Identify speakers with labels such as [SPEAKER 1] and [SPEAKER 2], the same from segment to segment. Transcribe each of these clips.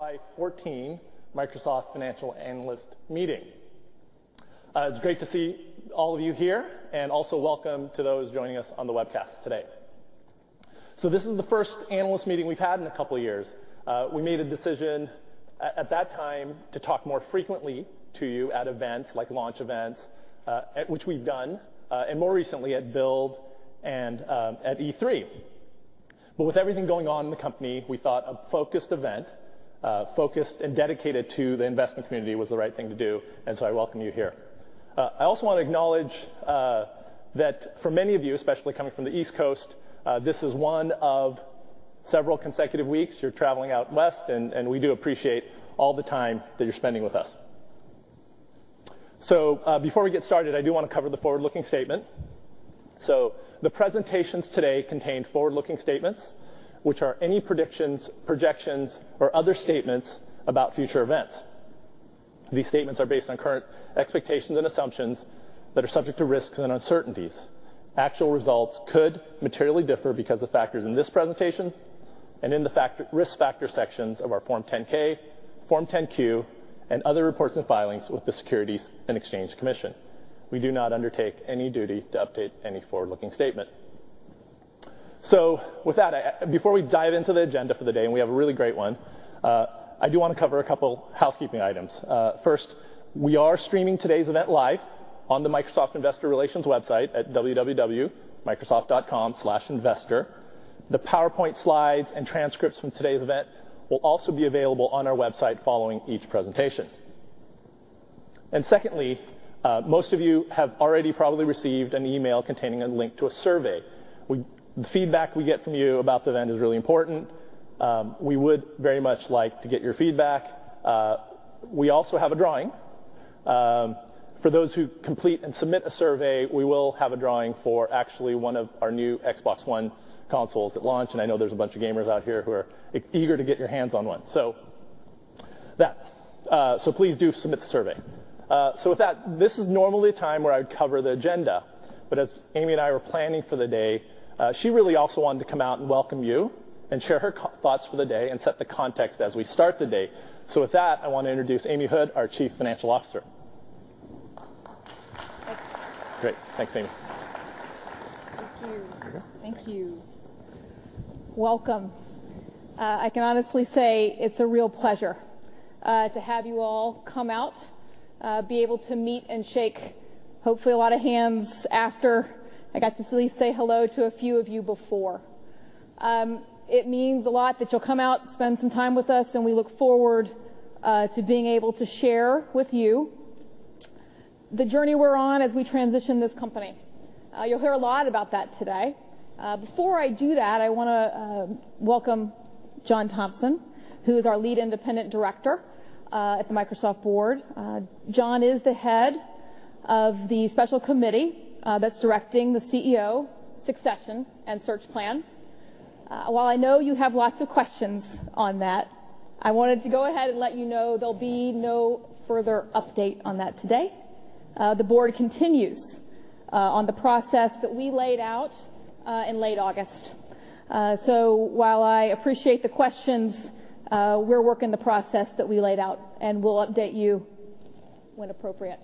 [SPEAKER 1] 2014 Microsoft Financial Analyst Meeting. It's great to see all of you here, also welcome to those joining us on the webcast today. This is the first analyst meeting we've had in a couple of years. We made a decision at that time to talk more frequently to you at events, like launch events, which we've done, and more recently at Build and at E3. With everything going on in the company, we thought a focused event, focused and dedicated to the investment community, was the right thing to do. I welcome you here. I also want to acknowledge that for many of you, especially coming from the East Coast, this is one of several consecutive weeks you're traveling out West, and we do appreciate all the time that you're spending with us. Before we get started, I do want to cover the forward-looking statement. The presentations today contain forward-looking statements, which are any predictions, projections, or other statements about future events. These statements are based on current expectations and assumptions that are subject to risks and uncertainties. Actual results could materially differ because of factors in this presentation and in the risk factor sections of our Form 10-K, Form 10-Q, and other reports and filings with the Securities and Exchange Commission. We do not undertake any duty to update any forward-looking statement. With that, before we dive into the agenda for the day, and we have a really great one, I do want to cover a couple housekeeping items. First, we are streaming today's event live on the Microsoft Investor Relations website at www.microsoft.com/investor. The PowerPoint slides and transcripts from today's event will also be available on our website following each presentation. Secondly, most of you have already probably received an email containing a link to a survey. The feedback we get from you about the event is really important. We would very much like to get your feedback. We also have a drawing. For those who complete and submit a survey, we will have a drawing for actually one of our new Xbox One consoles at launch, and I know there's a bunch of gamers out here who are eager to get your hands on one. Please do submit the survey. With that, this is normally a time where I would cover the agenda. As Amy and I were planning for the day, she really also wanted to come out and welcome you and share her thoughts for the day and set the context as we start the day. With that, I want to introduce Amy Hood, our Chief Financial Officer.
[SPEAKER 2] Thanks.
[SPEAKER 1] Great. Thanks, Amy.
[SPEAKER 2] Thank you.
[SPEAKER 1] There you go.
[SPEAKER 2] Thank you. Welcome. I can honestly say it's a real pleasure to have you all come out, be able to meet and shake, hopefully, a lot of hands after. I got to at least say hello to a few of you before. It means a lot that you'll come out, spend some time with us, and we look forward to being able to share with you the journey we're on as we transition this company. You'll hear a lot about that today. Before I do that, I want to welcome John Thompson, who is our Lead Independent Director at the Microsoft board. John is the head of the special committee that's directing the CEO succession and search plan. While I know you have lots of questions on that, I wanted to go ahead and let you know there'll be no further update on that today. The board continues on the process that we laid out in late August. While I appreciate the questions, we're working the process that we laid out, and we'll update you when appropriate.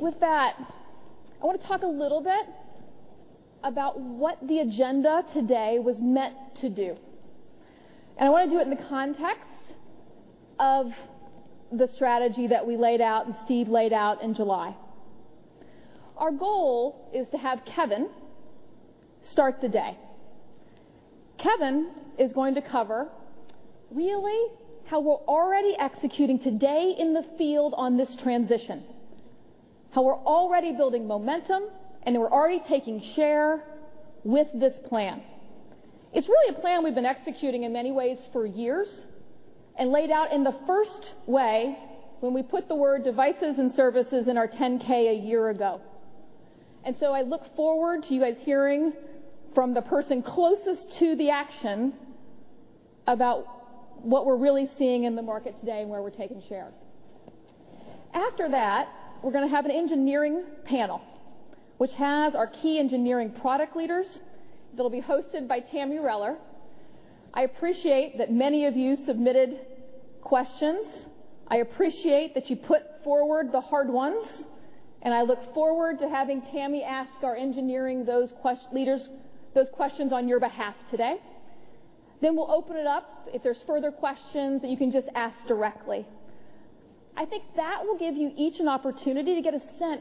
[SPEAKER 2] With that, I want to talk a little bit about what the agenda today was meant to do, and I want to do it in the context of the strategy that we laid out and Steve laid out in July. Our goal is to have Kevin start the day. Kevin is going to cover really how we're already executing today in the field on this transition, how we're already building momentum, and how we're already taking share with this plan. It's really a plan we've been executing in many ways for years and laid out in the first way when we put the word devices and services in our Form 10-K a year ago. I look forward to you guys hearing from the person closest to the action about what we're really seeing in the market today and where we're taking share. After that, we're going to have an engineering panel, which has our key engineering product leaders, that'll be hosted by Tami Reller. I appreciate that many of you submitted questions. I appreciate that you put forward the hard ones, and I look forward to having Tami ask our engineering leaders those questions on your behalf today. We'll open it up if there's further questions that you can just ask directly. I think that will give you each an opportunity to get a sense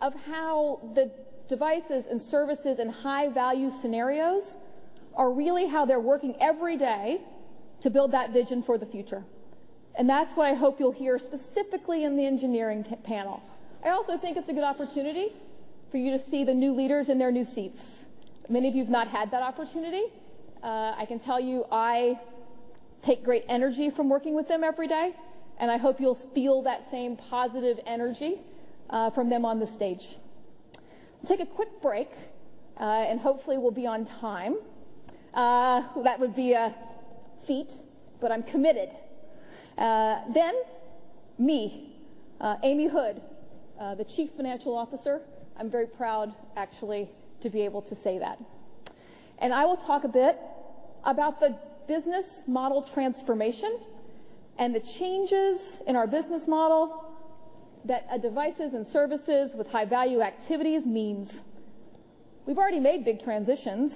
[SPEAKER 2] of how the devices and services and high-value scenarios are really how they're working every day to build that vision for the future. That's what I hope you'll hear specifically in the engineering panel. I also think it's a good opportunity for you to see the new leaders in their new seats. Many of you have not had that opportunity. I can tell you I take great energy from working with them every day, and I hope you'll feel that same positive energy from them on the stage. We'll take a quick break and hopefully we'll be on time. That would be a feat, but I'm committed. Me, Amy Hood, the Chief Financial Officer. I'm very proud, actually, to be able to say that. I will talk a bit about the business model transformation and the changes in our business model that devices and services with high-value activities means. We've already made big transitions,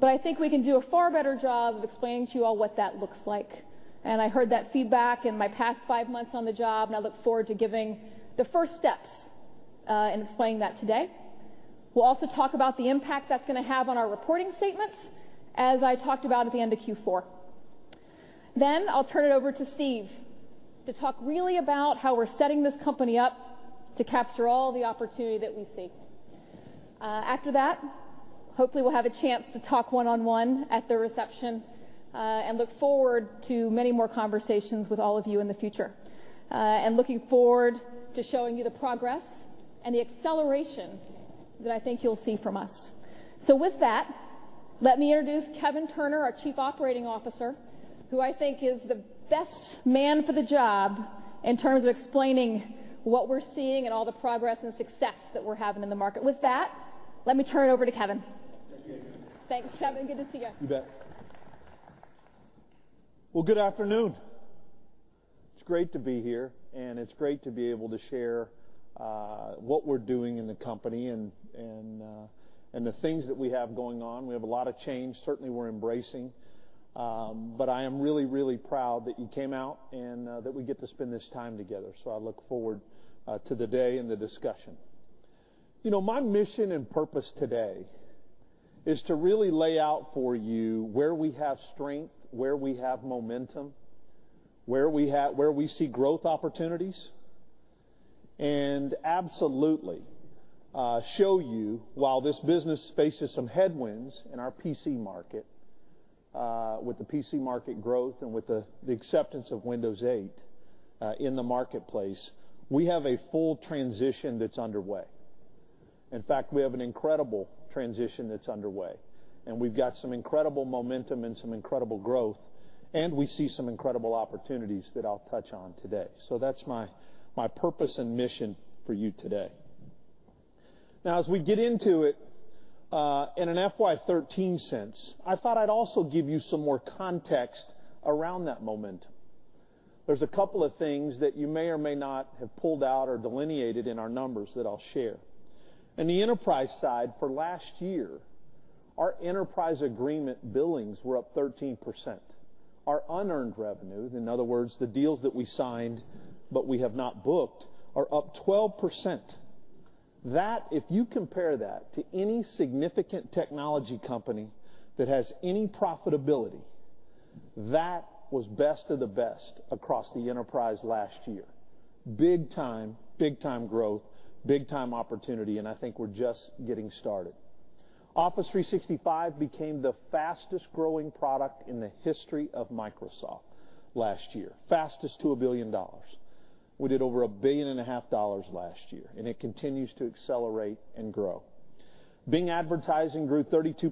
[SPEAKER 2] but I think we can do a far better job of explaining to you all what that looks like. I heard that feedback in my past five months on the job, and I look forward to giving the first steps in explaining that today. We'll also talk about the impact that's going to have on our reporting statements, as I talked about at the end of Q4. I'll turn it over to Steve to talk really about how we're setting this company up to capture all the opportunity that we see. After that, hopefully, we'll have a chance to talk one-on-one at the reception, and look forward to many more conversations with all of you in the future. Looking forward to showing you the progress and the acceleration that I think you'll see from us. With that, let me introduce Kevin Turner, our Chief Operating Officer, who I think is the best man for the job in terms of explaining what we're seeing and all the progress and success that we're having in the market. With that, let me turn it over to Kevin.
[SPEAKER 3] Thank you, Amy.
[SPEAKER 2] Thanks, Kevin. Good to see you.
[SPEAKER 3] You bet. Well, good afternoon. It's great to be here, and it's great to be able to share what we're doing in the company and the things that we have going on. We have a lot of change, certainly, we're embracing. I am really, really proud that you came out and that we get to spend this time together, so I look forward to the day and the discussion. My mission and purpose today is to really lay out for you where we have strength, where we have momentum, where we see growth opportunities, and absolutely show you, while this business faces some headwinds in our PC market, with the PC market growth and with the acceptance of Windows 8 in the marketplace, we have a full transition that's underway. In fact, we have an incredible transition that's underway, and we've got some incredible momentum and some incredible growth, and we see some incredible opportunities that I'll touch on today. That's my purpose and mission for you today. As we get into it, in an FY 2013 sense, I thought I'd also give you some more context around that momentum. There's a couple of things that you may or may not have pulled out or delineated in our numbers that I'll share. In the enterprise side, for last year, our enterprise agreement billings were up 13%. Our unearned revenue, in other words, the deals that we signed but we have not booked, are up 12%. If you compare that to any significant technology company that has any profitability, that was best of the best across the enterprise last year. Big-time growth, big-time opportunity, I think we're just getting started. Office 365 became the fastest-growing product in the history of Microsoft last year. Fastest to a billion dollars. We did over $1.5 billion last year, it continues to accelerate and grow. Bing advertising grew 32%.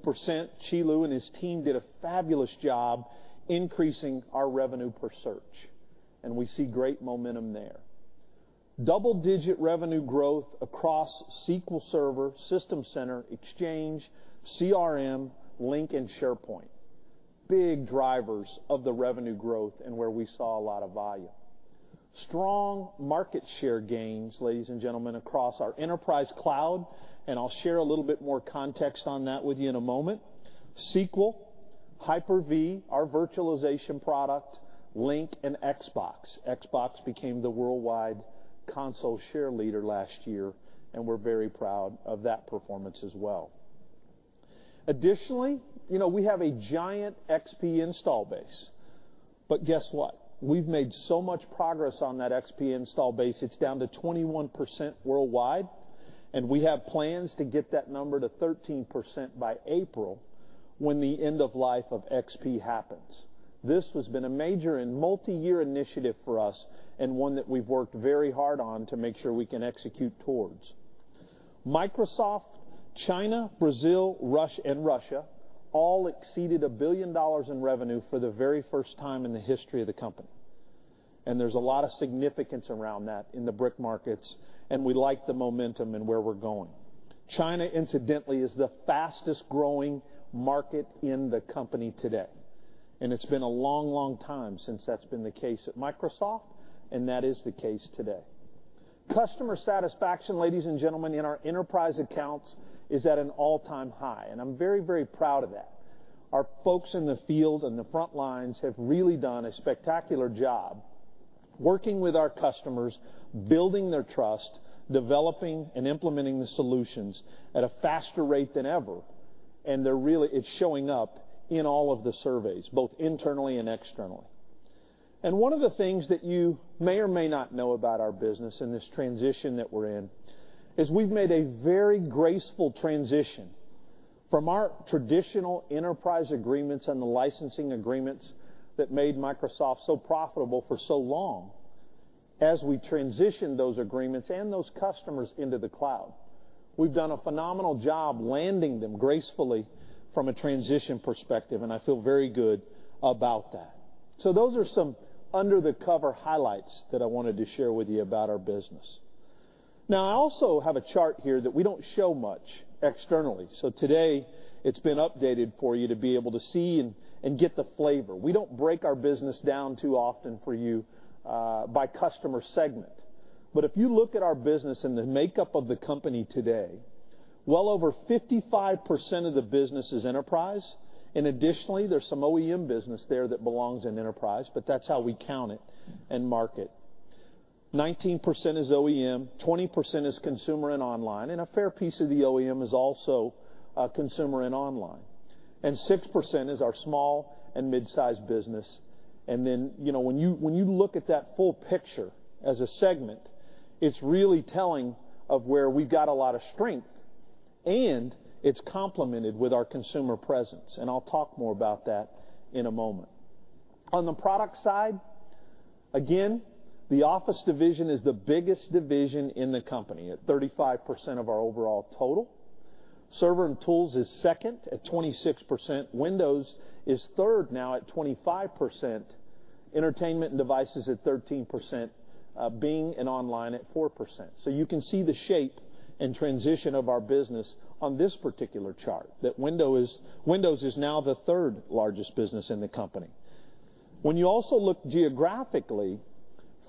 [SPEAKER 3] Qi Lu and his team did a fabulous job increasing our revenue per search, we see great momentum there. Double-digit revenue growth across SQL Server, System Center, Exchange, CRM, Lync, and SharePoint. Big drivers of the revenue growth and where we saw a lot of volume. Strong market share gains, ladies and gentlemen, across our enterprise cloud, I'll share a little bit more context on that with you in a moment. SQL, Hyper-V, our virtualization product, Lync, and Xbox. Xbox became the worldwide console share leader last year, we're very proud of that performance as well. Additionally, we have a giant XP install base. Guess what? We've made so much progress on that XP install base. It's down to 21% worldwide, we have plans to get that number to 13% by April when the end of life of XP happens. This has been a major and multi-year initiative for us and one that we've worked very hard on to make sure we can execute towards. Microsoft China, Brazil, and Russia all exceeded $1 billion in revenue for the very first time in the history of the company, there's a lot of significance around that in the BRIC markets, we like the momentum and where we're going. China, incidentally, is the fastest-growing market in the company today, it's been a long, long time since that's been the case at Microsoft, that is the case today. Customer satisfaction, ladies and gentlemen, in our enterprise accounts is at an all-time high, I'm very, very proud of that. Our folks in the field on the front lines have really done a spectacular job working with our customers, building their trust, developing and implementing the solutions at a faster rate than ever. It's showing up in all of the surveys, both internally and externally. One of the things that you may or may not know about our business and this transition that we're in is we've made a very graceful transition from our traditional enterprise agreements and the licensing agreements that made Microsoft so profitable for so long. As we transition those agreements and those customers into the cloud, we've done a phenomenal job landing them gracefully from a transition perspective, I feel very good about that. Those are some under-the-cover highlights that I wanted to share with you about our business. I also have a chart here that we don't show much externally. Today, it's been updated for you to be able to see and get the flavor. We don't break our business down too often for you by customer segment. If you look at our business and the makeup of the company today, well over 55% of the business is enterprise, and additionally, there's some OEM business there that belongs in enterprise, but that's how we count it and mark it. 19% is OEM, 20% is consumer and online, and a fair piece of the OEM is also consumer and online. 6% is our small and mid-size business. When you look at that full picture as a segment, it's really telling of where we've got a lot of strength, and it's complemented with our consumer presence. I'll talk more about that in a moment. On the product side, again, the Office division is the biggest division in the company at 35% of our overall total. Server and Tools is second at 26%. Windows is third now at 25%, Entertainment and Devices at 13%, Bing and Online at 4%. You can see the shape and transition of our business on this particular chart, that Windows is now the third largest business in the company. When you also look geographically,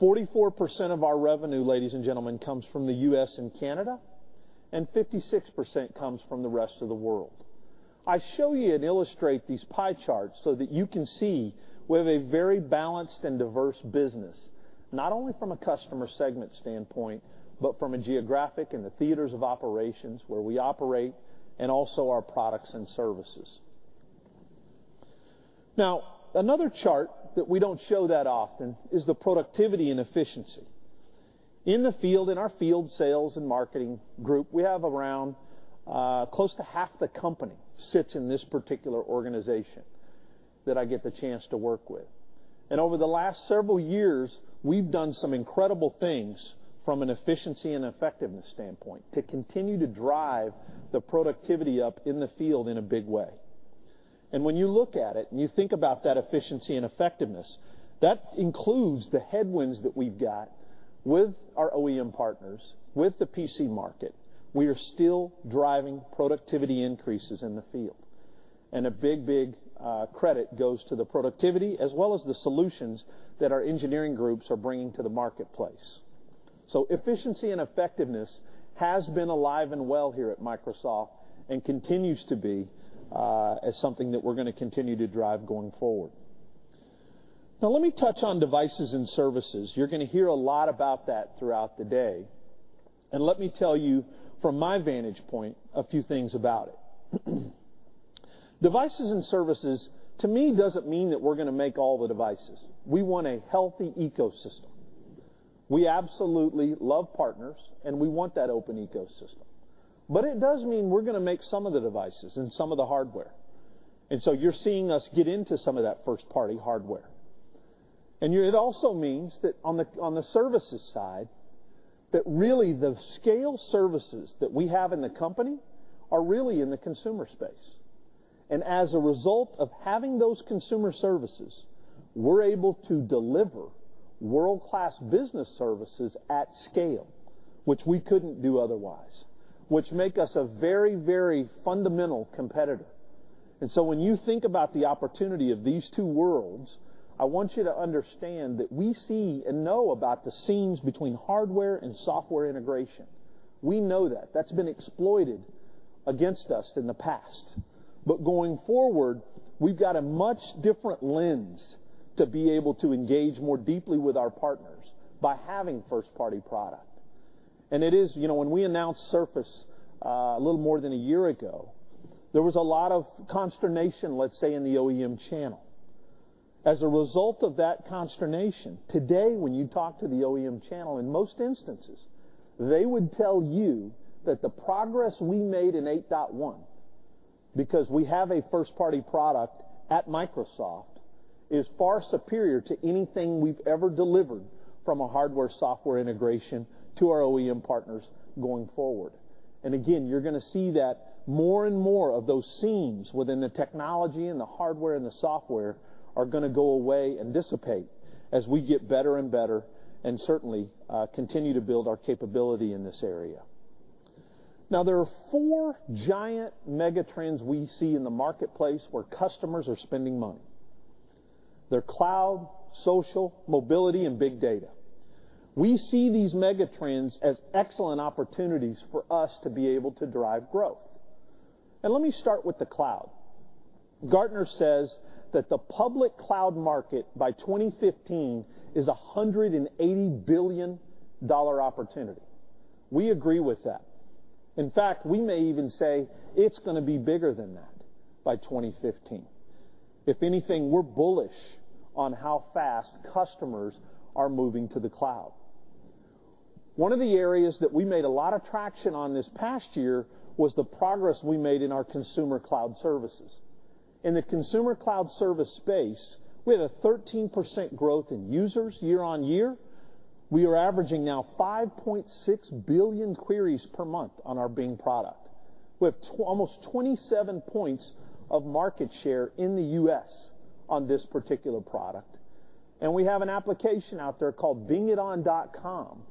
[SPEAKER 3] 44% of our revenue, ladies and gentlemen, comes from the U.S. and Canada, and 56% comes from the rest of the world. I show you and illustrate these pie charts so that you can see we have a very balanced and diverse business, not only from a customer segment standpoint, but from a geographic and the theaters of operations where we operate and also our products and services. Another chart that we don't show that often is the productivity and efficiency. In the field, in our field sales and marketing group, we have around close to half the company sits in this particular organization that I get the chance to work with. Over the last several years, we've done some incredible things from an efficiency and effectiveness standpoint to continue to drive the productivity up in the field in a big way. When you look at it and you think about that efficiency and effectiveness, that includes the headwinds that we've got with our OEM partners, with the PC market. We are still driving productivity increases in the field. A big credit goes to the productivity as well as the solutions that our engineering groups are bringing to the marketplace. Efficiency and effectiveness has been alive and well here at Microsoft and continues to be as something that we're going to continue to drive going forward. Let me touch on devices and services. You're going to hear a lot about that throughout the day. Let me tell you from my vantage point a few things about it. Devices and services, to me, doesn't mean that we're going to make all the devices. We want a healthy ecosystem. We absolutely love partners, and we want that open ecosystem. It does mean we're going to make some of the devices and some of the hardware. So you're seeing us get into some of that first-party hardware. It also means that on the services side, that really the scale services that we have in the company are really in the consumer space. As a result of having those consumer services, we're able to deliver world-class business services at scale, which we couldn't do otherwise, which make us a very fundamental competitor. So when you think about the opportunity of these two worlds, I want you to understand that we see and know about the seams between hardware and software integration. We know that. That's been exploited against us in the past. Going forward, we've got a much different lens to be able to engage more deeply with our partners by having first-party product. When we announced Surface a little more than a year ago, there was a lot of consternation, let's say, in the OEM channel. As a result of that consternation, today, when you talk to the OEM channel, in most instances, they would tell you that the progress we made in 8.1, because we have a first-party product at Microsoft, is far superior to anything we've ever delivered from a hardware-software integration to our OEM partners going forward. Again, you're going to see that more and more of those seams within the technology and the hardware and the software are going to go away and dissipate as we get better and better and certainly continue to build our capability in this area. There are four giant mega trends we see in the marketplace where customers are spending money. They're cloud, social, mobility, and big data. We see these mega trends as excellent opportunities for us to be able to drive growth. Let me start with the cloud. Gartner says that the public cloud market by 2015 is a $180 billion opportunity. We agree with that. In fact, we may even say it's going to be bigger than that by 2015. If anything, we're bullish on how fast customers are moving to the cloud. One of the areas that we made a lot of traction on this past year was the progress we made in our consumer cloud services. In the consumer cloud service space, we had a 13% growth in users year-on-year. We are averaging now 5.6 billion queries per month on our Bing product. We have almost 27 points of market share in the U.S. on this particular product, and we have an application out there called bingiton.com.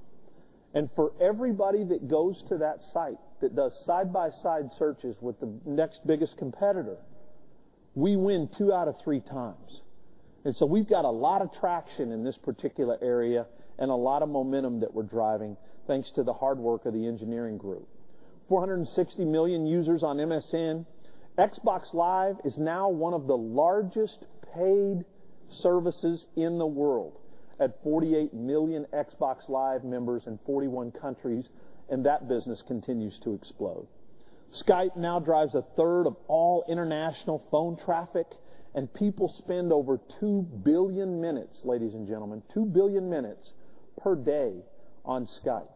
[SPEAKER 3] For everybody that goes to that site that does side-by-side searches with the next biggest competitor, we win 2 out of 3 times. So we've got a lot of traction in this particular area and a lot of momentum that we're driving thanks to the hard work of the engineering group. 460 million users on MSN. Xbox Live is now one of the largest paid services in the world at 48 million Xbox Live members in 41 countries, and that business continues to explode. Skype now drives a third of all international phone traffic, and people spend over 2 billion minutes, ladies and gentlemen, 2 billion minutes per day on Skype.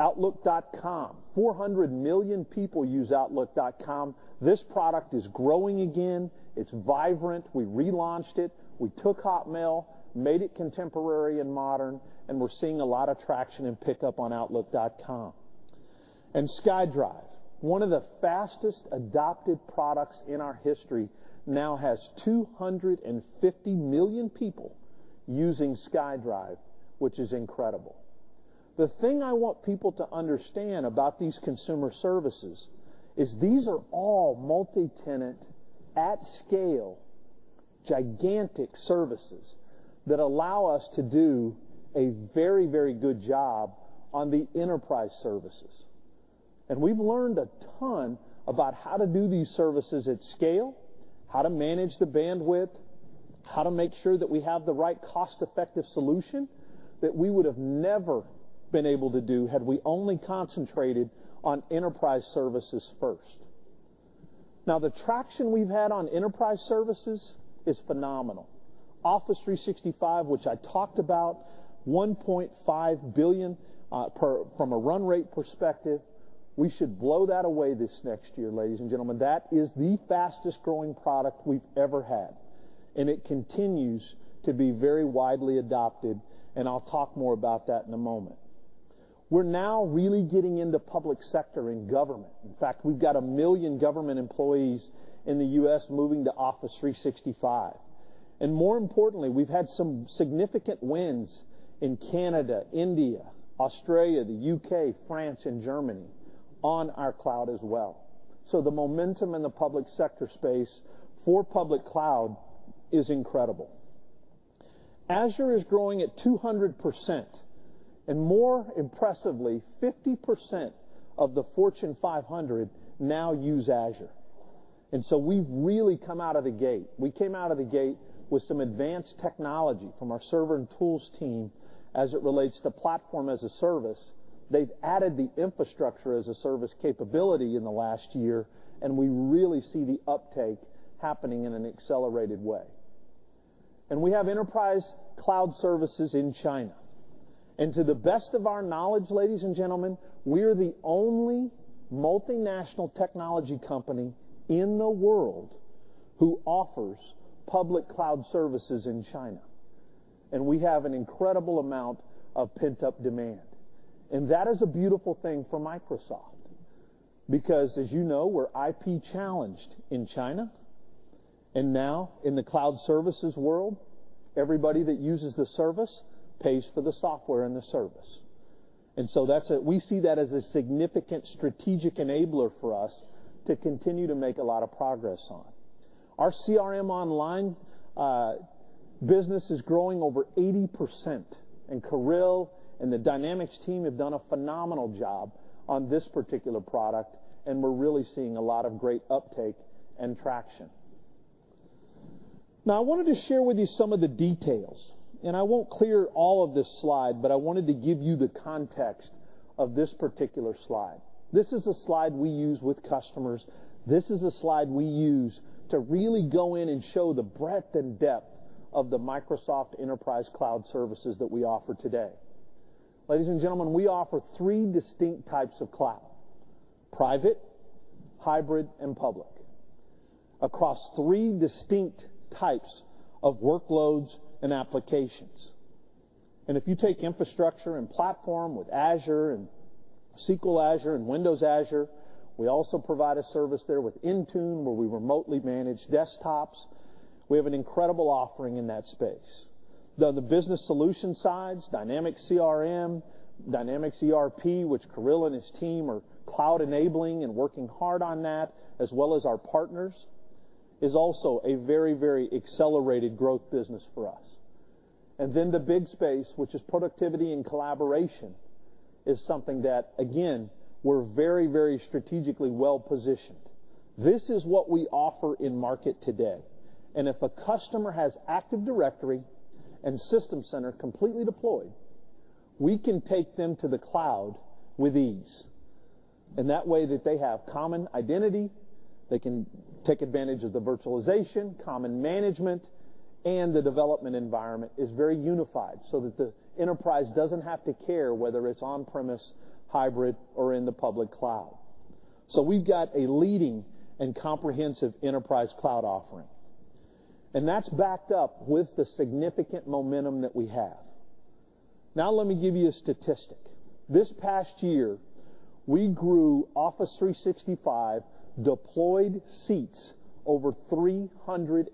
[SPEAKER 3] Outlook.com, 400 million people use outlook.com. This product is growing again. It's vibrant. We relaunched it. We took Hotmail, made it contemporary and modern, and we're seeing a lot of traction and pickup on outlook.com. SkyDrive, one of the fastest adopted products in our history, now has 250 million people using SkyDrive, which is incredible. The thing I want people to understand about these consumer services is these are all multi-tenant, at scale, gigantic services that allow us to do a very, very good job on the enterprise services. We've learned a ton about how to do these services at scale, how to manage the bandwidth, how to make sure that we have the right cost-effective solution that we would have never been able to do had we only concentrated on enterprise services first. The traction we've had on enterprise services is phenomenal. Office 365, which I talked about, $1.5 billion from a run rate perspective. We should blow that away this next year, ladies and gentlemen. That is the fastest-growing product we've ever had, and it continues to be very widely adopted, and I'll talk more about that in a moment. We're now really getting into public sector and government. In fact, we've got 1 million government employees in the U.S. moving to Office 365. More importantly, we've had some significant wins in Canada, India, Australia, the U.K., France, and Germany on our cloud as well. The momentum in the public sector space for public cloud is incredible. Azure is growing at 200%, and more impressively, 50% of the Fortune 500 now use Azure. We've really come out of the gate. We came out of the gate with some advanced technology from our server and tools team as it relates to platform as a service. They've added the infrastructure as a service capability in the last year, we really see the uptake happening in an accelerated way. We have enterprise cloud services in China. To the best of our knowledge, ladies and gentlemen, we are the only multinational technology company in the world who offers public cloud services in China, and we have an incredible amount of pent-up demand. That is a beautiful thing for Microsoft because, as you know, we're IP-challenged in China, and now in the cloud services world, everybody that uses the service pays for the software and the service. We see that as a significant strategic enabler for us to continue to make a lot of progress on. Our CRM Online business is growing over 80%, Kirill and the Dynamics team have done a phenomenal job on this particular product, we're really seeing a lot of great uptake and traction. I wanted to share with you some of the details, I won't clear all of this slide, but I wanted to give you the context of this particular slide. This is a slide we use with customers. This is a slide we use to really go in and show the breadth and depth of the Microsoft enterprise cloud services that we offer today. Ladies and gentlemen, we offer 3 distinct types of cloud: private, hybrid, and public, across 3 distinct types of workloads and applications. If you take infrastructure and platform with Azure and SQL Azure and Windows Azure, we also provide a service there with Intune, where we remotely manage desktops. We have an incredible offering in that space. The business solution sides, Dynamics CRM, Dynamics ERP, which Kirill and his team are cloud enabling and working hard on that, as well as our partners, is also a very, very accelerated growth business for us. The big space, which is productivity and collaboration, is something that, again, we're very, very strategically well-positioned. This is what we offer in market today, and if a customer has Active Directory and System Center completely deployed, we can take them to the cloud with ease. That way that they have common identity, they can take advantage of the virtualization, common management, and the development environment is very unified so that the enterprise doesn't have to care whether it's on-premise, hybrid, or in the public cloud. We've got a leading and comprehensive enterprise cloud offering, and that's backed up with the significant momentum that we have. Now, let me give you a statistic. This past year, we grew Office 365 deployed seats over 350%.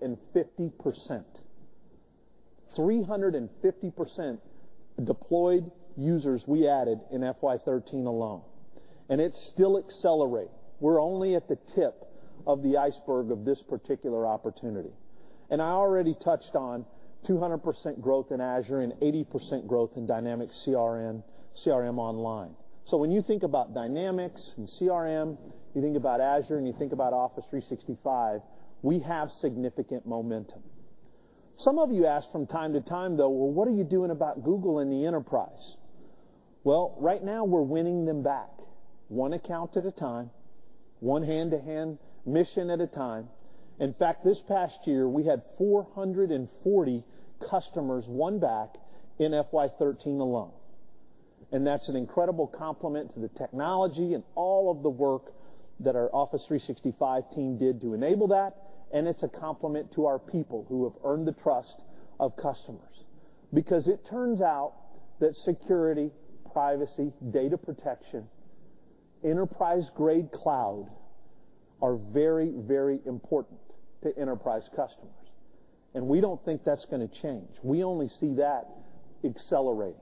[SPEAKER 3] 350% deployed users we added in FY 2013 alone, and it's still accelerating. We're only at the tip of the iceberg of this particular opportunity. I already touched on 200% growth in Azure and 80% growth in Dynamics CRM Online. When you think about Dynamics and CRM, you think about Azure, and you think about Office 365, we have significant momentum. Some of you ask from time to time, though, "Well, what are you doing about Google in the enterprise?" Well, right now, we're winning them back one account at a time, one hand-to-hand mission at a time. In fact, this past year, we had 440 customers won back in FY 2013 alone. That's an incredible compliment to the technology and all of the work that our Office 365 team did to enable that, and it's a compliment to our people who have earned the trust of customers. It turns out that security, privacy, data protection, enterprise-grade cloud are very, very important to enterprise customers, and we don't think that's going to change. We only see that accelerating.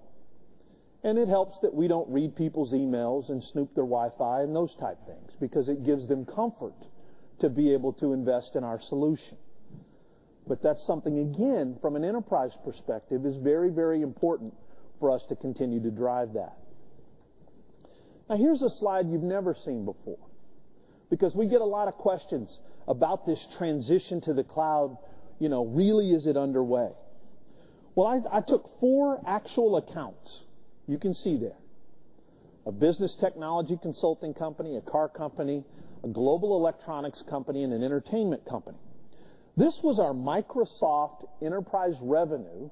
[SPEAKER 3] It helps that we don't read people's emails and snoop their Wi-Fi and those type things because it gives them comfort to be able to invest in our solution. That's something, again, from an enterprise perspective, is very, very important for us to continue to drive that. Now, here's a slide you've never seen before, we get a lot of questions about this transition to the cloud. Really, is it underway? Well, I took four actual accounts you can see there. A business technology consulting company, a car company, a global electronics company, and an entertainment company. This was our Microsoft enterprise revenue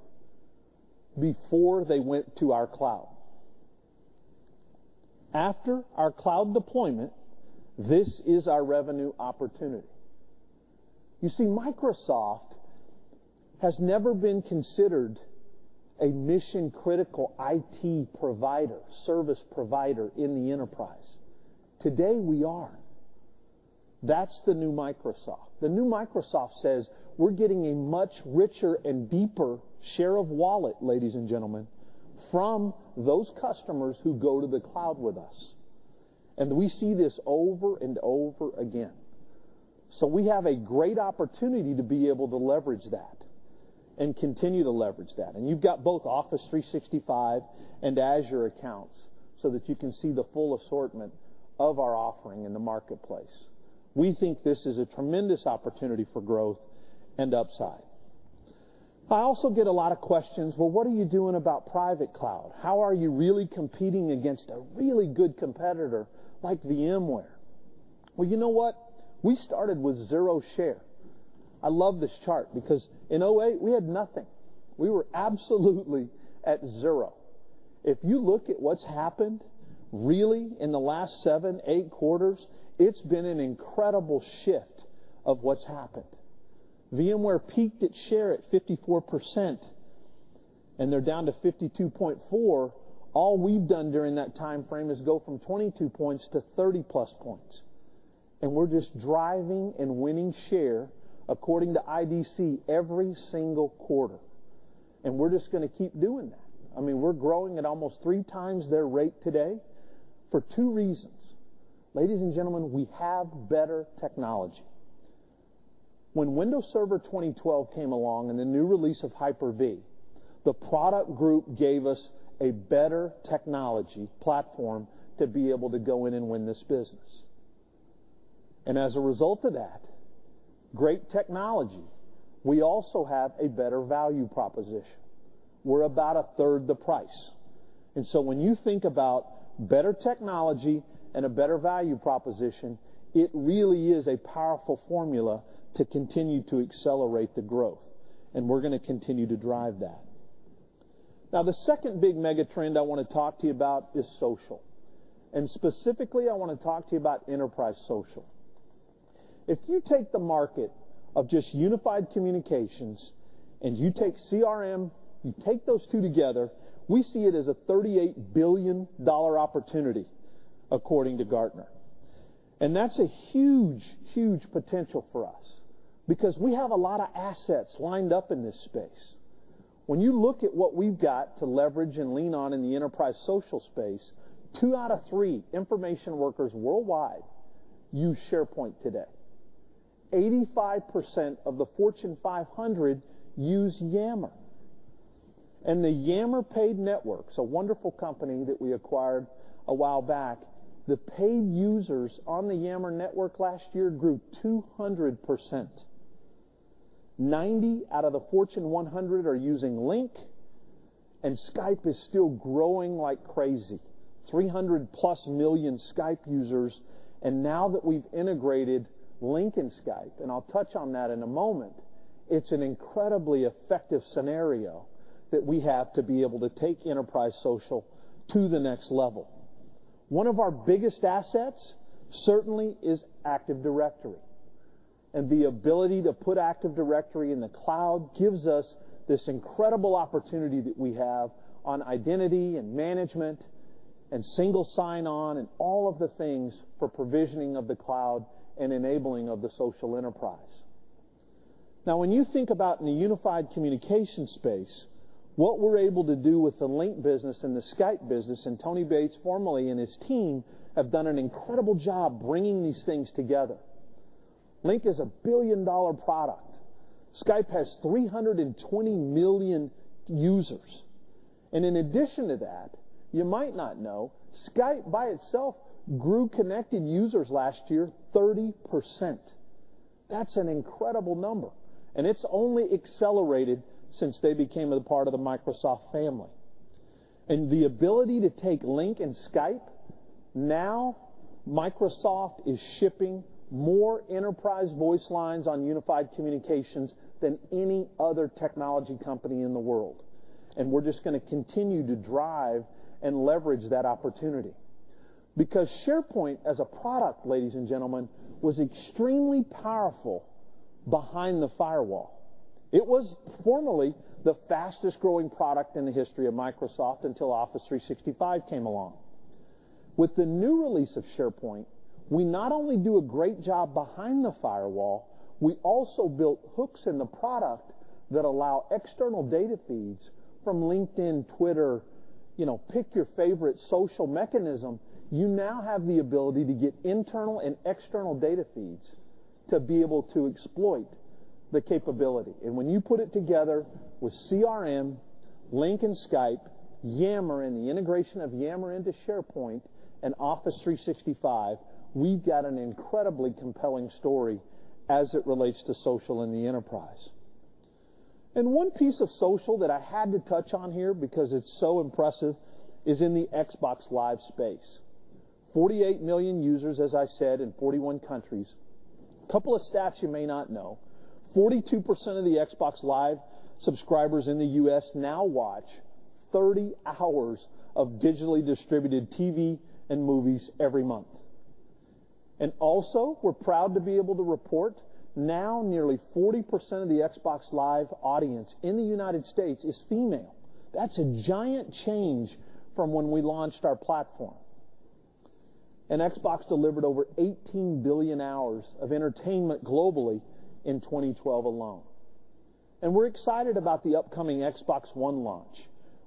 [SPEAKER 3] before they went to our cloud. After our cloud deployment, this is our revenue opportunity. Microsoft has never been considered a mission-critical IT provider, service provider in the enterprise. Today we are. That's the new Microsoft. The new Microsoft says we're getting a much richer and deeper share of wallet, ladies and gentlemen, from those customers who go to the cloud with us, and we see this over and over again. We have a great opportunity to be able to leverage that and continue to leverage that. You've got both Office 365 and Azure accounts so that you can see the full assortment of our offering in the marketplace. We think this is a tremendous opportunity for growth and upside. I also get a lot of questions, "Well, what are you doing about private cloud? How are you really competing against a really good competitor like VMware?" Well, you know what? We started with zero share. I love this chart because in 2008, we had nothing. We were absolutely at zero. If you look at what's happened really in the last seven, eight quarters, it's been an incredible shift of what's happened. VMware peaked its share at 54%, and they're down to 52.4%. All we've done during that timeframe is go from 22 points to 30-plus points, and we're just driving and winning share, according to IDC, every single quarter, and we're just going to keep doing that. We're growing at almost three times their rate today for two reasons. Ladies and gentlemen, we have better technology. When Windows Server 2012 came along and the new release of Hyper-V, the product group gave us a better technology platform to be able to go in and win this business. As a result of that great technology, we also have a better value proposition. We're about a third the price. When you think about better technology and a better value proposition, it really is a powerful formula to continue to accelerate the growth, and we're going to continue to drive that. The second big mega trend I want to talk to you about is social, and specifically, I want to talk to you about enterprise social. If you take the market of just unified communications and you take CRM, you take those two together, we see it as a $38 billion opportunity, according to Gartner. That's a huge, huge potential for us because we have a lot of assets lined up in this space. When you look at what we've got to leverage and lean on in the enterprise social space, two out of three information workers worldwide use SharePoint today. 85% of the Fortune 500 use Yammer. The Yammer Paid Network, it's a wonderful company that we acquired a while back, the paid users on the Yammer network last year grew 200%. 90 out of the Fortune 100 are using Lync, and Skype is still growing like crazy. 300-plus million Skype users, and now that we've integrated Lync and Skype, and I'll touch on that in a moment, it's an incredibly effective scenario that we have to be able to take enterprise social to the next level. One of our biggest assets certainly is Active Directory, and the ability to put Active Directory in the cloud gives us this incredible opportunity that we have on identity and management and single sign-on and all of the things for provisioning of the cloud and enabling of the social enterprise. When you think about in the unified communication space, what we're able to do with the Lync business and the Skype business, Tony Bates formerly, and his team, have done an incredible job bringing these things together. Lync is a billion-dollar product. Skype has 320 million users. In addition to that, you might not know, Skype by itself grew connected users last year 30%. That's an incredible number, and it's only accelerated since they became a part of the Microsoft family. The ability to take Lync and Skype, now Microsoft is shipping more enterprise voice lines on unified communications than any other technology company in the world, and we're just going to continue to drive and leverage that opportunity. SharePoint as a product, ladies and gentlemen, was extremely powerful behind the firewall. It was formerly the fastest-growing product in the history of Microsoft until Office 365 came along. With the new release of SharePoint, we not only do a great job behind the firewall, we also built hooks in the product that allow external data feeds from LinkedIn, Twitter, pick your favorite social mechanism. You now have the ability to get internal and external data feeds to be able to exploit the capability. When you put it together with CRM, Lync and Skype, Yammer, and the integration of Yammer into SharePoint, and Office 365, we've got an incredibly compelling story as it relates to social in the enterprise. One piece of social that I had to touch on here because it's so impressive is in the Xbox Live space. 48 million users, as I said, in 41 countries. A couple of stats you may not know. 42% of the Xbox Live subscribers in the U.S. now watch 30 hours of digitally distributed TV and movies every month. Also, we're proud to be able to report now nearly 40% of the Xbox Live audience in the United States is female. That's a giant change from when we launched our platform. Xbox delivered over 18 billion hours of entertainment globally in 2012 alone. We're excited about the upcoming Xbox One launch.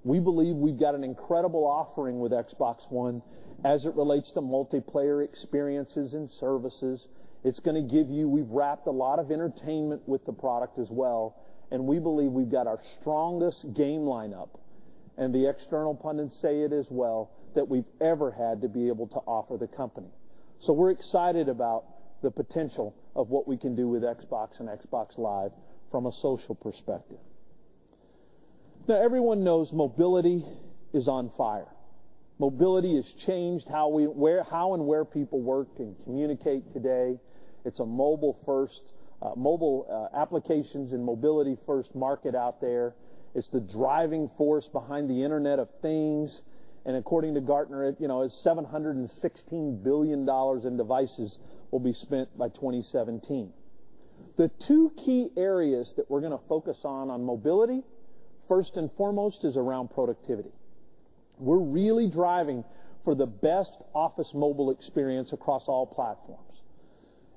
[SPEAKER 3] We believe we've got an incredible offering with Xbox One as it relates to multiplayer experiences and services. We've wrapped a lot of entertainment with the product as well, and we believe we've got our strongest game lineup, and the external pundits say it as well, that we've ever had to be able to offer the company. We're excited about the potential of what we can do with Xbox and Xbox Live from a social perspective. Now, everyone knows mobility is on fire. Mobility has changed how and where people work and communicate today. It's a mobile applications and mobility first market out there. It's the driving force behind the Internet of Things, and according to Gartner, $716 billion in devices will be spent by 2017. The two key areas that we're going to focus on mobility, first and foremost is around productivity. We're really driving for the best Office Mobile experience across all platforms,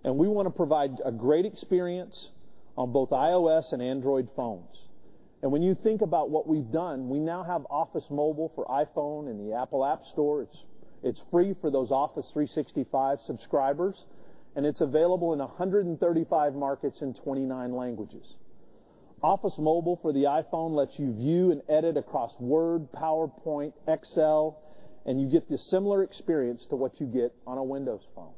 [SPEAKER 3] and we want to provide a great experience on both iOS and Android phones. When you think about what we've done, we now have Office Mobile for iPhone in the Apple App Store. It's free for those Office 365 subscribers, and it's available in 135 markets in 29 languages. Office Mobile for the iPhone lets you view and edit across Word, PowerPoint, Excel, and you get the similar experience to what you get on a Windows Phone.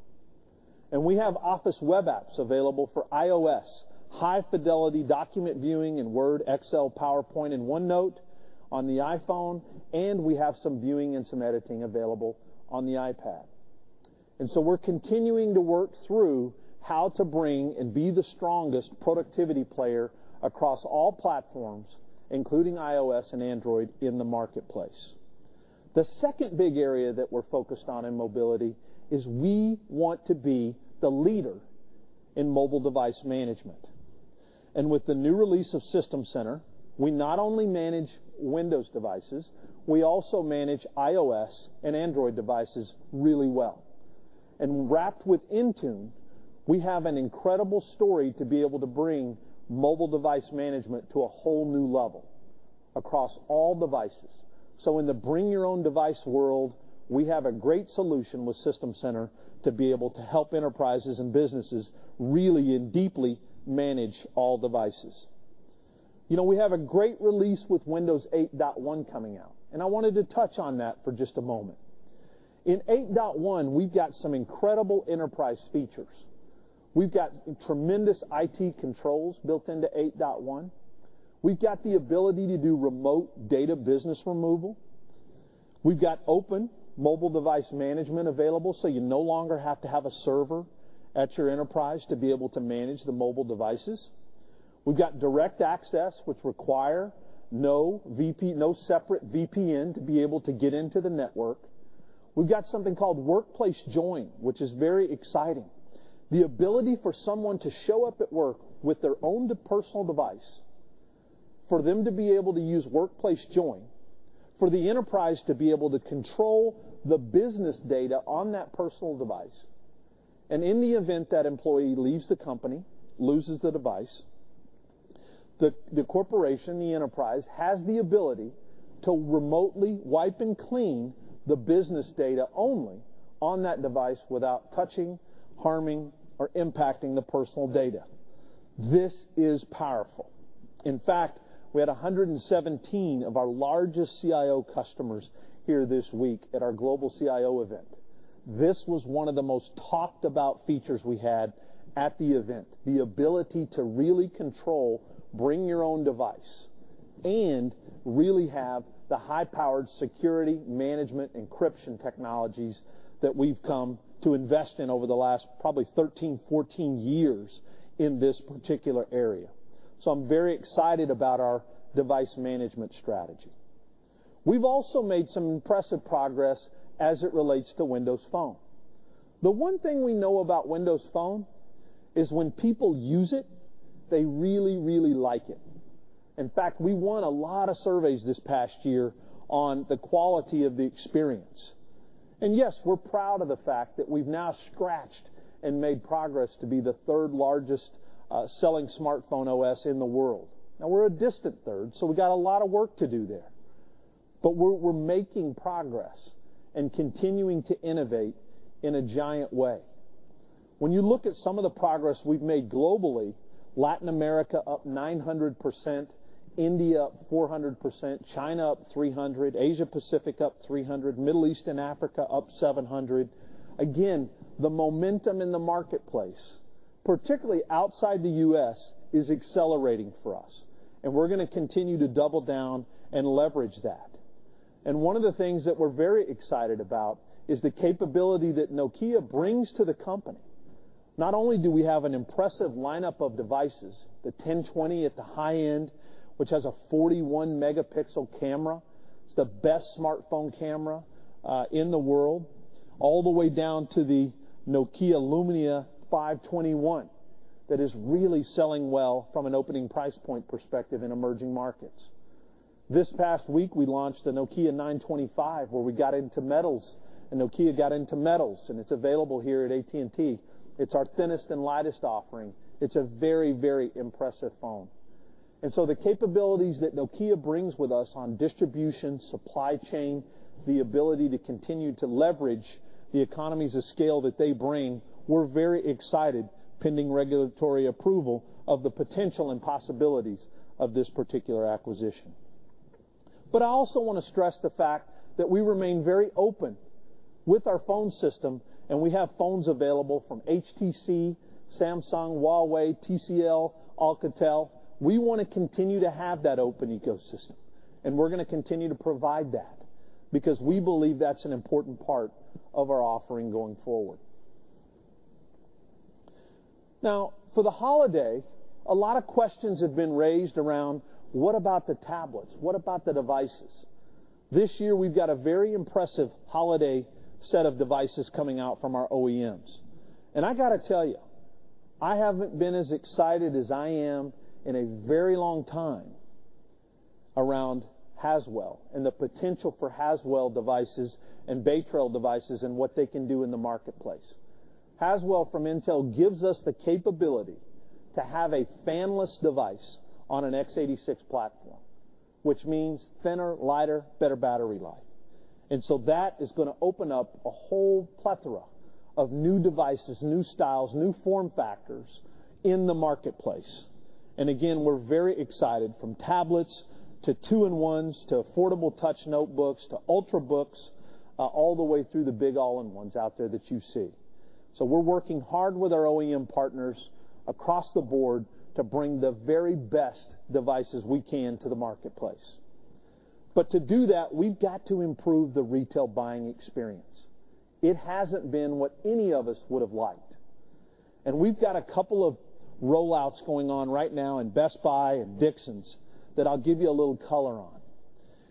[SPEAKER 3] We have Office Web Apps available for iOS, high-fidelity document viewing in Word, Excel, PowerPoint, and OneNote on the iPhone, and we have some viewing and some editing available on the iPad. We're continuing to work through how to bring and be the strongest productivity player across all platforms, including iOS and Android in the marketplace. The second big area that we're focused on in mobility is we want to be the leader in mobile device management. With the new release of System Center, we not only manage Windows devices, we also manage iOS and Android devices really well. Wrapped with Intune, we have an incredible story to be able to bring mobile device management to a whole new level across all devices. In the bring your own device world, we have a great solution with System Center to be able to help enterprises and businesses really and deeply manage all devices. We have a great release with Windows 8.1 coming out, and I wanted to touch on that for just a moment. In 8.1, we've got some incredible enterprise features. We've got tremendous IT controls built into 8.1. We've got the ability to do remote data business removal. We've got open mobile device management available, so you no longer have to have a server at your enterprise to be able to manage the mobile devices. We've got direct access, which require no separate VPN to be able to get into the network. We've got something called Workplace Join, which is very exciting. The ability for someone to show up at work with their own personal device, for them to be able to use Workplace Join, for the enterprise to be able to control the business data on that personal device. In the event that employee leaves the company, loses the device, the corporation, the enterprise, has the ability to remotely wipe and clean the business data only on that device without touching, harming, or impacting the personal data. This is powerful. In fact, we had 117 of our largest CIO customers here this week at our global CIO event. This was one of the most talked about features we had at the event, the ability to really control bring your own device and really have the high-powered security management encryption technologies that we've come to invest in over the last, probably 13, 14 years in this particular area. I'm very excited about our device management strategy. We've also made some impressive progress as it relates to Windows Phone. The one thing we know about Windows Phone is when people use it, they really like it. In fact, we won a lot of surveys this past year on the quality of the experience. Yes, we're proud of the fact that we've now scratched and made progress to be the third-largest selling smartphone OS in the world. We're a distant third, so we got a lot of work to do there, but we're making progress and continuing to innovate in a giant way. When you look at some of the progress we've made globally, Latin America up 900%, India up 400%, China up 300%, Asia-Pacific up 300%, Middle East and Africa up 700%. Again, the momentum in the marketplace, particularly outside the U.S., is accelerating for us, and we're going to continue to double down and leverage that. One of the things that we're very excited about is the capability that Nokia brings to the company. Not only do we have an impressive lineup of devices, the 1020 at the high end, which has a 41-megapixel camera, it's the best smartphone camera in the world, all the way down to the Nokia Lumia 521 that is really selling well from an opening price point perspective in emerging markets. This past week, we launched the Nokia 925, where we got into metals and Nokia got into metals, and it's available here at AT&T. It's our thinnest and lightest offering. It's a very, very impressive phone. The capabilities that Nokia brings with us on distribution, supply chain, the ability to continue to leverage the economies of scale that they bring, we're very excited, pending regulatory approval, of the potential and possibilities of this particular acquisition. I also want to stress the fact that we remain very open with our phone system and we have phones available from HTC, Samsung, Huawei, TCL, Alcatel. We want to continue to have that open ecosystem, and we're going to continue to provide that because we believe that's an important part of our offering going forward. Now, for the holiday, a lot of questions have been raised around what about the tablets? What about the devices? This year, we've got a very impressive holiday set of devices coming out from our OEMs. I got to tell you, I haven't been as excited as I am in a very long time around Haswell and the potential for Haswell devices and Bay Trail devices and what they can do in the marketplace. Haswell from Intel gives us the capability to have a fan-less device on an x86 platform, which means thinner, lighter, better battery life. That is going to open up a whole plethora of new devices, new styles, new form factors in the marketplace. Again, we're very excited from tablets to two-in-ones, to affordable touch notebooks, to ultrabooks, all the way through the big all-in-ones out there that you see. We're working hard with our OEM partners across the board to bring the very best devices we can to the marketplace. To do that, we've got to improve the retail buying experience. It hasn't been what any of us would have liked, and we've got a couple of rollouts going on right now in Best Buy and Dixons that I'll give you a little color on.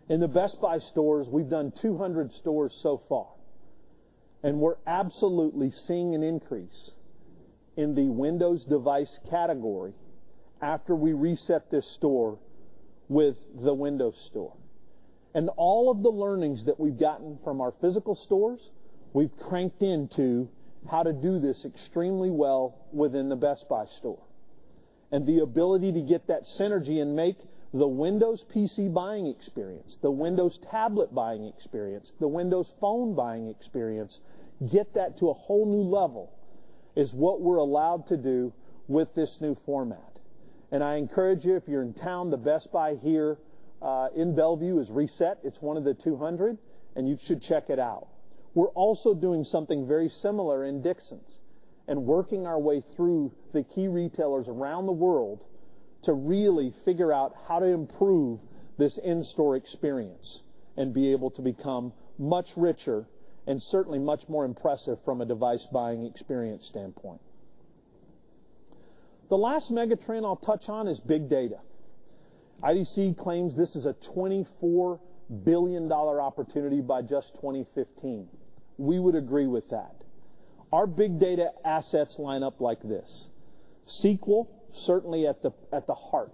[SPEAKER 3] In the Best Buy stores, we've done 200 stores so far, and we're absolutely seeing an increase in the Windows device category after we reset this store with the Windows Store. All of the learnings that we've gotten from our physical stores, we've cranked into how to do this extremely well within the Best Buy store. The ability to get that synergy and make the Windows PC buying experience, the Windows tablet buying experience, the Windows Phone buying experience, get that to a whole new level is what we're allowed to do with this new format. I encourage you, if you're in town, the Best Buy here in Bellevue is reset. It's one of the 200, and you should check it out. We're also doing something very similar in Dixons and working our way through the key retailers around the world to really figure out how to improve this in-store experience and be able to become much richer and certainly much more impressive from a device buying experience standpoint. The last mega trend I'll touch on is big data. IDC claims this is a $24 billion opportunity by just 2015. We would agree with that. Our big data assets line up like this. SQL, certainly at the heart.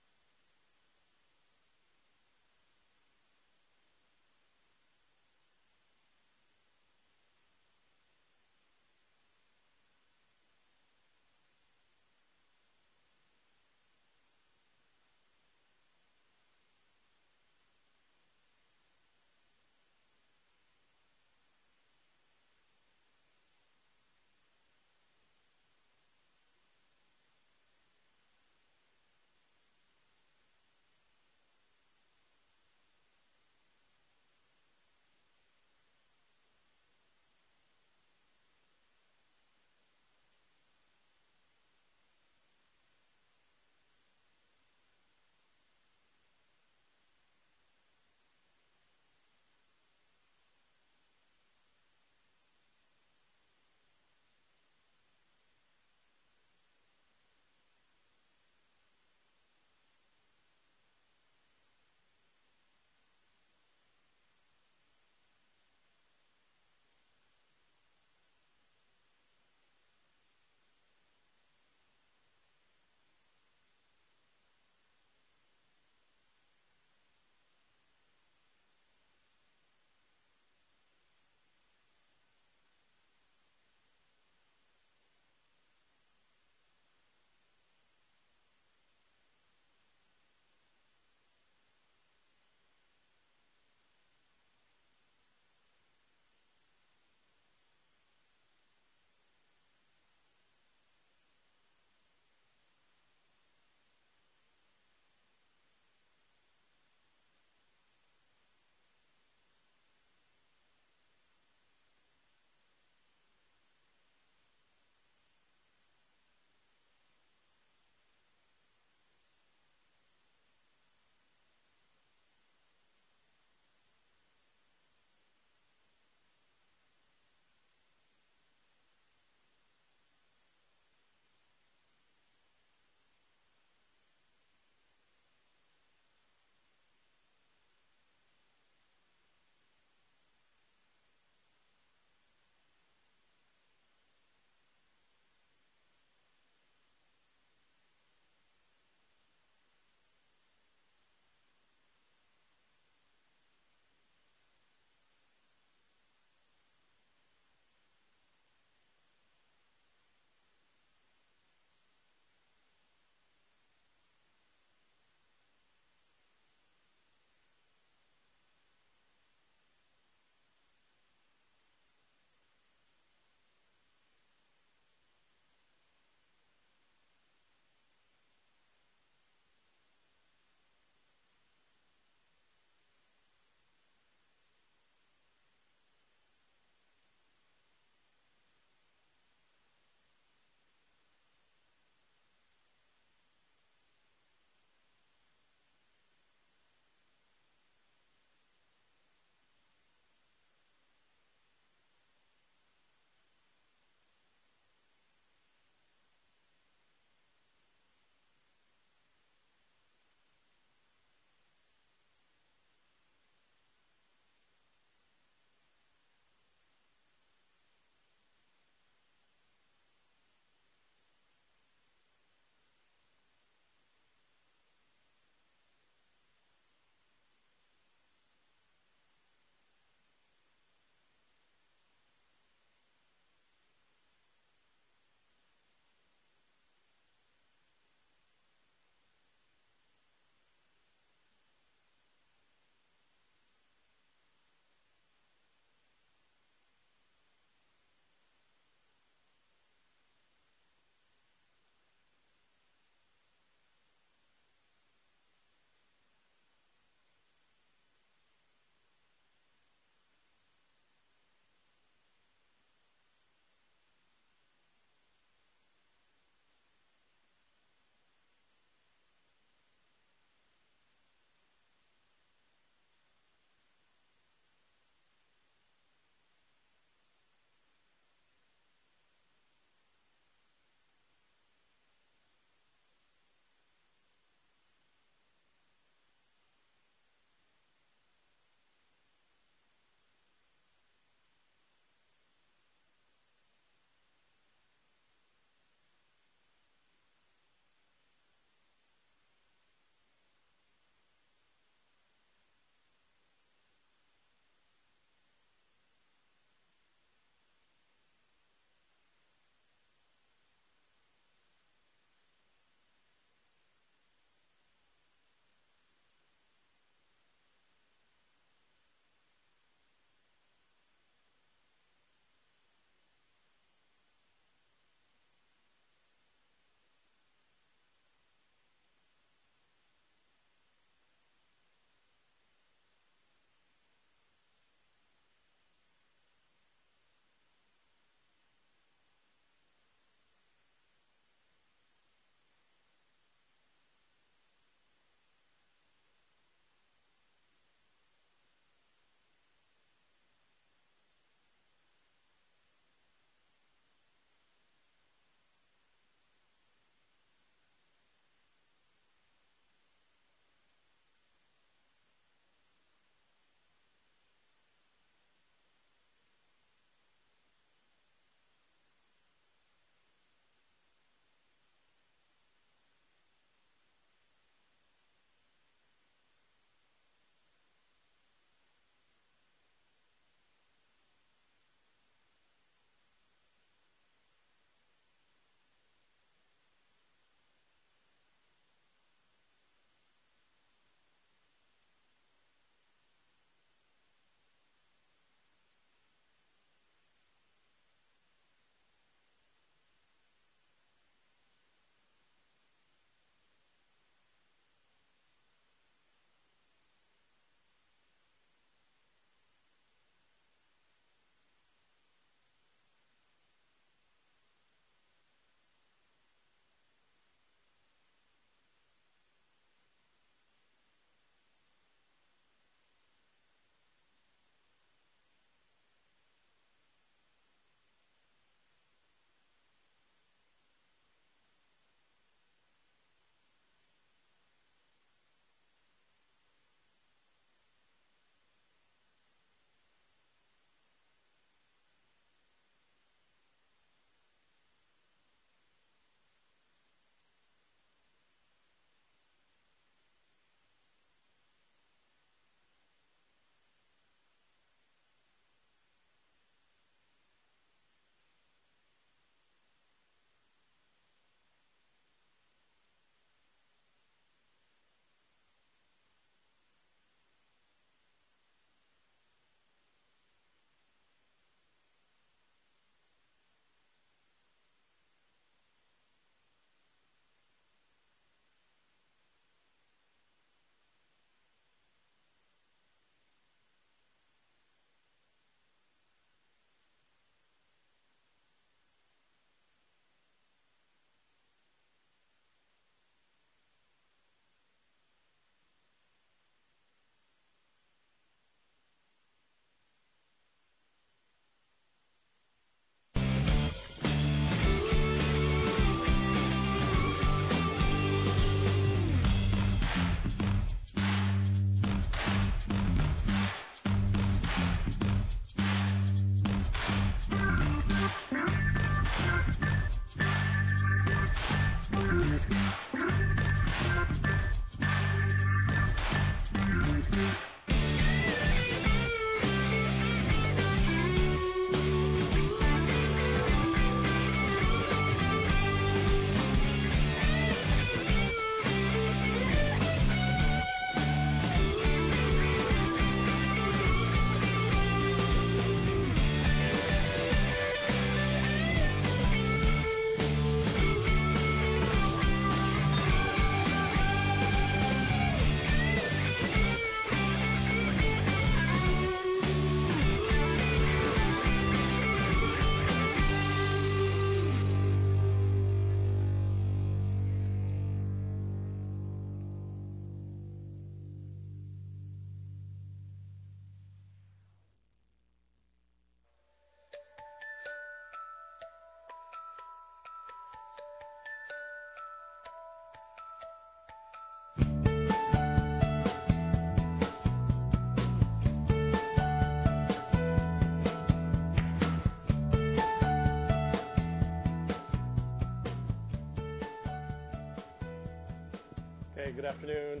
[SPEAKER 1] Good afternoon.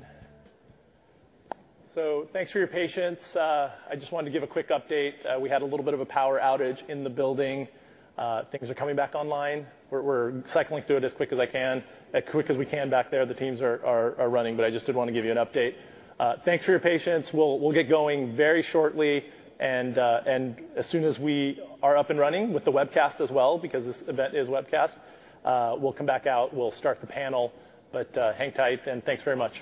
[SPEAKER 1] Thanks for your patience. I just wanted to give a quick update. We had a little bit of a power outage in the building. Things are coming back online. We're cycling through it as quick as we can back there. The teams are running, I just did want to give you an update. Thanks for your patience. We'll get going very shortly and as soon as we are up and running with the webcast as well, because this event is webcast, we'll come back out, we'll start the panel, but hang tight and thanks very much.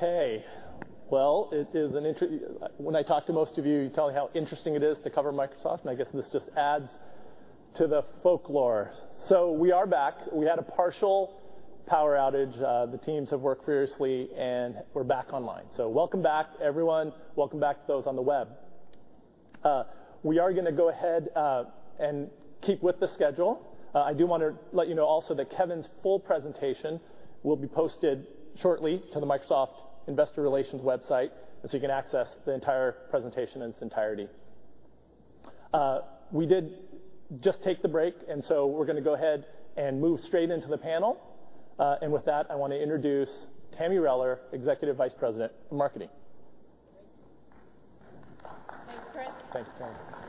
[SPEAKER 4] Go ahead, Chris.
[SPEAKER 1] Okay. Well, when I talk to most of you tell me how interesting it is to cover Microsoft, and I guess this just adds to the folklore. We are back. We had a partial power outage. The teams have worked furiously, and we're back online. Welcome back, everyone. Welcome back to those on the web. We are going to go ahead and keep with the schedule. I do want to let you know also that Kevin's full presentation will be posted shortly to the Microsoft Investor Relations website, you can access the entire presentation in its entirety. We did just take the break, we're going to go ahead and move straight into the panel. With that, I want to introduce Tami Reller, Executive Vice President of Marketing.
[SPEAKER 5] Thank you. Thanks, Chris.
[SPEAKER 1] Thanks,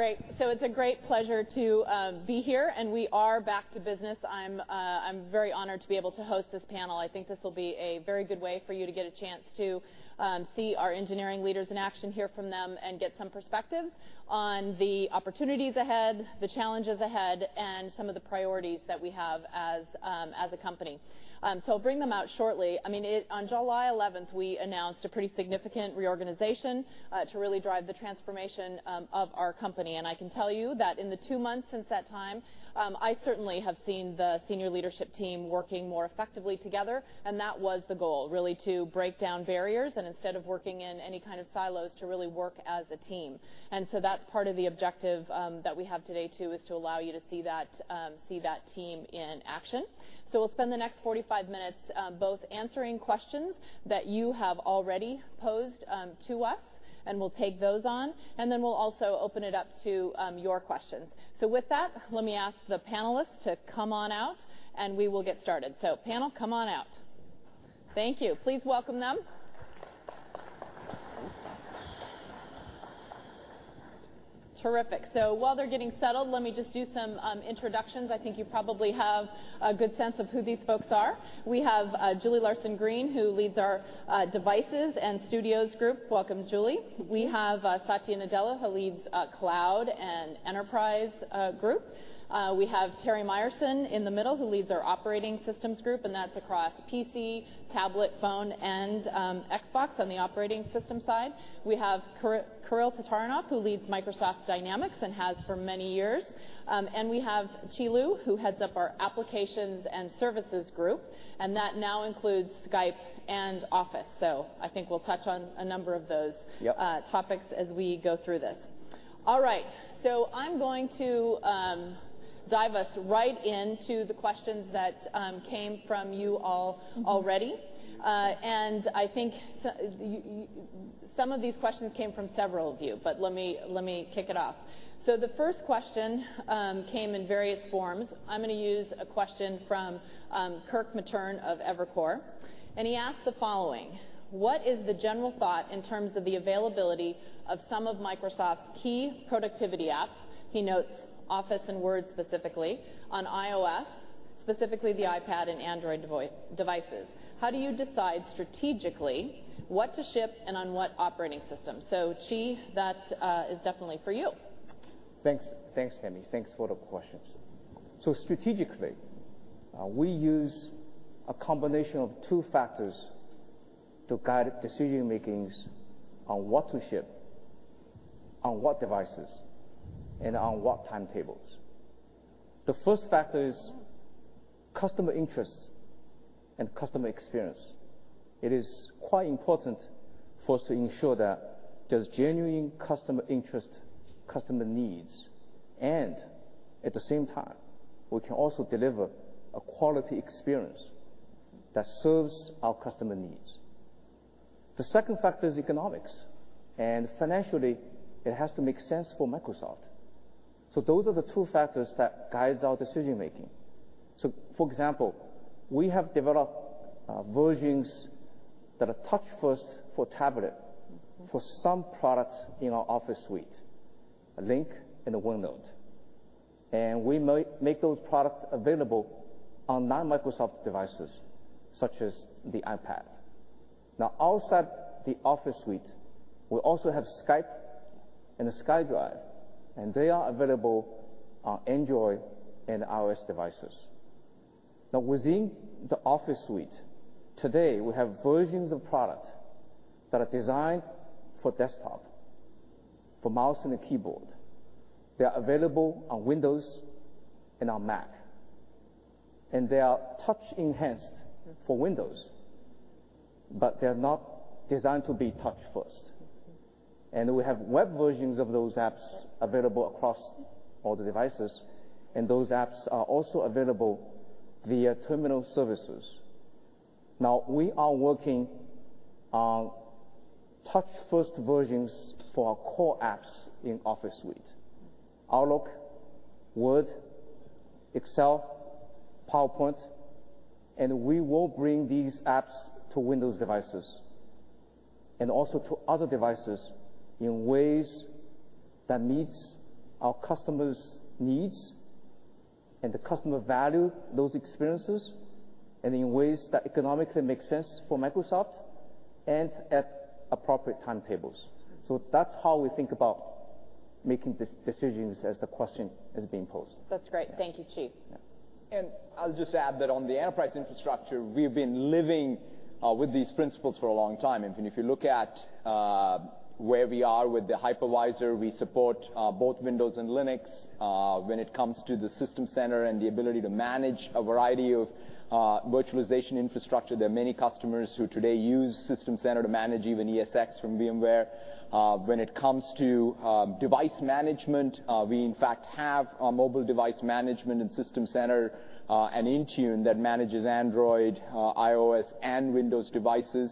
[SPEAKER 1] Tami.
[SPEAKER 5] Great. It's a great pleasure to be here, we are back to business. I'm very honored to be able to host this panel. I think this will be a very good way for you to get a chance to see our engineering leaders in action, hear from them, and get some perspective on the opportunities ahead, the challenges ahead, and some of the priorities that we have as a company. Bring them out shortly. I mean, on July 11th, we announced a pretty significant reorganization to really drive the transformation of our company. I can tell you that in the two months since that time, I certainly have seen the senior leadership team working more effectively together, and that was the goal, really to break down barriers and instead of working in any kind of silos, to really work as a team. That's part of the objective that we have today, too, is to allow you to see that team in action. We'll spend the next 45 minutes both answering questions that you have already posed to us, and we'll take those on, and then we'll also open it up to your questions. With that, let me ask the panelists to come on out, and we will get started. Panel, come on out. Thank you. Please welcome them. Terrific. While they're getting settled, let me just do some introductions. I think you probably have a good sense of who these folks are. We have Julie Larson-Green, who leads our Devices and Studios group. Welcome, Julie. We have Satya Nadella, who leads Cloud and Enterprise group. We have Terry Myerson in the middle, who leads our Operating Systems group, and that's across PC, tablet, phone, and Xbox on the operating system side. We have Kirill Tatarinov, who leads Microsoft Dynamics and has for many years. We have Qi Lu, who heads up our Applications and Services group, and that now includes Skype and Office. I think we'll touch on a number of those.
[SPEAKER 6] Yep
[SPEAKER 5] topics as we go through this. All right. I'm going to dive us right into the questions that came from you all already. I think some of these questions came from several of you, but let me kick it off. The first question came in various forms. I'm going to use a question from Kirk Materne of Evercore. He asked the following: "What is the general thought in terms of the availability of some of Microsoft's key productivity apps?" He notes Office and Word specifically on iOS, specifically the iPad and Android devices. "How do you decide strategically what to ship and on what operating system?" Qi, that is definitely for you.
[SPEAKER 6] Thanks. Thanks, Tami. Thanks for the questions. Strategically, we use a combination of two factors to guide decision-makings on what to ship, on what devices, and on what timetables. The first factor is customer interests and customer experience. It is quite important for us to ensure that there's genuine customer interest, customer needs, and at the same time, we can also deliver a quality experience that serves our customer needs. The second factor is economics, and financially, it has to make sense for Microsoft. Those are the two factors that guides our decision-making. For example, we have developed versions that are touch first for tablet for some products in our Office suite, Lync and OneNote. We make those products available on non-Microsoft devices, such as the iPad. Outside the Office suite, we also have Skype and SkyDrive, and they are available on Android and iOS devices. Within the Office suite, today we have versions of product that are designed for desktop, for mouse and a keyboard. They are available on Windows and on Mac, and they are touch enhanced for Windows, but they're not designed to be touch first. We have web versions of those apps available across all the devices, and those apps are also available via terminal services. We are working on touch-first versions for our core apps in Office suite: Outlook, Word, Excel, PowerPoint, and we will bring these apps to Windows devices and also to other devices in ways that meets our customers' needs and the customer value those experiences, in ways that economically make sense for Microsoft and at appropriate timetables. That's how we think about making decisions as the question is being posed.
[SPEAKER 5] That's great. Thank you, Qi.
[SPEAKER 6] Yeah.
[SPEAKER 7] I'll just add that on the enterprise infrastructure, we've been living with these principles for a long time. If you look at where we are with the hypervisor, we support both Windows and Linux. When it comes to the System Center and the ability to manage a variety of virtualization infrastructure, there are many customers who today use System Center to manage even ESX from VMware. When it comes to device management, we in fact have mobile device management in System Center and Intune that manages Android, iOS, and Windows devices.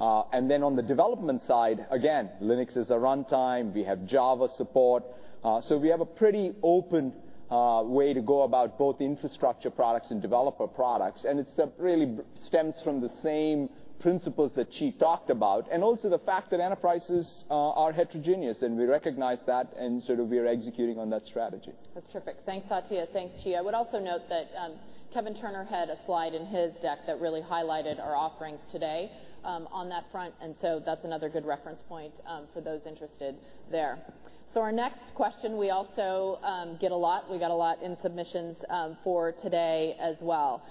[SPEAKER 7] On the development side, again, Linux is a runtime. We have Java support. We have a pretty open way to go about both infrastructure products and developer products. It really stems from the same principles that Qi talked about, and also the fact that enterprises are heterogeneous, and we recognize that and we are executing on that strategy.
[SPEAKER 5] That's terrific. Thanks, Satya. Thanks, Qi. I would also note that Kevin Turner had a slide in his deck that really highlighted our offerings today on that front, and so that's another good reference point for those interested there. Our next question we also get a lot. We got a lot in submissions for today as well.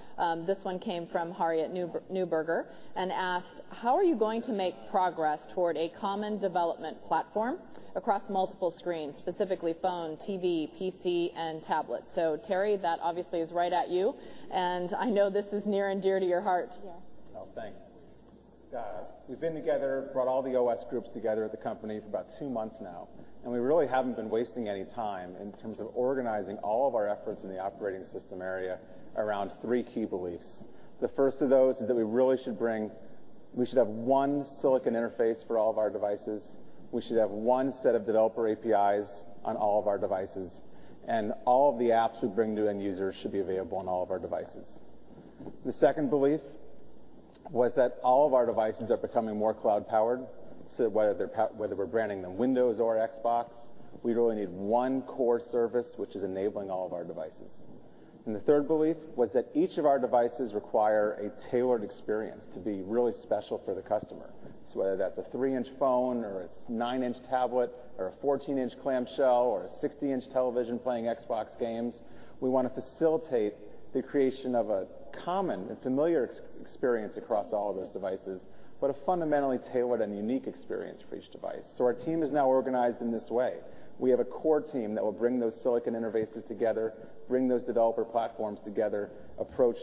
[SPEAKER 5] This one came from Harriet Neuberger and asked, "How are you going to make progress toward a common development platform across multiple screens, specifically phone, TV, PC, and tablet?" Terry, that obviously is right at you, and I know this is near and dear to your heart.
[SPEAKER 8] Yeah.
[SPEAKER 9] Thanks. We've been together, brought all the OS groups together at the company for about two months now, and we really haven't been wasting any time in terms of organizing all of our efforts in the operating system area around three key beliefs. The first of those is that we should have one silicon interface for all of our devices. We should have one set of developer APIs on all of our devices. All of the apps we bring to end users should be available on all of our devices. The second belief was that all of our devices are becoming more cloud powered. Whether we're branding them Windows or Xbox, we really need one core service, which is enabling all of our devices. The third belief was that each of our devices require a tailored experience to be really special for the customer. Whether that's a three-inch phone or it's nine-inch tablet, or a 14-inch clamshell, or a 60-inch television playing Xbox games, we want to facilitate the creation of a common and familiar experience across all of those devices, but a fundamentally tailored and unique experience for each device. Our team is now organized in this way. We have a core team that will bring those silicon interfaces together, bring those developer platforms together, approach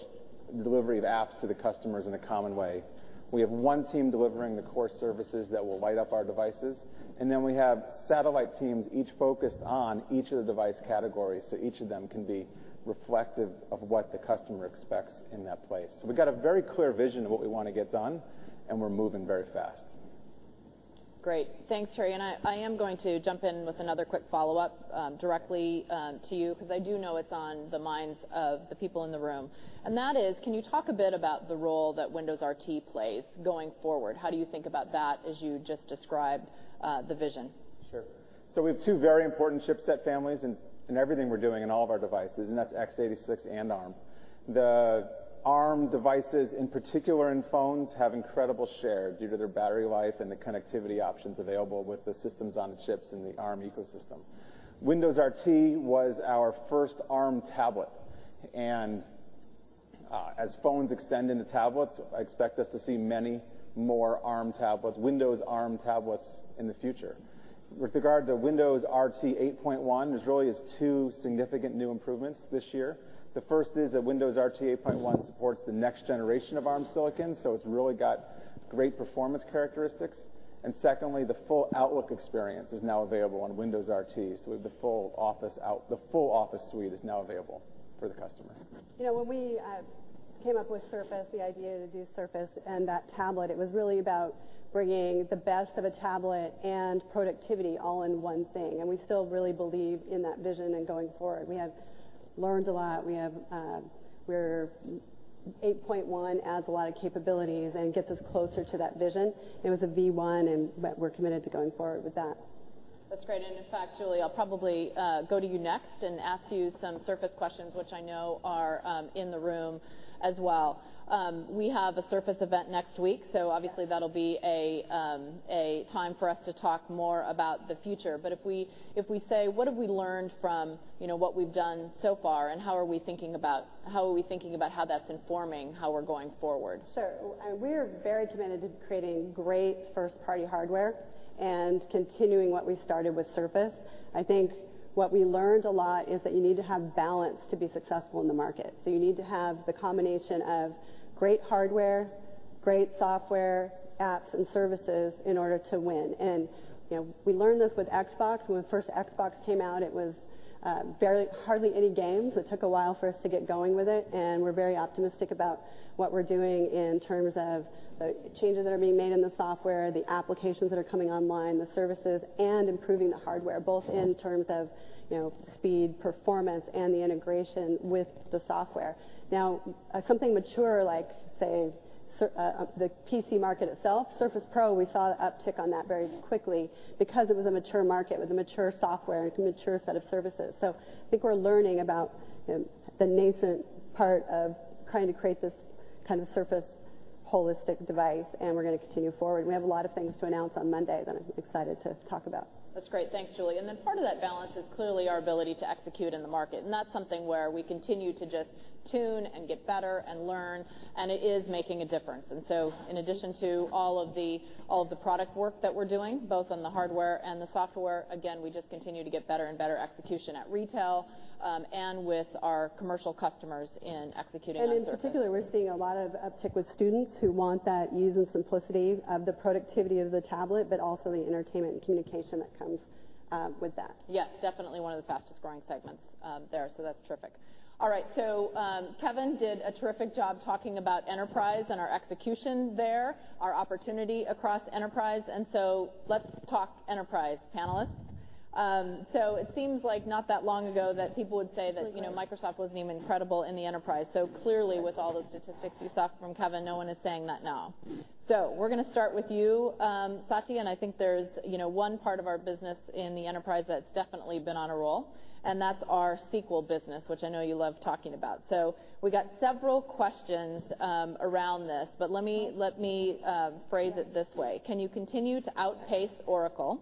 [SPEAKER 9] delivery of apps to the customers in a common way. We have one team delivering the core services that will light up our devices, and then we have satellite teams, each focused on each of the device categories, so each of them can be reflective of what the customer expects in that place. We've got a very clear vision of what we want to get done, and we're moving very fast.
[SPEAKER 5] Great. Thanks, Terry. I am going to jump in with another quick follow-up directly to you because I do know it's on the minds of the people in the room. That is, can you talk a bit about the role that Windows RT plays going forward? How do you think about that as you just described the vision?
[SPEAKER 9] Sure. We have two very important chipset families in everything we're doing in all of our devices, and that's x86 and ARM. The ARM devices, in particular in phones, have incredible share due to their battery life and the connectivity options available with the systems on the chips in the ARM ecosystem. Windows RT was our first ARM tablet. As phones extend into tablets, I expect us to see many more ARM tablets, Windows ARM tablets in the future. With regard to Windows RT 8.1, there really is two significant new improvements this year. The first is that Windows RT 8.1 supports the next generation of ARM silicon, so it's really got great performance characteristics. Secondly, the full Outlook experience is now available on Windows RT. We have the full Office suite is now available for the customer.
[SPEAKER 8] When we came up with Surface, the idea to do Surface and that tablet, it was really about bringing the best of a tablet and productivity all in one thing, and we still really believe in that vision in going forward. We have learned a lot, where 8.1 adds a lot of capabilities and gets us closer to that vision. It was a V1 and we're committed to going forward with that.
[SPEAKER 5] That's great. In fact, Julie, I'll probably go to you next and ask you some Surface questions, which I know are in the room as well. We have a Surface event next week, obviously that'll be a time for us to talk more about the future. If we say, what have we learned from what we've done so far, and how are we thinking about how that's informing how we're going forward?
[SPEAKER 8] Sure. We're very committed to creating great first-party hardware and continuing what we started with Surface. I think what we learned a lot is that you need to have balance to be successful in the market. You need to have the combination of great hardware, great software, apps, and services in order to win. We learned this with Xbox. When the first Xbox came out, it was hardly any games. It took a while for us to get going with it, and we're very optimistic about what we're doing in terms of the changes that are being made in the software, the applications that are coming online, the services, and improving the hardware, both in terms of speed, performance, and the integration with the software. Something mature like, say, the PC market itself, Surface Pro, we saw an uptick on that very quickly because it was a mature market with a mature software and a mature set of services. I think we're learning about the nascent part of trying to create this kind of Surface holistic device, and we're going to continue forward. We have a lot of things to announce on Monday that I'm excited to talk about.
[SPEAKER 5] That's great. Thanks, Julie. Part of that balance is clearly our ability to execute in the market. That's something where we continue to just tune and get better and learn, and it is making a difference. In addition to all of the product work that we're doing, both on the hardware and the software, again, we just continue to get better and better execution at retail, and with our commercial customers in executing on Surface.
[SPEAKER 8] In particular, we're seeing a lot of uptick with students who want that ease and simplicity of the productivity of the tablet, but also the entertainment and communication that comes with that.
[SPEAKER 5] Yes, definitely one of the fastest-growing segments there. That's terrific. All right. Kevin did a terrific job talking about enterprise and our execution there, our opportunity across enterprise, let's talk enterprise, panelists. It seems like not that long ago that people would say that.
[SPEAKER 8] It was
[SPEAKER 5] Microsoft wasn't even credible in the enterprise. Clearly with all the statistics you saw from Kevin, no one is saying that now. We're going to start with you, Satya, and I think there's one part of our business in the enterprise that's definitely been on a roll, and that's our SQL business, which I know you love talking about. We got several questions around this, but let me phrase it this way. Can you continue to outpace Oracle,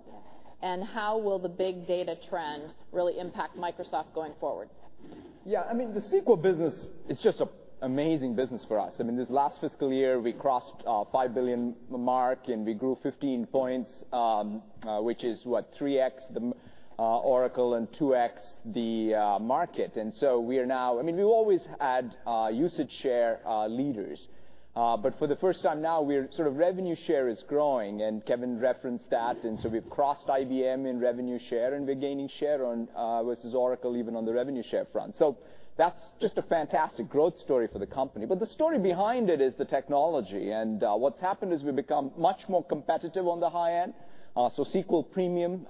[SPEAKER 5] and how will the big data trend really impact Microsoft going forward?
[SPEAKER 7] The SQL business is just an amazing business for us. This last fiscal year, we crossed $5 billion mark, and we grew 15 points, which is what? 3x Oracle and 2x the market. We've always had usage share leaders. For the first time now, our revenue share is growing, and Kevin referenced that. We've crossed IBM in revenue share, and we're gaining share versus Oracle even on the revenue share front. That's just a fantastic growth story for the company. The story behind it is the technology. What's happened is we've become much more competitive on the high end. SQL premium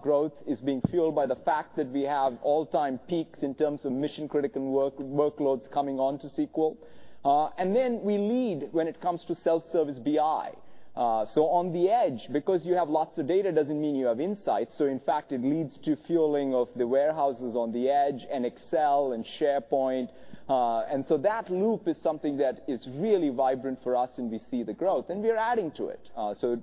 [SPEAKER 7] growth is being fueled by the fact that we have all-time peaks in terms of mission-critical workloads coming on to SQL. Then we lead when it comes to self-service BI. On the edge, because you have lots of data doesn't mean you have insights. In fact, it leads to fueling of the warehouses on the edge and Excel and SharePoint. That loop is something that is really vibrant for us, and we see the growth, and we're adding to it.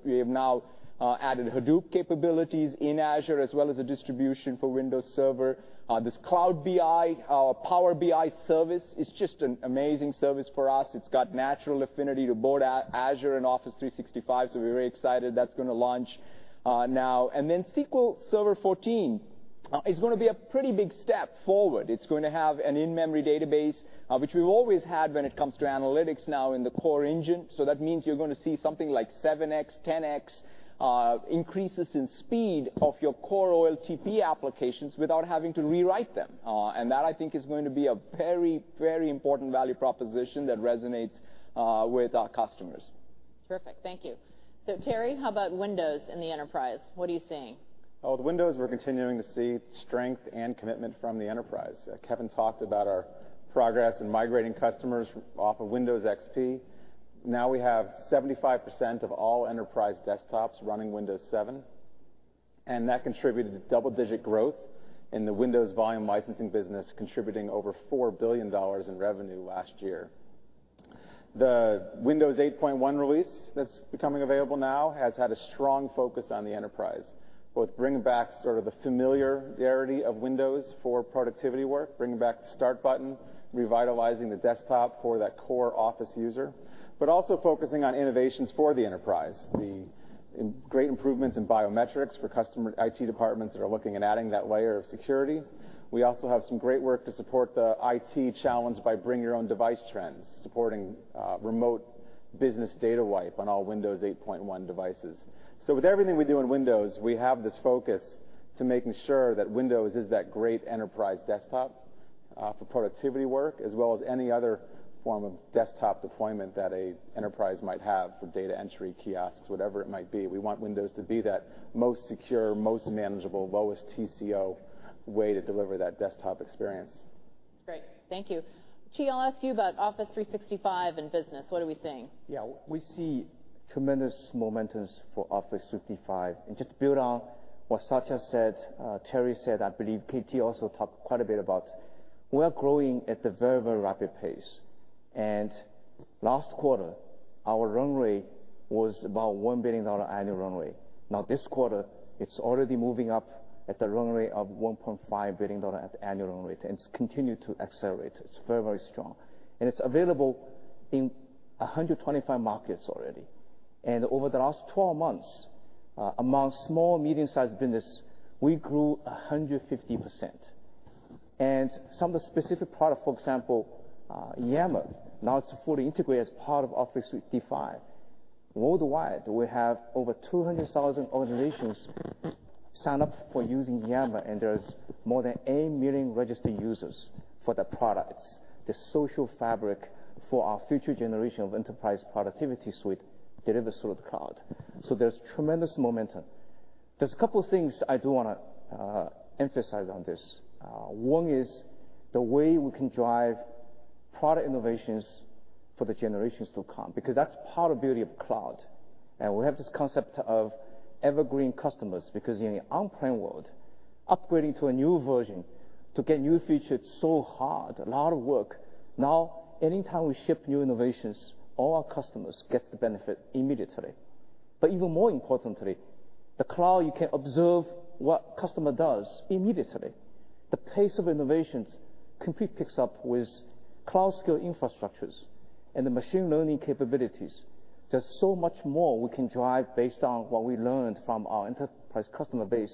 [SPEAKER 7] We have now added Hadoop capabilities in Azure, as well as a distribution for Windows Server. This Cloud BI, our Power BI service is just an amazing service for us. It's got natural affinity to both Azure and Office 365, so we're very excited that's going to launch now. Then SQL Server 14 is going to be a pretty big step forward. It's going to have an in-memory database, which we've always had when it comes to analytics now in the core engine. That means you're going to see something like 7X, 10X increases in speed of your core OLTP applications without having to rewrite them. That, I think, is going to be a very, very important value proposition that resonates with our customers.
[SPEAKER 5] Terrific. Thank you. Terry, how about Windows in the enterprise? What are you seeing?
[SPEAKER 9] With Windows, we're continuing to see strength and commitment from the enterprise. Kevin talked about our progress in migrating customers off of Windows XP. Now we have 75% of all enterprise desktops running Windows 7, and that contributed to double-digit growth in the Windows volume licensing business, contributing over $4 billion in revenue last year. The Windows 8.1 release that's becoming available now has had a strong focus on the enterprise, both bringing back sort of the familiarity of Windows for productivity work, bringing back the Start button, revitalizing the desktop for that core Office user, but also focusing on innovations for the enterprise. The great improvements in biometrics for IT departments that are looking at adding that layer of security. We also have some great work to support the IT challenge by bring-your-own-device trends, supporting remote business data wipe on all Windows 8.1 devices. With everything we do in Windows, we have this focus to making sure that Windows is that great enterprise desktop for productivity work, as well as any other form of desktop deployment that an enterprise might have for data entry kiosks, whatever it might be. We want Windows to be that most secure, most manageable, lowest TCO way to deliver that desktop experience.
[SPEAKER 5] Great. Thank you. Qi, I'll ask you about Office 365 and business. What are we seeing?
[SPEAKER 6] We see Tremendous momentums for Office 365. Just to build on what Satya said, Terry said, I believe KT also talked quite a bit about, we are growing at a very rapid pace. Last quarter, our run rate was about $1 billion annual run rate. This quarter, it's already moving up at the run rate of $1.5 billion at annual run rate, it's continued to accelerate. It's very strong. It's available in 125 markets already. Over the last 12 months, among small, medium-sized business, we grew 150%. Some of the specific product, for example, Yammer, now it's fully integrated as part of Office 365. Worldwide, we have over 200,000 organizations sign up for using Yammer, there's more than 8 million registered users for the products. The social fabric for our future generation of enterprise productivity suite delivered through the cloud. There's tremendous momentum. There's a couple things I do want to emphasize on this. One is the way we can drive product innovations for the generations to come, because that's part of the beauty of cloud. We have this concept of evergreen customers because in the on-prem world, upgrading to a new version to get new features, it's so hard, a lot of work. Anytime we ship new innovations, all our customers gets the benefit immediately. Even more importantly, the cloud, you can observe what customer does immediately. The pace of innovations completely picks up with cloud-scale infrastructures and the machine learning capabilities. There's so much more we can drive based on what we learned from our enterprise customer base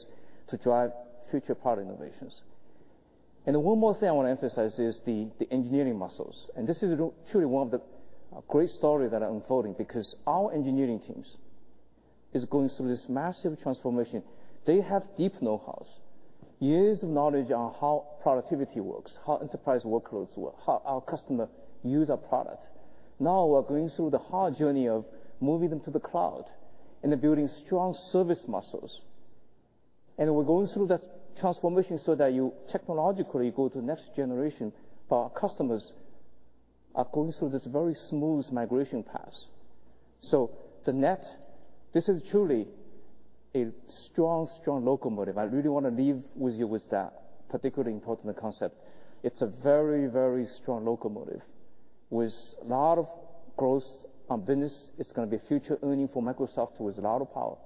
[SPEAKER 6] to drive future product innovations. One more thing I want to emphasize is the engineering muscles, this is truly one of the great story that are unfolding because our engineering teams is going through this massive transformation. They have deep knowhows, years of knowledge on how productivity works, how enterprise workloads work, how our customer use our product. We're going through the hard journey of moving them to the cloud and then building strong service muscles. We're going through that transformation so that you technologically go to the next generation, but our customers are going through this very smooth migration path. The net, this is truly a strong locomotive. I really want to leave you with that particularly important concept. It's a very strong locomotive with a lot of growth on business. It's going to be future earnings for Microsoft with a lot of power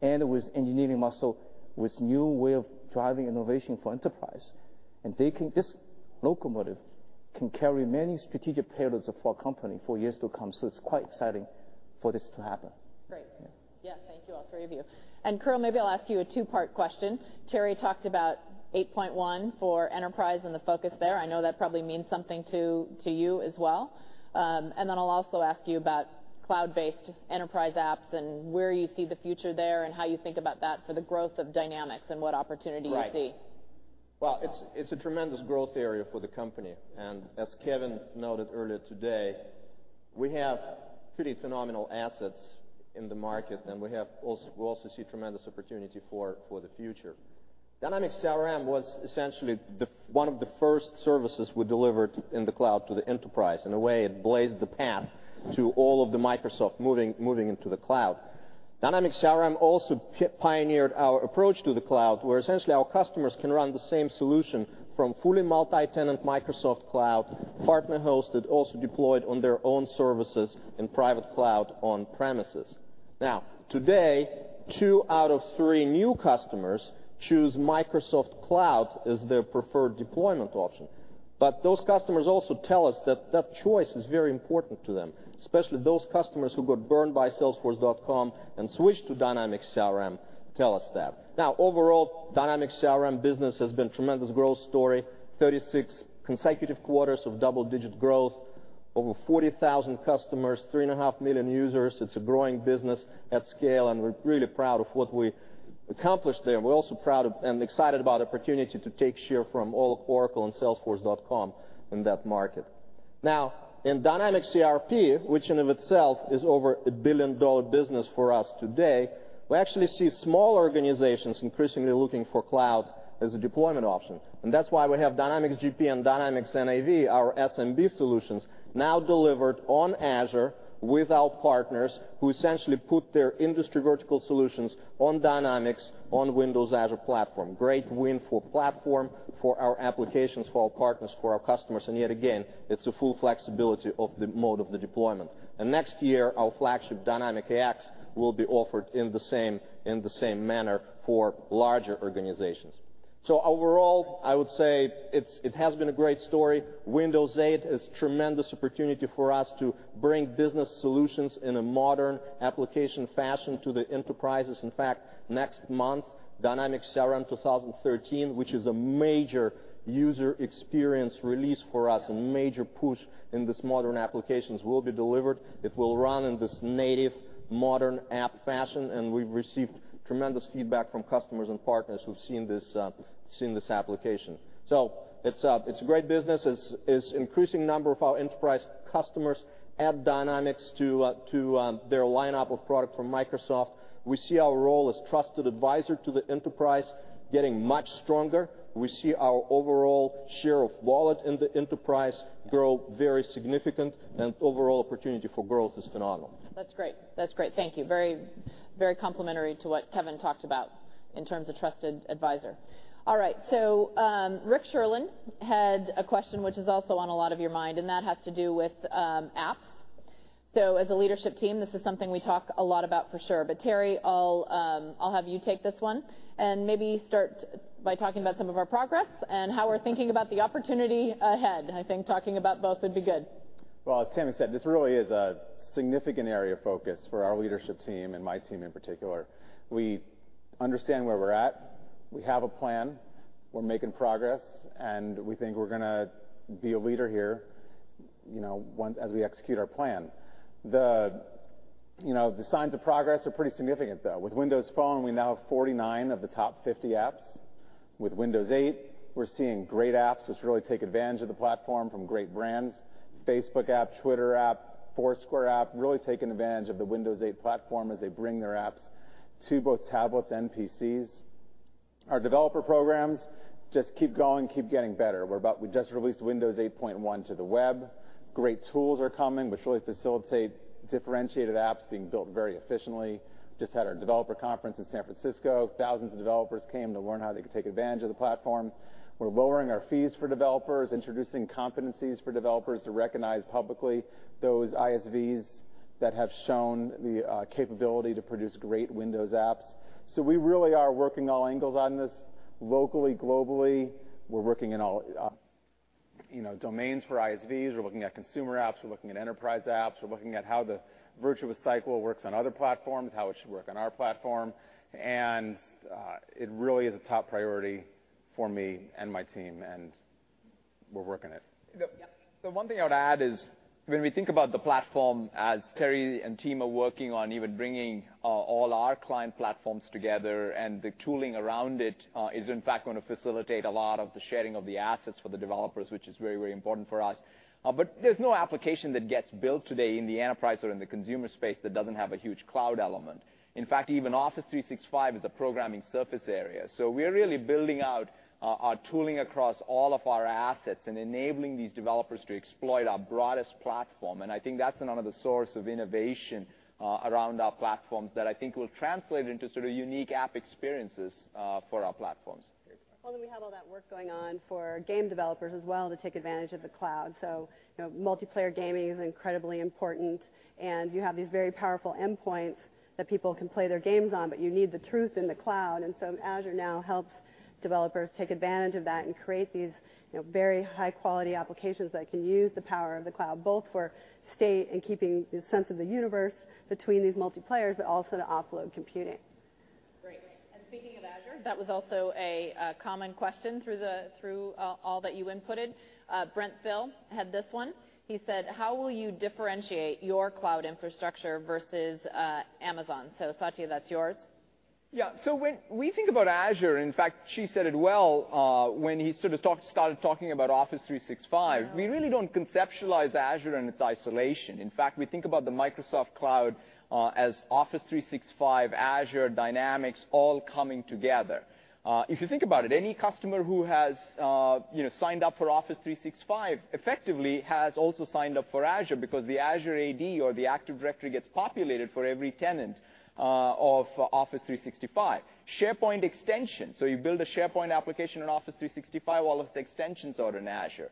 [SPEAKER 6] and with engineering muscle, with new way of driving innovation for enterprise. This locomotive can carry many strategic payloads of our company for years to come. It's quite exciting for this to happen.
[SPEAKER 5] Great. Thank you, all three of you. Kirill, maybe I'll ask you a two-part question. Terry talked about 8.1 for enterprise and the focus there. I know that probably means something to you as well. Then I'll also ask you about cloud-based enterprise apps and where you see the future there and how you think about that for the growth of Dynamics and what opportunity you see.
[SPEAKER 10] Right. Well, it's a tremendous growth area for the company. As Kevin noted earlier today, we have pretty phenomenal assets in the market, and we also see tremendous opportunity for the future. Dynamics CRM was essentially one of the first services we delivered in the cloud to the enterprise. In a way, it blazed the path to all of the Microsoft moving into the cloud. Dynamics CRM also pioneered our approach to the cloud, where essentially our customers can run the same solution from fully multi-tenant Microsoft Cloud, partner hosted, also deployed on their own services in private cloud on premises. Today, 2 out of 3 new customers choose Microsoft Cloud as their preferred deployment option. Those customers also tell us that that choice is very important to them, especially those customers who got burned by salesforce.com and switched to Dynamics CRM tell us that. Overall, Dynamics CRM business has been tremendous growth story, 36 consecutive quarters of double-digit growth, over 40,000 customers, 3.5 million users. It's a growing business at scale, and we're really proud of what we accomplished there. We're also proud of and excited about opportunity to take share from all of Oracle and salesforce.com in that market. In Dynamics CRM, which in of itself is over a billion-dollar business for us today, we actually see smaller organizations increasingly looking for cloud as a deployment option. That's why we have Dynamics GP and Dynamics NAV, our SMB solutions, now delivered on Azure with our partners who essentially put their industry vertical solutions on Dynamics, on Windows Azure platform. Great win for platform, for our applications, for our partners, for our customers, and yet again, it's a full flexibility of the mode of the deployment. Next year, our flagship Dynamics AX will be offered in the same manner for larger organizations. Overall, I would say it has been a great story. Windows 8 is tremendous opportunity for us to bring business solutions in a modern application fashion to the enterprises. In fact, next month, Dynamics CRM 2013, which is a major user experience release for us, a major push in this modern applications, will be delivered. It will run in this native modern app fashion, and we've received tremendous feedback from customers and partners who've seen this application. It's a great business. It's increasing number of our enterprise customers add Dynamics to their lineup of product from Microsoft. We see our role as trusted advisor to the enterprise getting much stronger. We see our overall share of wallet in the enterprise grow very significant, and overall opportunity for growth is phenomenal.
[SPEAKER 5] That's great. Thank you. Very complimentary to what Kevin talked about. In terms of trusted advisor. All right. Rick Sherlund had a question which is also on a lot of your mind, and that has to do with apps. As a leadership team, this is something we talk a lot about for sure. Terry, I'll have you take this one, and maybe start by talking about some of our progress and how we're thinking about the opportunity ahead. I think talking about both would be good.
[SPEAKER 9] As Tami said, this really is a significant area of focus for our leadership team and my team in particular. We understand where we're at. We have a plan. We're making progress, and we think we're going to be a leader here as we execute our plan. The signs of progress are pretty significant, though. With Windows Phone, we now have 49 of the top 50 apps. With Windows 8, we're seeing great apps, which really take advantage of the platform from great brands. Facebook app, Twitter app, Foursquare app, really taking advantage of the Windows 8 platform as they bring their apps to both tablets and PCs. Our developer programs just keep going, keep getting better. We just released Windows 8.1 to the web. Great tools are coming, which really facilitate differentiated apps being built very efficiently. Just had our developer conference in San Francisco. Thousands of developers came to learn how they could take advantage of the platform. We're lowering our fees for developers, introducing competencies for developers to recognize publicly those ISVs that have shown the capability to produce great Windows apps. We really are working all angles on this locally, globally. We're working in all domains for ISVs. We're looking at consumer apps. We're looking at enterprise apps. We're looking at how the virtuous cycle works on other platforms, how it should work on our platform. It really is a top priority for me and my team, and we're working it.
[SPEAKER 5] Yep.
[SPEAKER 7] The one thing I would add is when we think about the platform as Terry Myerson and team are working on even bringing all our client platforms together and the tooling around it is, in fact, going to facilitate a lot of the sharing of the assets for the developers, which is very, very important for us. There's no application that gets built today in the enterprise or in the consumer space that doesn't have a huge cloud element. In fact, even Office 365 is a programming surface area. We are really building out our tooling across all of our assets and enabling these developers to exploit our broadest platform. I think that's another source of innovation around our platforms that I think will translate into sort of unique app experiences for our platforms.
[SPEAKER 5] Great.
[SPEAKER 8] Well, we have all that work going on for game developers as well to take advantage of the cloud. Multiplayer gaming is incredibly important, and you have these very powerful endpoints that people can play their games on, but you need the truth in the cloud. Azure now helps developers take advantage of that and create these very high-quality applications that can use the power of the cloud, both for state and keeping the sense of the universe between these multiplayers, but also to offload computing.
[SPEAKER 5] Great. Speaking of Azure, that was also a common question through all that you inputted. Brent Thill had this one. He said, "How will you differentiate your cloud infrastructure versus Amazon?" Satya Nadella, that's yours.
[SPEAKER 7] Yeah. When we think about Azure, in fact, Qi Lu said it well when he sort of started talking about Office 365.
[SPEAKER 5] Yeah.
[SPEAKER 7] We really don't conceptualize Azure in its isolation. We think about the Microsoft cloud as Office 365, Azure, Dynamics all coming together. If you think about it, any customer who has signed up for Office 365 effectively has also signed up for Azure because the Azure AD or the Active Directory gets populated for every tenant of Office 365. SharePoint extension. You build a SharePoint application in Office 365, well, all of its extensions are in Azure.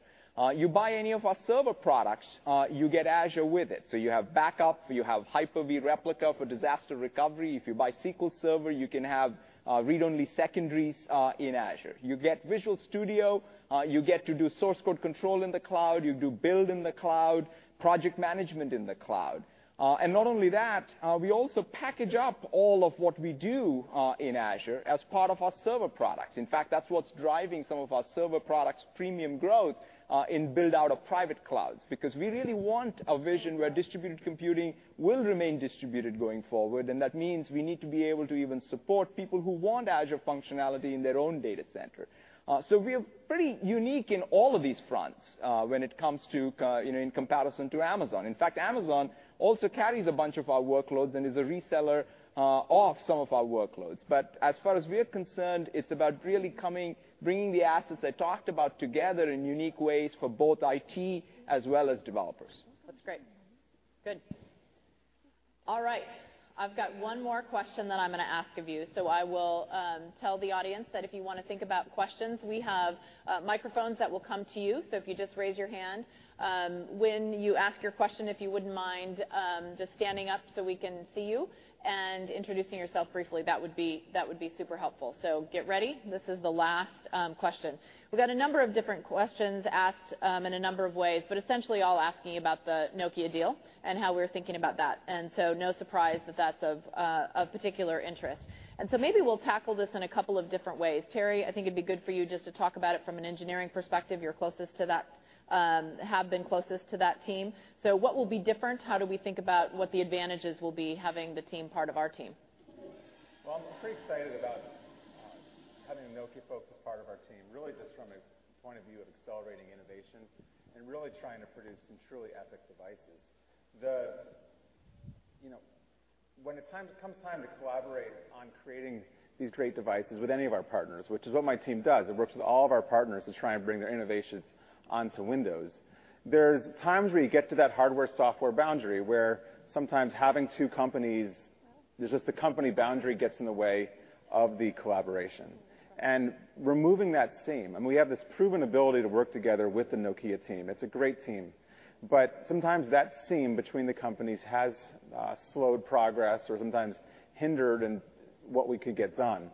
[SPEAKER 7] You buy any of our server products, you get Azure with it. You have backup, you have Hyper-V Replica for disaster recovery. If you buy SQL Server, you can have read-only secondaries in Azure. You get Visual Studio. You get to do source code control in the cloud. You do build in the cloud, project management in the cloud. Not only that, we also package up all of what we do in Azure as part of our server products. That's what's driving some of our server products' premium growth in build-out of private clouds because we really want a vision where distributed computing will remain distributed going forward, and that means we need to be able to even support people who want Azure functionality in their own data center. We are pretty unique in all of these fronts when it comes to in comparison to Amazon. Amazon also carries a bunch of our workloads and is a reseller of some of our workloads. As far as we're concerned, it's about really bringing the assets I talked about together in unique ways for both IT as well as developers.
[SPEAKER 5] That's great. Good. All right. I've got one more question that I'm going to ask of you. I will tell the audience that if you want to think about questions, we have microphones that will come to you, so if you just raise your hand. When you ask your question, if you wouldn't mind just standing up so we can see you and introducing yourself briefly, that would be super helpful. Get ready. This is the last question. We got a number of different questions asked in a number of ways, but essentially all asking about the Nokia deal and how we're thinking about that. No surprise that's of particular interest. Maybe we'll tackle this in a couple of different ways. Terry, I think it'd be good for you just to talk about it from an engineering perspective. You're closest to that, have been closest to that team. What will be different? How do we think about what the advantages will be having the team part of our team?
[SPEAKER 9] I'm pretty excited about having the Nokia folks as part of our team, really just from a point of view of accelerating innovation and really trying to produce some truly epic devices. When it comes time to collaborate on creating these great devices with any of our partners, which is what my team does, it works with all of our partners to try and bring their innovations onto Windows. There are times where you get to that hardware/software boundary where sometimes the company boundary gets in the way of the collaboration. Removing that seam, and we have this proven ability to work together with the Nokia team. It's a great team, but sometimes that seam between the companies has slowed progress or sometimes hindered in what we could get done.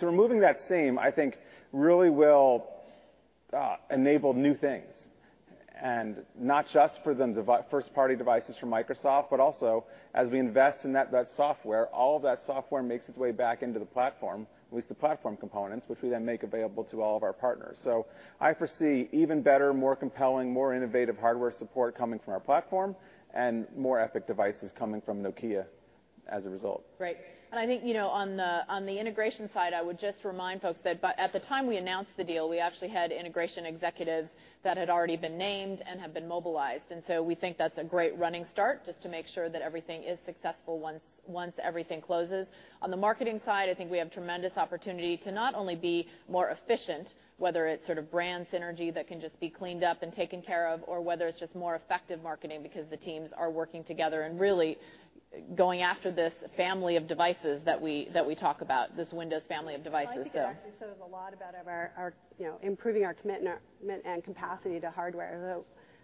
[SPEAKER 9] Removing that seam, I think, really will enable new things. Not just for the first-party devices from Microsoft, but also as we invest in that software, all of that software makes its way back into the platform, at least the platform components, which we then make available to all of our partners. I foresee even better, more compelling, more innovative hardware support coming from our platform and more epic devices coming from Nokia as a result.
[SPEAKER 5] Great. I think, on the integration side, I would just remind folks that at the time we announced the deal, we actually had integration executives that had already been named and have been mobilized. We think that's a great running start just to make sure that everything is successful once everything closes. On the marketing side, I think we have tremendous opportunity to not only be more efficient, whether it's brand synergy that can just be cleaned up and taken care of, or whether it's just more effective marketing because the teams are working together and really going after this family of devices that we talk about, this Windows family of devices.
[SPEAKER 8] I think it actually says a lot about improving our commitment and capacity to hardware.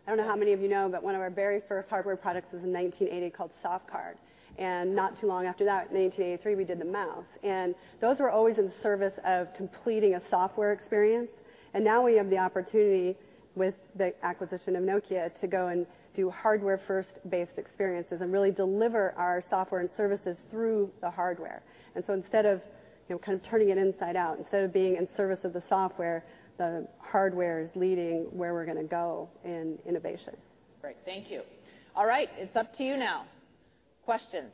[SPEAKER 8] I don't know how many of you know, but one of our very first hardware products was in 1980, called SoftCard. Not too long after that, in 1983, we did the mouse. Those were always in service of completing a software experience. Now we have the opportunity, with the acquisition of Nokia, to go and do hardware-first based experiences and really deliver our software and services through the hardware. Instead of turning it inside out, instead of being in service of the software, the hardware is leading where we're going to go in innovation.
[SPEAKER 5] Great. Thank you. All right. It's up to you now. Questions.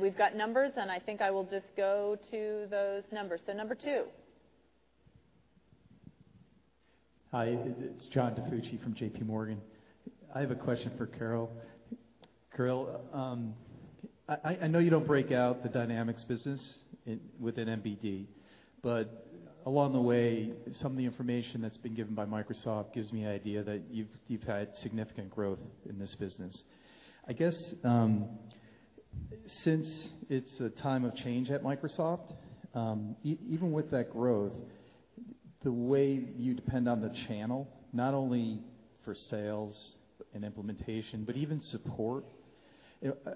[SPEAKER 5] We've got numbers, and I think I will just go to those numbers. Number two.
[SPEAKER 11] Hi, it's John DiFucci from JPMorgan. I have a question for Kirill. Kirill, I know you don't break out the Dynamics business within MBD, but along the way, some of the information that's been given by Microsoft gives me an idea that you've had significant growth in this business. I guess, since it's a time of change at Microsoft, even with that growth, the way you depend on the channel, not only for sales and implementation, but even support,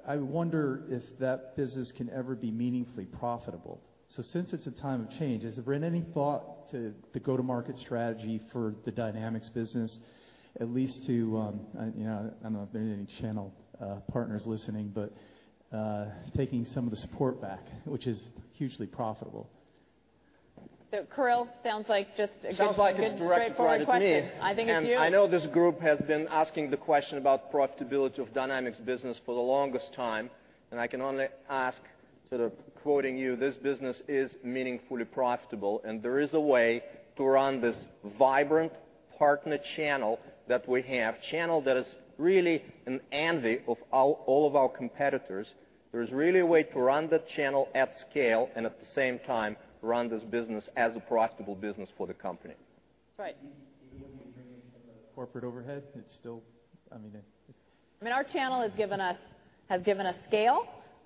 [SPEAKER 11] I wonder if that business can ever be meaningfully profitable. Since it's a time of change, has there been any thought to the go-to-market strategy for the Dynamics business, at least to, I don't know if there are any channel partners listening, but taking some of the support back, which is hugely profitable.
[SPEAKER 5] Kirill, sounds like just a good-
[SPEAKER 10] Sounds like it's directed right at me.
[SPEAKER 5] straightforward question. I think it's you.
[SPEAKER 10] I know this group has been asking the question about profitability of Dynamics business for the longest time, and I can only ask, sort of quoting you, this business is meaningfully profitable, and there is a way to run this vibrant partner channel that we have, channel that is really an envy of all of our competitors. There's really a way to run that channel at scale and at the same time run this business as a profitable business for the company.
[SPEAKER 5] That's right.
[SPEAKER 11] You wouldn't be bringing in the corporate overhead? It's still
[SPEAKER 5] Our channel has given us scale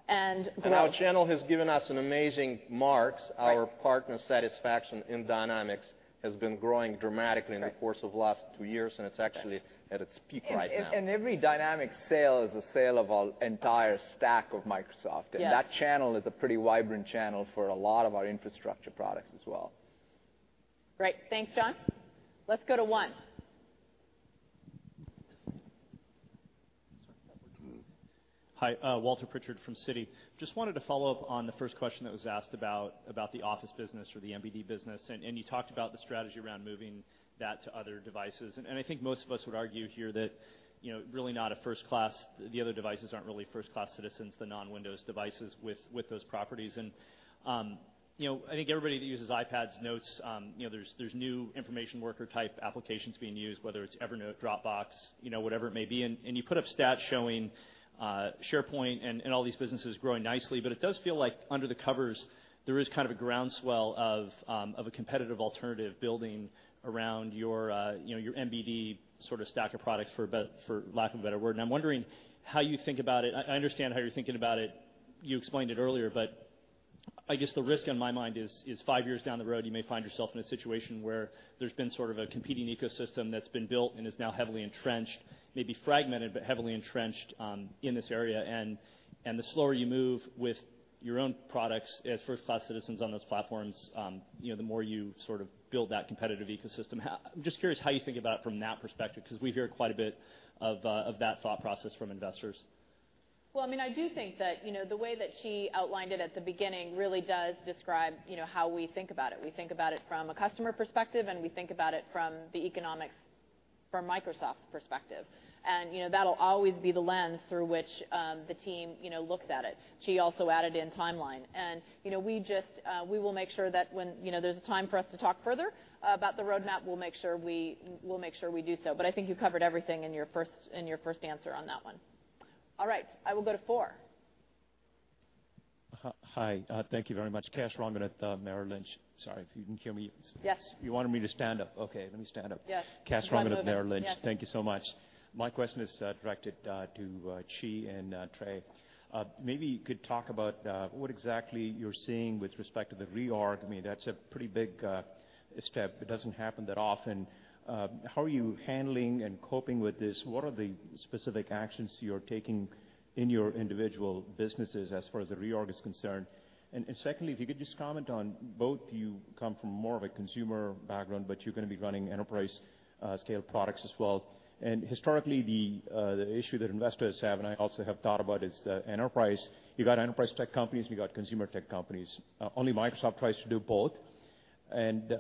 [SPEAKER 5] and growth.
[SPEAKER 10] Our channel has given us an amazing marks. Right. Our partner satisfaction in Dynamics has been growing dramatically. Right In the course of the last two years, and it's actually at its peak right now.
[SPEAKER 7] Every Dynamics sale is a sale of an entire stack of Microsoft.
[SPEAKER 5] Yes.
[SPEAKER 7] That channel is a pretty vibrant channel for a lot of our infrastructure products as well.
[SPEAKER 5] Great. Thanks, John. Let's go to one.
[SPEAKER 12] Hi, Walter Pritchard from Citi. Just wanted to follow up on the first question that was asked about the Office business or the MBD business. You talked about the strategy around moving that to other devices. I think most of us would argue here that the other devices aren't really first-class citizens, the non-Windows devices with those properties. I think everybody that uses iPads notes there's new information worker type applications being used, whether it's Evernote, Dropbox, whatever it may be. You put up stats showing SharePoint and all these businesses growing nicely, but it does feel like under the covers, there is a ground swell of a competitive alternative building around your MBD stack of products, for lack of a better word. I'm wondering how you think about it. I understand how you're thinking about it. You explained it earlier, but I guess the risk on my mind is five years down the road, you may find yourself in a situation where there's been sort of a competing ecosystem that's been built and is now heavily entrenched, maybe fragmented, but heavily entrenched in this area. The slower you move with your own products as first-class citizens on those platforms, the more you build that competitive ecosystem. I'm just curious how you think about it from that perspective, because we hear quite a bit of that thought process from investors.
[SPEAKER 5] Well, I do think that the way that she outlined it at the beginning really does describe how we think about it. We think about it from a customer perspective, and we think about it from the economics from Microsoft's perspective. That'll always be the lens through which the team looks at it. She also added in timeline. We will make sure that when there's a time for us to talk further about the roadmap, we'll make sure we do so. I think you covered everything in your first answer on that one. All right, I will go to four.
[SPEAKER 13] Hi. Thank you very much. Kash Rangan at Merrill Lynch. Sorry if you didn't hear me.
[SPEAKER 5] Yes.
[SPEAKER 13] You wanted me to stand up? Okay, let me stand up.
[SPEAKER 5] Yes.
[SPEAKER 13] Kash Rangan
[SPEAKER 5] Got to move it. Yeah
[SPEAKER 13] at Merrill Lynch. Thank you so much. My question is directed to Qi and Terry. Maybe you could talk about what exactly you're seeing with respect to the reorg. That's a pretty big step. It doesn't happen that often. How are you handling and coping with this? What are the specific actions you're taking in your individual businesses as far as the reorg is concerned? Secondly, if you could just comment on both you come from more of a consumer background, but you're going to be running enterprise scale products as well. Historically, the issue that investors have, and I also have thought about, is the enterprise. You got enterprise tech companies, and you got consumer tech companies. Only Microsoft tries to do both.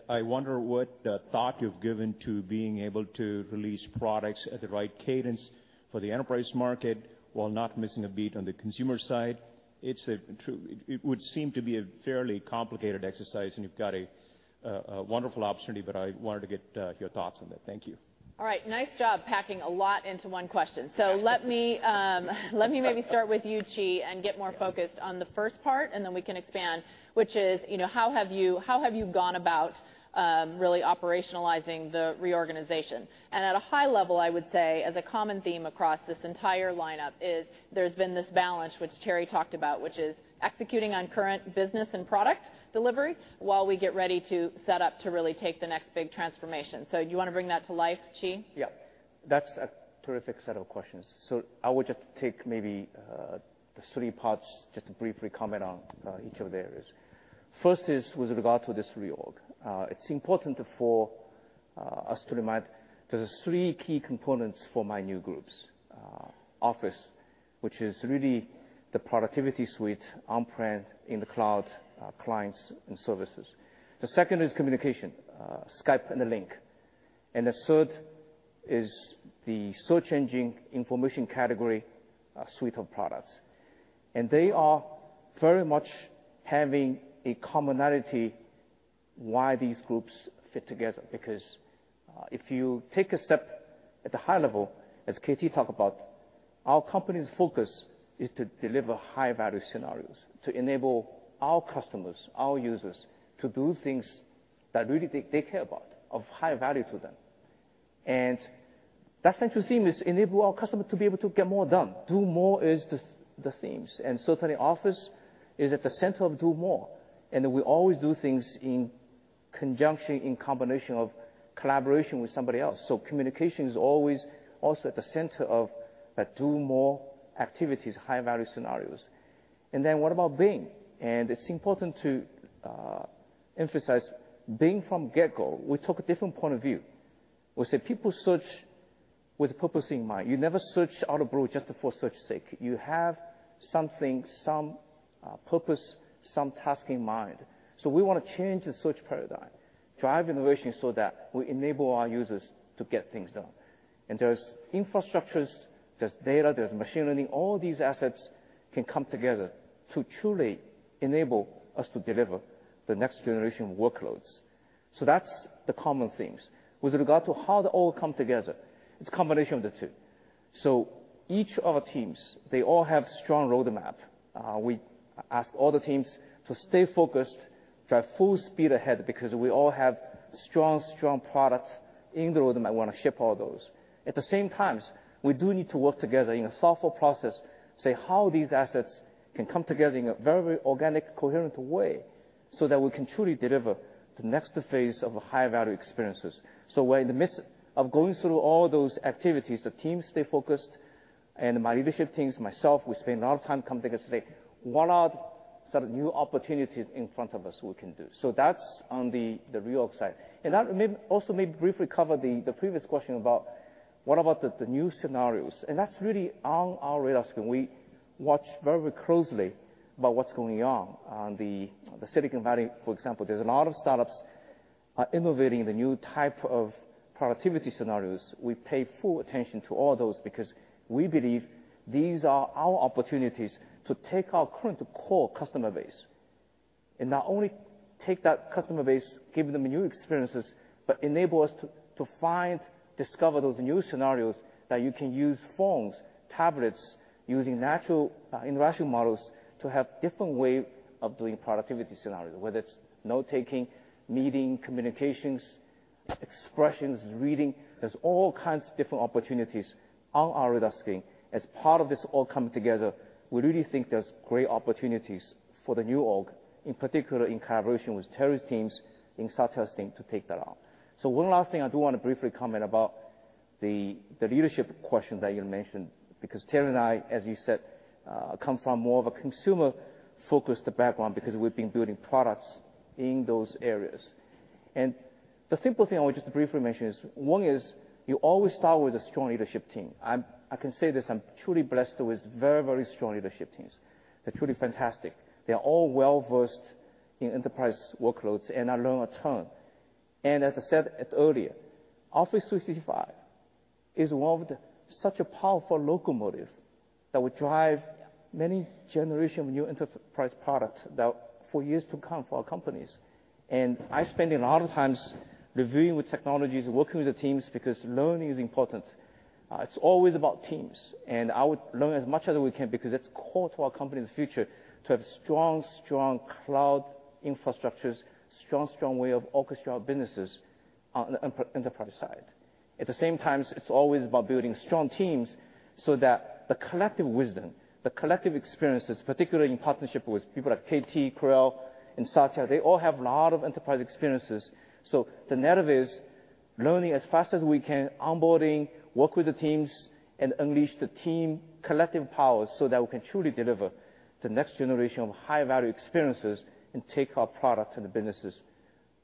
[SPEAKER 13] I wonder what thought you've given to being able to release products at the right cadence for the enterprise market while not missing a beat on the consumer side. It would seem to be a fairly complicated exercise, and you've got a wonderful opportunity, but I wanted to get your thoughts on that. Thank you.
[SPEAKER 5] Nice job packing a lot into one question. Let me maybe start with you, Qi, and get more focused on the first part, and then we can expand, which is, how have you gone about really operationalizing the reorganization? At a high level, I would say as a common theme across this entire lineup is there's been this balance, which Terry talked about, which is executing on current business and product delivery while we get ready to set up to really take the next big transformation. Do you want to bring that to life, Qi?
[SPEAKER 6] Yeah. That's a terrific set of questions. I would just take maybe the three parts, just to briefly comment on each of the areas. First is with regard to this reorg. It's important for us to remind there's three key components for my new groups. Office, which is really the productivity suite on-prem, in the cloud, clients and services. The second is communication, Skype and the Lync. The third is the search engine information category, a suite of products. They are very much having a commonality why these groups fit together. If you take a step at a high level, as KT talked about, our company's focus is to deliver high-value scenarios to enable our customers, our users, to do things that really they care about, of high value to them. That central theme is enable our customer to be able to get more done. Do more is the themes. Certainly, Office is at the center of do more. Then we always do things in conjunction, in combination of collaboration with somebody else. Communication is always also at the center of that do more activities, high-value scenarios. Then what about Bing? It's important to emphasize Bing from get-go, we took a different point of view. We said people search with a purpose in mind. You never search out abroad just for search sake. You have something, some purpose, some task in mind. We want to change the search paradigm, drive innovation so that we enable our users to get things done. There's infrastructures, there's data, there's machine learning. All these assets can come together to truly enable us to deliver the next generation of workloads. That's the common themes. With regard to how they all come together, it's a combination of the two. Each of our teams, they all have strong roadmap. We ask all the teams to stay focused, drive full speed ahead because we all have strong products in the roadmap. I want to ship all those. At the same times, we do need to work together in a thoughtful process, say how these assets can come together in a very organic, coherent way, so that we can truly deliver the next phase of high-value experiences. We're in the midst of going through all those activities. The teams stay focused, and my leadership teams, myself, we spend a lot of time come together to say, what are some new opportunities in front of us we can do? That's on the reorg side. Also maybe briefly cover the previous question about what about the new scenarios. That's really on our radar screen. We watch very closely about what's going on. On the Silicon Valley, for example, there's a lot of startups are innovating the new type of productivity scenarios. We pay full attention to all those because we believe these are our opportunities to take our current core customer base, and not only take that customer base, give them new experiences, but enable us to find, discover those new scenarios that you can use phones, tablets, using natural interaction models to have different way of doing productivity scenarios, whether it's note-taking, meeting, communications, expressions, reading. There's all kinds of different opportunities on our radar screen. As part of this all coming together, we really think there's great opportunities for the new org, in particular in collaboration with Terry's teams and Satya's team to take that on. One last thing I do want to briefly comment about the leadership question that you mentioned, because Terry and I, as you said, come from more of a consumer-focused background because we've been building products in those areas. The simple thing I want just to briefly mention is, one is you always start with a strong leadership team. I can say this, I'm truly blessed with very strong leadership teams. They're truly fantastic. They're all well-versed in enterprise workloads, and I learn a ton. As I said it earlier, Office 365 is one of such a powerful locomotive that will drive many generation of new enterprise products for years to come for our companies. I'm spending a lot of times reviewing with technologies, working with the teams because learning is important. It's always about teams. I would learn as much as we can because it's core to our company in the future to have strong cloud infrastructures, strong way of orchestrating our businesses on the enterprise side. At the same time, it's always about building strong teams so that the collective wisdom, the collective experiences, particularly in partnership with people like KT, Kirill, and Satya, they all have a lot of enterprise experiences. The net of is learning as fast as we can, onboarding, work with the teams, and unleash the team collective powers so that we can truly deliver the next generation of high-value experiences and take our products and the businesses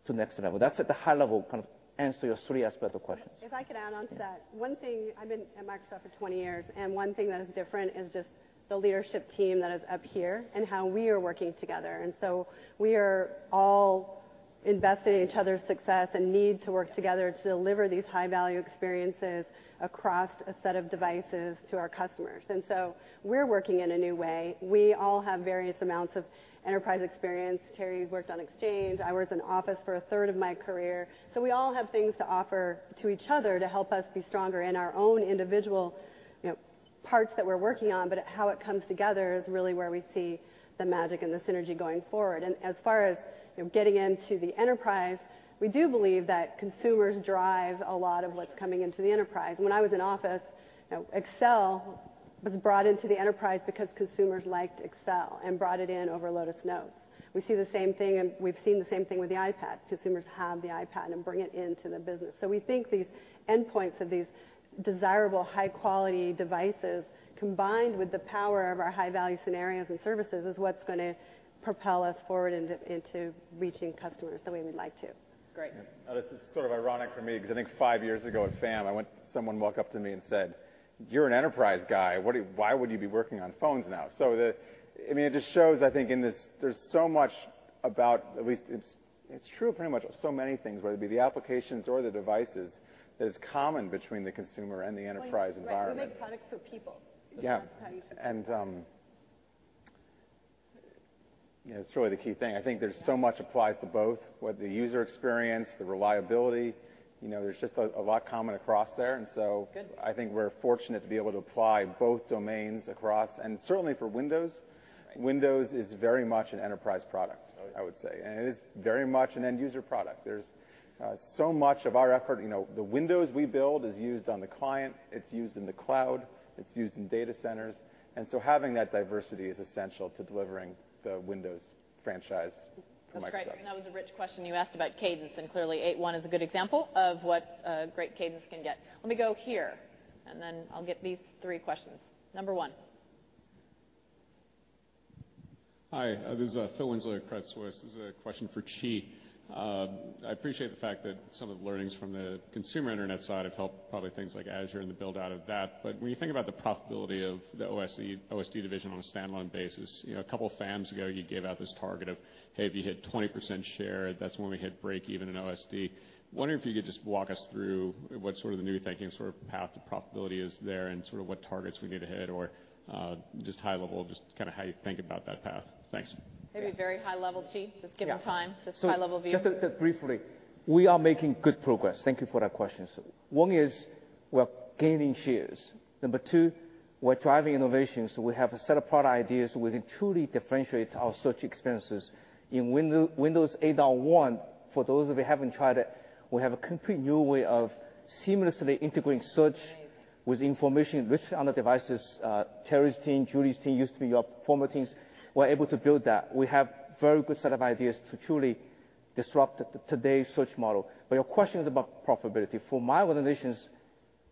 [SPEAKER 6] to the next level. That's at the high level, kind of answer your three aspects of questions.
[SPEAKER 8] If I could add on to that.
[SPEAKER 6] Yeah.
[SPEAKER 8] One thing, I've been at Microsoft for 20 years, and one thing that is different is just the leadership team that is up here and how we are working together. We are all invested in each other's success and need to work together to deliver these high-value experiences across a set of devices to our customers. We're working in a new way. We all have various amounts of enterprise experience. Terry worked on Exchange, I worked in Office for a third of my career. We all have things to offer to each other to help us be stronger in our own individual parts that we're working on. How it comes together is really where we see the magic and the synergy going forward. As far as getting into the enterprise, we do believe that consumers drive a lot of what's coming into the enterprise. When I was in Office, Excel was brought into the enterprise because consumers liked Excel and brought it in over Lotus Notes. We've seen the same thing with the iPad. Consumers have the iPad and bring it into the business. We think these endpoints of these desirable high-quality devices, combined with the power of our high-value scenarios and services, is what's going to propel us forward into reaching customers the way we'd like to.
[SPEAKER 5] Great.
[SPEAKER 9] Now, this is sort of ironic for me because I think five years ago at FAM, someone walked up to me and said, "You're an enterprise guy. Why would you be working on phones now?" It just shows, I think, there's so much about, at least it's true pretty much so many things, whether it be the applications or the devices, that is common between the consumer and the enterprise environment.
[SPEAKER 5] Right. We make products for people.
[SPEAKER 9] Yeah.
[SPEAKER 5] That's how you should think.
[SPEAKER 9] It's really the key thing. I think there's so much applies to both, whether the user experience, the reliability. There's just a lot common across there.
[SPEAKER 5] Good.
[SPEAKER 9] I think we're fortunate to be able to apply both domains across, and certainly for Windows.
[SPEAKER 5] Right.
[SPEAKER 9] Windows is very much an enterprise product.
[SPEAKER 6] Oh, yeah
[SPEAKER 9] I would say. It is very much an end-user product. There's so much of our effort. The Windows we build is used on the client, it's used in the cloud, it's used in data centers. So having that diversity is essential to delivering the Windows franchise for Microsoft.
[SPEAKER 5] That's great. That was a rich question you asked about cadence, and clearly 8.1 is a good example of what a great cadence can get. Let me go here, and then I'll get these three questions. Number one.
[SPEAKER 14] Hi, this is Phil Winslow at Credit Suisse. This is a question for Qi. I appreciate the fact that some of the learnings from the consumer internet side have helped probably things like Azure and the build-out of that. When you think about the profitability of the OSD division on a standalone basis, a couple of FAMs ago, you gave out this target of, "Hey, if you hit 20% share, that's when we hit breakeven in OSD." I wonder if you could just walk us through what's sort of the new thinking path to profitability is there and sort of what targets we need to hit or just high level, just how you think about that path. Thanks.
[SPEAKER 5] Maybe very high level, Qi.
[SPEAKER 6] Yeah.
[SPEAKER 5] Just given time, just high level view.
[SPEAKER 6] Just briefly. We are making good progress. Thank you for that question. One is we're gaining shares. Number two, we're driving innovation. We have a set of product ideas where we can truly differentiate our search experiences. In Windows 8.1, for those of you who haven't tried it, we have a complete new way of seamlessly integrating search with information rich on the devices. Terry's team, Julie's team, used to be your former teams, were able to build that. We have very good set of ideas to truly disrupt today's search model. Your question is about profitability. For my organizations,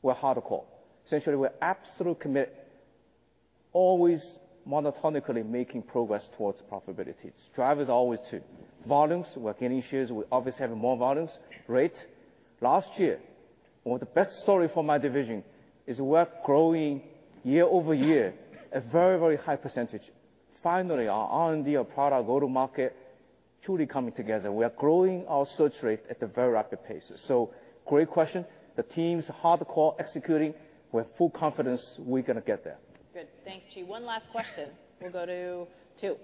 [SPEAKER 6] we're hardcore. Essentially, we're absolute commit, always monotonically making progress towards profitability. Strive is always to volumes. We're gaining shares. We obviously have more volumes. Rate. Last year, one of the best story for my division is we're growing year-over-year, a very high percentage. Our R&D, our product go-to-market truly coming together. We are growing our search rate at a very rapid pace. Great question. The team's hardcore executing with full confidence we're going to get there.
[SPEAKER 5] Good. Thanks, Qi. One last question. We'll go to two.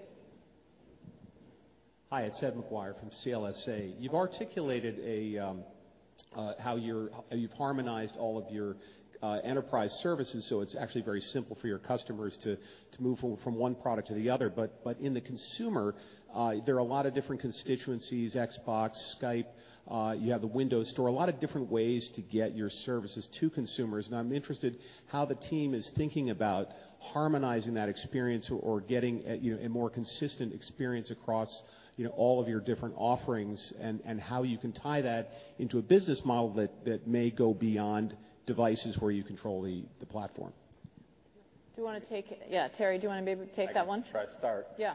[SPEAKER 15] Hi, it's Edward McGuire from CLSA. You've articulated how you've harmonized all of your enterprise services, so it's actually very simple for your customers to move from one product to the other. In the consumer, there are a lot of different constituencies, Xbox, Skype, you have the Windows Store, a lot of different ways to get your services to consumers. I'm interested how the team is thinking about harmonizing that experience or getting a more consistent experience across all of your different offerings and how you can tie that into a business model that may go beyond devices where you control the platform.
[SPEAKER 5] Do you want to take it? Yeah. Terry, do you want to maybe take that one?
[SPEAKER 9] I can try to start.
[SPEAKER 5] Yeah.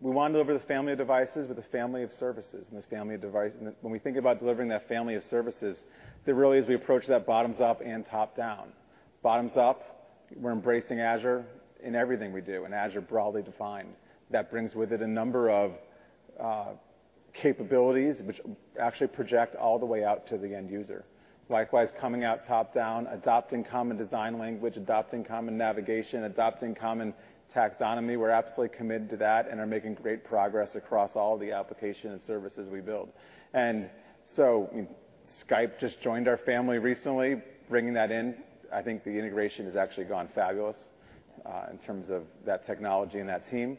[SPEAKER 9] We want to deliver the family of devices with a family of services. When we think about delivering that family of services, really is we approach that bottoms up and top down. Bottoms up, we're embracing Azure in everything we do, and Azure broadly defined. That brings with it a number of capabilities which actually project all the way out to the end user. Likewise, coming out top down, adopting common design language, adopting common navigation, adopting common taxonomy. We're absolutely committed to that and are making great progress across all the application and services we build. Skype just joined our family recently, bringing that in. I think the integration has actually gone fabulous in terms of that technology and that team,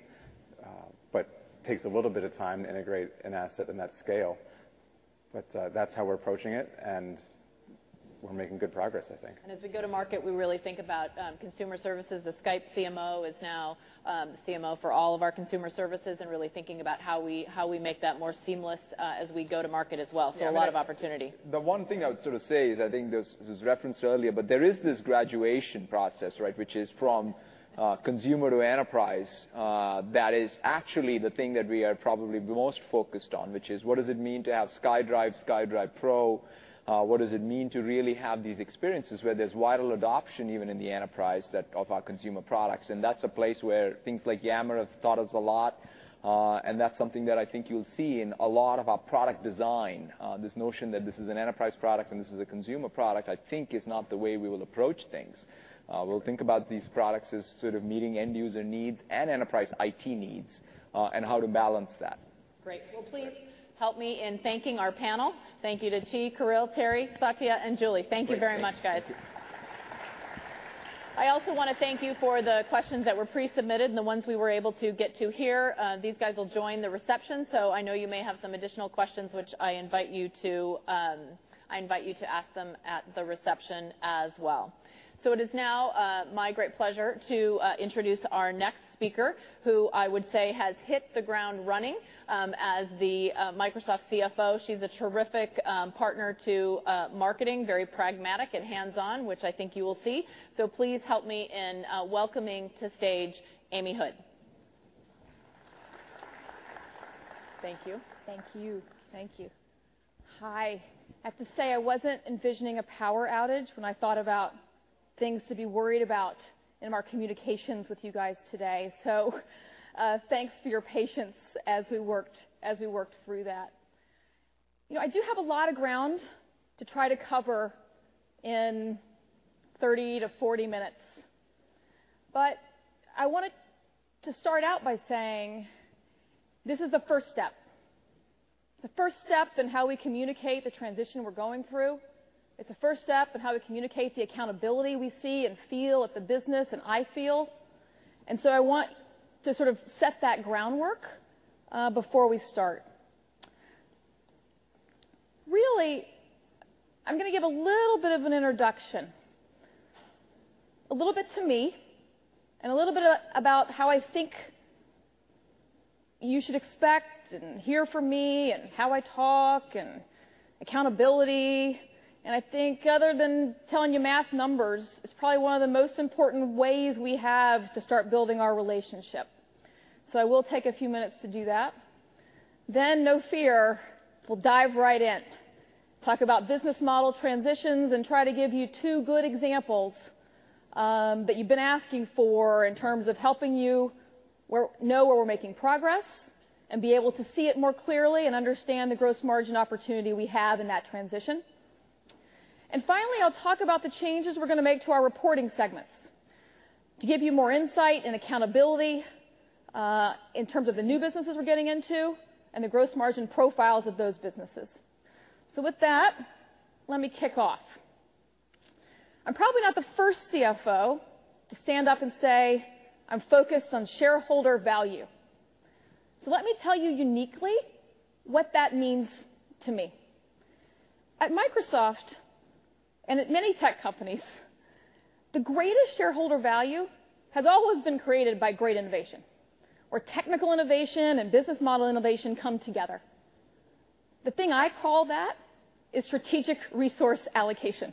[SPEAKER 9] but takes a little bit of time to integrate an asset in that scale. That's how we're approaching it, and we're making good progress, I think.
[SPEAKER 5] As we go to market, we really think about consumer services. The Skype CMO is now CMO for all of our consumer services, and really thinking about how we make that more seamless as we go to market as well. A lot of opportunity.
[SPEAKER 7] The one thing I would say is, I think this was referenced earlier, there is this graduation process which is from consumer to enterprise. That is actually the thing that we are probably the most focused on, which is what does it mean to have SkyDrive Pro? What does it mean to really have these experiences where there's wider adoption, even in the enterprise, of our consumer products? That's a place where things like Yammer have taught us a lot, and that's something that I think you'll see in a lot of our product design. This notion that this is an enterprise product and this is a consumer product, I think is not the way we will approach things. We'll think about these products as sort of meeting end-user needs and enterprise IT needs, and how to balance that.
[SPEAKER 5] Great. Well, please help me in thanking our panel. Thank you to Qi, Kirill, Terry, Satya, and Julie. Thank you very much, guys.
[SPEAKER 9] Great. Thank you.
[SPEAKER 5] I also want to thank you for the questions that were pre-submitted and the ones we were able to get to here. These guys will join the reception. I know you may have some additional questions, which I invite you to ask them at the reception as well. It is now my great pleasure to introduce our next speaker, who I would say has hit the ground running as the Microsoft CFO. She's a terrific partner to marketing, very pragmatic and hands-on, which I think you will see. Please help me in welcoming to stage, Amy Hood.
[SPEAKER 2] Thank you.
[SPEAKER 5] Thank you.
[SPEAKER 2] Thank you. Hi. I have to say, I wasn't envisioning a power outage when I thought about things to be worried about in our communications with you guys today. Thanks for your patience as we worked through that. I do have a lot of ground to try to cover in 30 to 40 minutes, but I wanted to start out by saying this is the first step. The first step in how we communicate the transition we're going through. It's the first step in how we communicate the accountability we see and feel at the business, and I feel. I want to sort of set that groundwork before we start. Really, I'm going to give a little bit of an introduction, a little bit to me, and a little bit about how I think you should expect and hear from me and how I talk and accountability. I think other than telling you mass numbers, it's probably one of the most important ways we have to start building our relationship. I will take a few minutes to do that. No fear, we'll dive right in, talk about business model transitions, and try to give you two good examples that you've been asking for in terms of helping you know where we're making progress and be able to see it more clearly and understand the gross margin opportunity we have in that transition. Finally, I'll talk about the changes we're going to make to our reporting segments to give you more insight and accountability, in terms of the new businesses we're getting into and the gross margin profiles of those businesses. With that, let me kick off. I'm probably not the first CFO to stand up and say I'm focused on shareholder value. Let me tell you uniquely what that means to me. At Microsoft, and at many tech companies, the greatest shareholder value has always been created by great innovation, where technical innovation and business model innovation come together. The thing I call that is strategic resource allocation.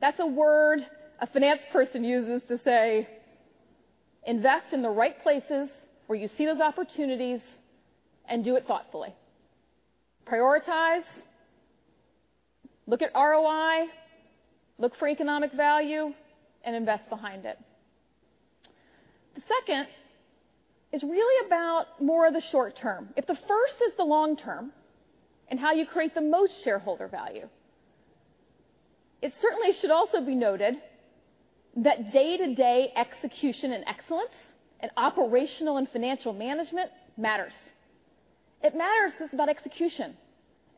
[SPEAKER 2] That's a word a finance person uses to say, invest in the right places where you see those opportunities and do it thoughtfully. Prioritize, look at ROI, look for economic value, and invest behind it. The second is really about more of the short term. If the first is the long term and how you create the most shareholder value, it certainly should also be noted that day-to-day execution and excellence and operational and financial management matters. It matters because it's about execution.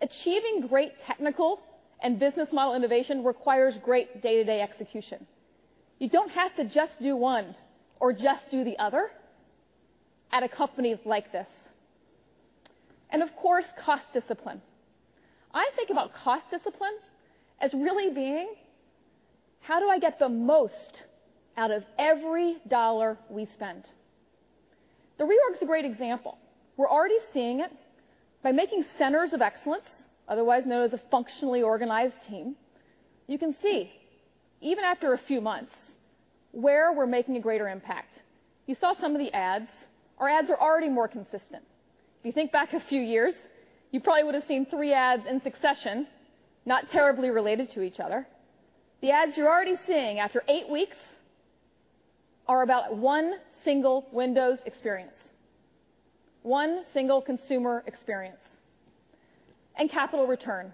[SPEAKER 2] Achieving great technical and business model innovation requires great day-to-day execution. You don't have to just do one or just do the other at a company like this. Of course, cost discipline. I think about cost discipline as really being, how do I get the most out of every dollar we spend? The reorg's a great example. We're already seeing it by making centers of excellence, otherwise known as a functionally organized team. You can see, even after a few months, where we're making a greater impact. You saw some of the ads. Our ads are already more consistent. If you think back a few years, you probably would've seen three ads in succession, not terribly related to each other. The ads you're already seeing after eight weeks are about one single Windows experience, one single consumer experience. And capital return.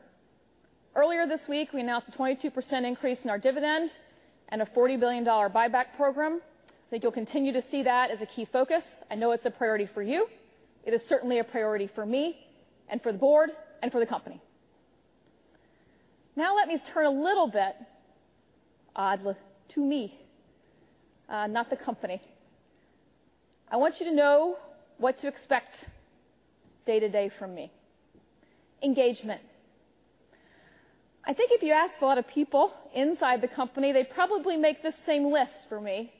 [SPEAKER 2] Earlier this week, we announced a 22% increase in our dividend and a $40 billion buyback program. I think you'll continue to see that as a key focus. I know it's a priority for you. It is certainly a priority for me, and for the board, and for the company. Let me turn a little bit, to me, not the company. I want you to know what to expect day-to-day from me. Engagement. I think if you ask a lot of people inside the company, they'd probably make the same list for me.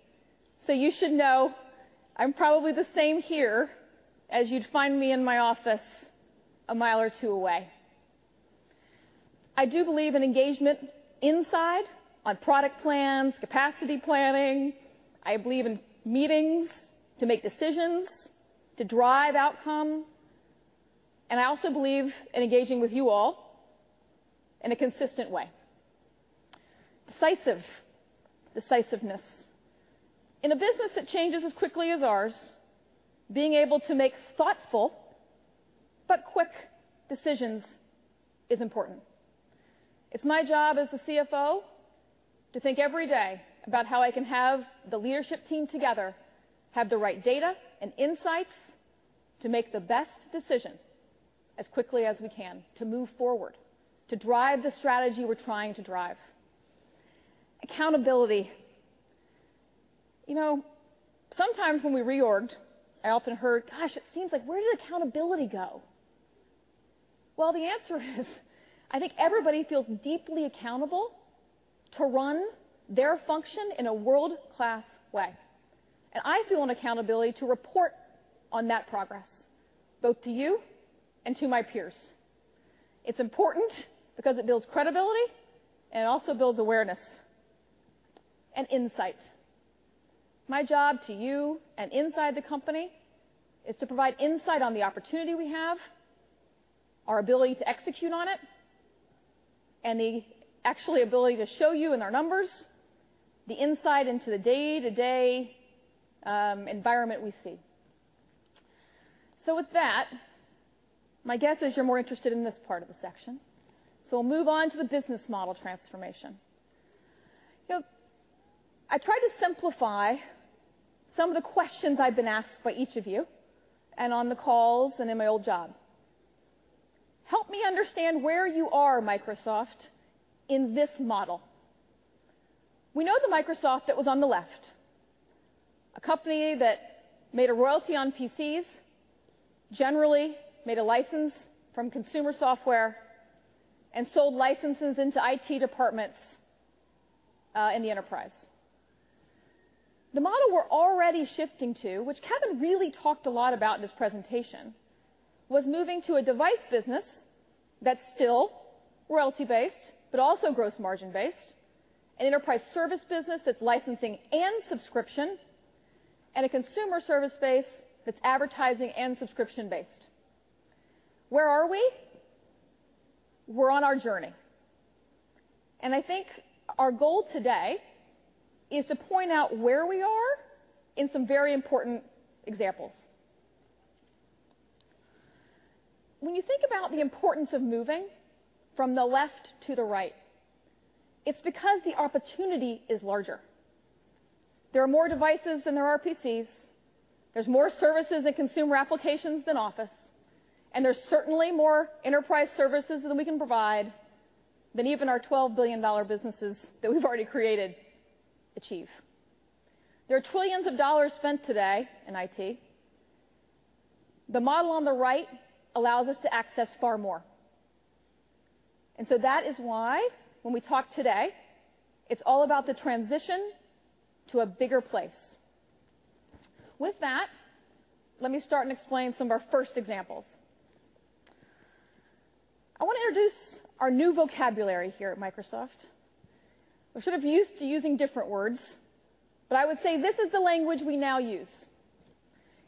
[SPEAKER 2] You should know I'm probably the same here as you'd find me in my office a mile or two away. I do believe in engagement inside on product plans, capacity planning. I believe in meetings to make decisions, to drive outcome, and I also believe in engaging with you all in a consistent way. Decisiveness. In a business that changes as quickly as ours, being able to make thoughtful but quick decisions is important. It's my job as the CFO to think every day about how I can have the leadership team together, have the right data and insights to make the best decision as quickly as we can to move forward, to drive the strategy we're trying to drive. Accountability. Sometimes when we reorged, I often heard, "Gosh, it seems like where did accountability go?" The answer is, I think everybody feels deeply accountable to run their function in a world-class way, and I feel an accountability to report on that progress, both to you and to my peers. It's important because it builds credibility and it also builds awareness and insight. My job to you and inside the company is to provide insight on the opportunity we have, our ability to execute on it, and the actual ability to show you in our numbers the insight into the day-to-day environment we see. With that, my guess is you're more interested in this part of the section. We'll move on to the business model transformation. I tried to simplify some of the questions I've been asked by each of you, and on the calls, and in my old job. Help me understand where you are, Microsoft, in this model. We know the Microsoft that was on the left, a company that made a royalty on PCs, generally made a license from consumer software, and sold licenses into IT departments, in the enterprise. The model we're already shifting to, which Kevin really talked a lot about in his presentation, was moving to a device business that's still royalty-based, but also gross margin based, an enterprise service business that's licensing and subscription, and a consumer service base that's advertising and subscription based. Where are we? We're on our journey, and I think our goal today is to point out where we are in some very important examples. When you think about the importance of moving from the left to the right, it's because the opportunity is larger. There are more devices than there are PCs, there's more services and consumer applications than Office, and there's certainly more enterprise services that we can provide than even our $12 billion businesses that we've already created achieve. There are trillions of dollars spent today in IT. The model on the right allows us to access far more. That is why when we talk today, it's all about the transition to a bigger place. With that, let me start and explain some of our first examples. I want to introduce our new vocabulary here at Microsoft. We should've used to using different words, but I would say this is the language we now use.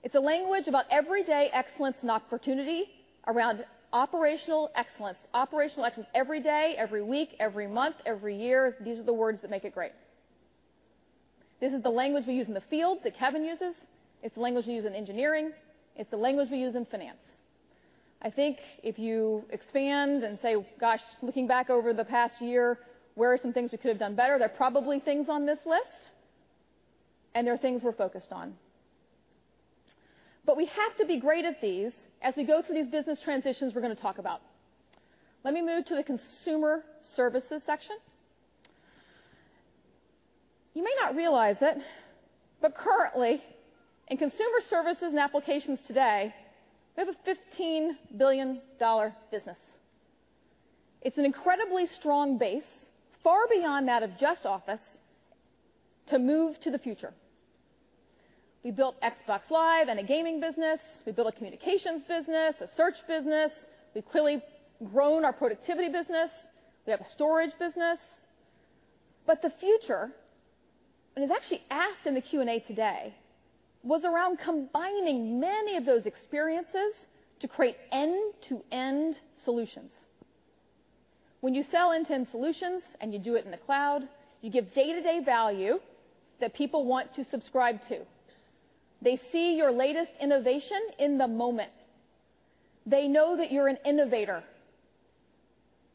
[SPEAKER 2] It's a language about everyday excellence and opportunity around operational excellence. Operational excellence every day, every week, every month, every year. These are the words that make it great. This is the language we use in the field that Kevin uses. It's the language we use in engineering. It's the language we use in finance. I think if you expand and say, "Gosh, looking back over the past year, where are some things we could have done better?" There are probably things on this list, and there are things we're focused on. We have to be great at these as we go through these business transitions we're going to talk about. Let me move to the consumer services section. You may not realize it, currently in consumer services and applications today, we have a $15 billion business. It's an incredibly strong base, far beyond that of just Office, to move to the future. We built Xbox Live and a gaming business. We built a communications business, a search business. We've clearly grown our productivity business. We have a storage business. The future, and it was actually asked in the Q&A today, was around combining many of those experiences to create end-to-end solutions. When you sell end-to-end solutions and you do it in the cloud, you give day-to-day value that people want to subscribe to. They see your latest innovation in the moment. They know that you're an innovator.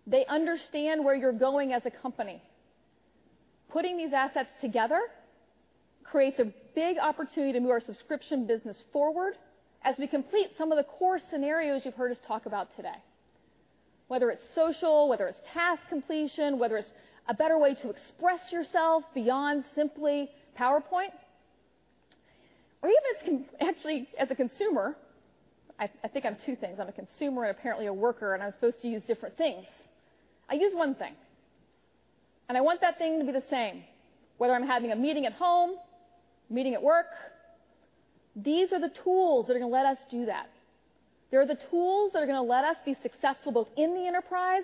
[SPEAKER 2] They understand where you're going as a company. Putting these assets together creates a big opportunity to move our subscription business forward as we complete some of the core scenarios you've heard us talk about today. Whether it's social, whether it's task completion, whether it's a better way to express yourself beyond simply PowerPoint, or even actually as a consumer, I think I'm two things. I'm a consumer and apparently a worker. I'm supposed to use different things. I use one thing, and I want that thing to be the same, whether I'm having a meeting at home, meeting at work. These are the tools that are going to let us do that. They're the tools that are going to let us be successful both in the enterprise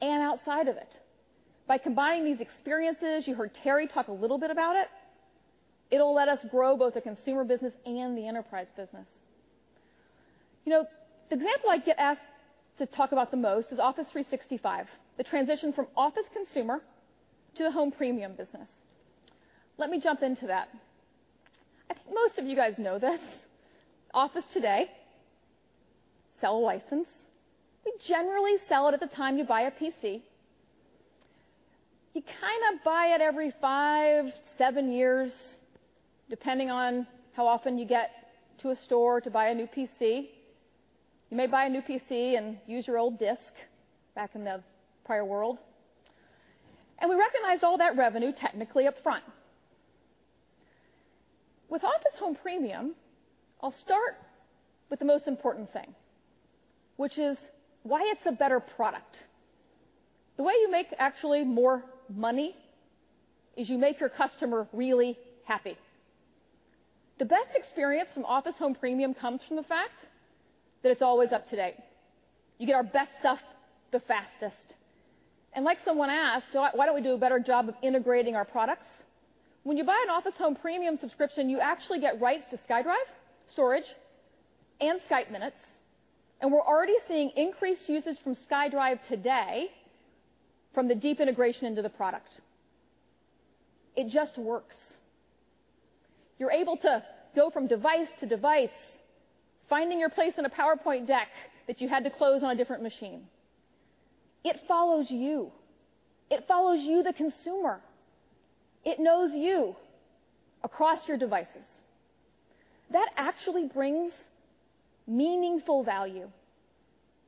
[SPEAKER 2] and outside of it. By combining these experiences, you heard Terry talk a little bit about it will let us grow both the consumer business and the enterprise business. The example I get asked to talk about the most is Office 365, the transition from Office consumer to the Office Home Premium business. Let me jump into that. I think most of you guys know this. Office today, sell a license. We generally sell it at the time you buy a PC. You kind of buy it every five, seven years, depending on how often you get to a store to buy a new PC. You may buy a new PC and use your old disk back in the prior world. We recognize all that revenue technically upfront. With Office Home Premium, I will start with the most important thing, which is why it's a better product. The way you make actually more money is you make your customer really happy. The best experience from Office Home Premium comes from the fact that it's always up to date. You get our best stuff the fastest. Like someone asked, "Why don't we do a better job of integrating our products?" When you buy an Office Home Premium subscription, you actually get rights to SkyDrive storage and Skype minutes, and we're already seeing increased usage from SkyDrive today from the deep integration into the product. It just works. You're able to go from device to device, finding your place in a PowerPoint deck that you had to close on a different machine. It follows you. It follows you, the consumer. It knows you across your devices. That actually brings meaningful value,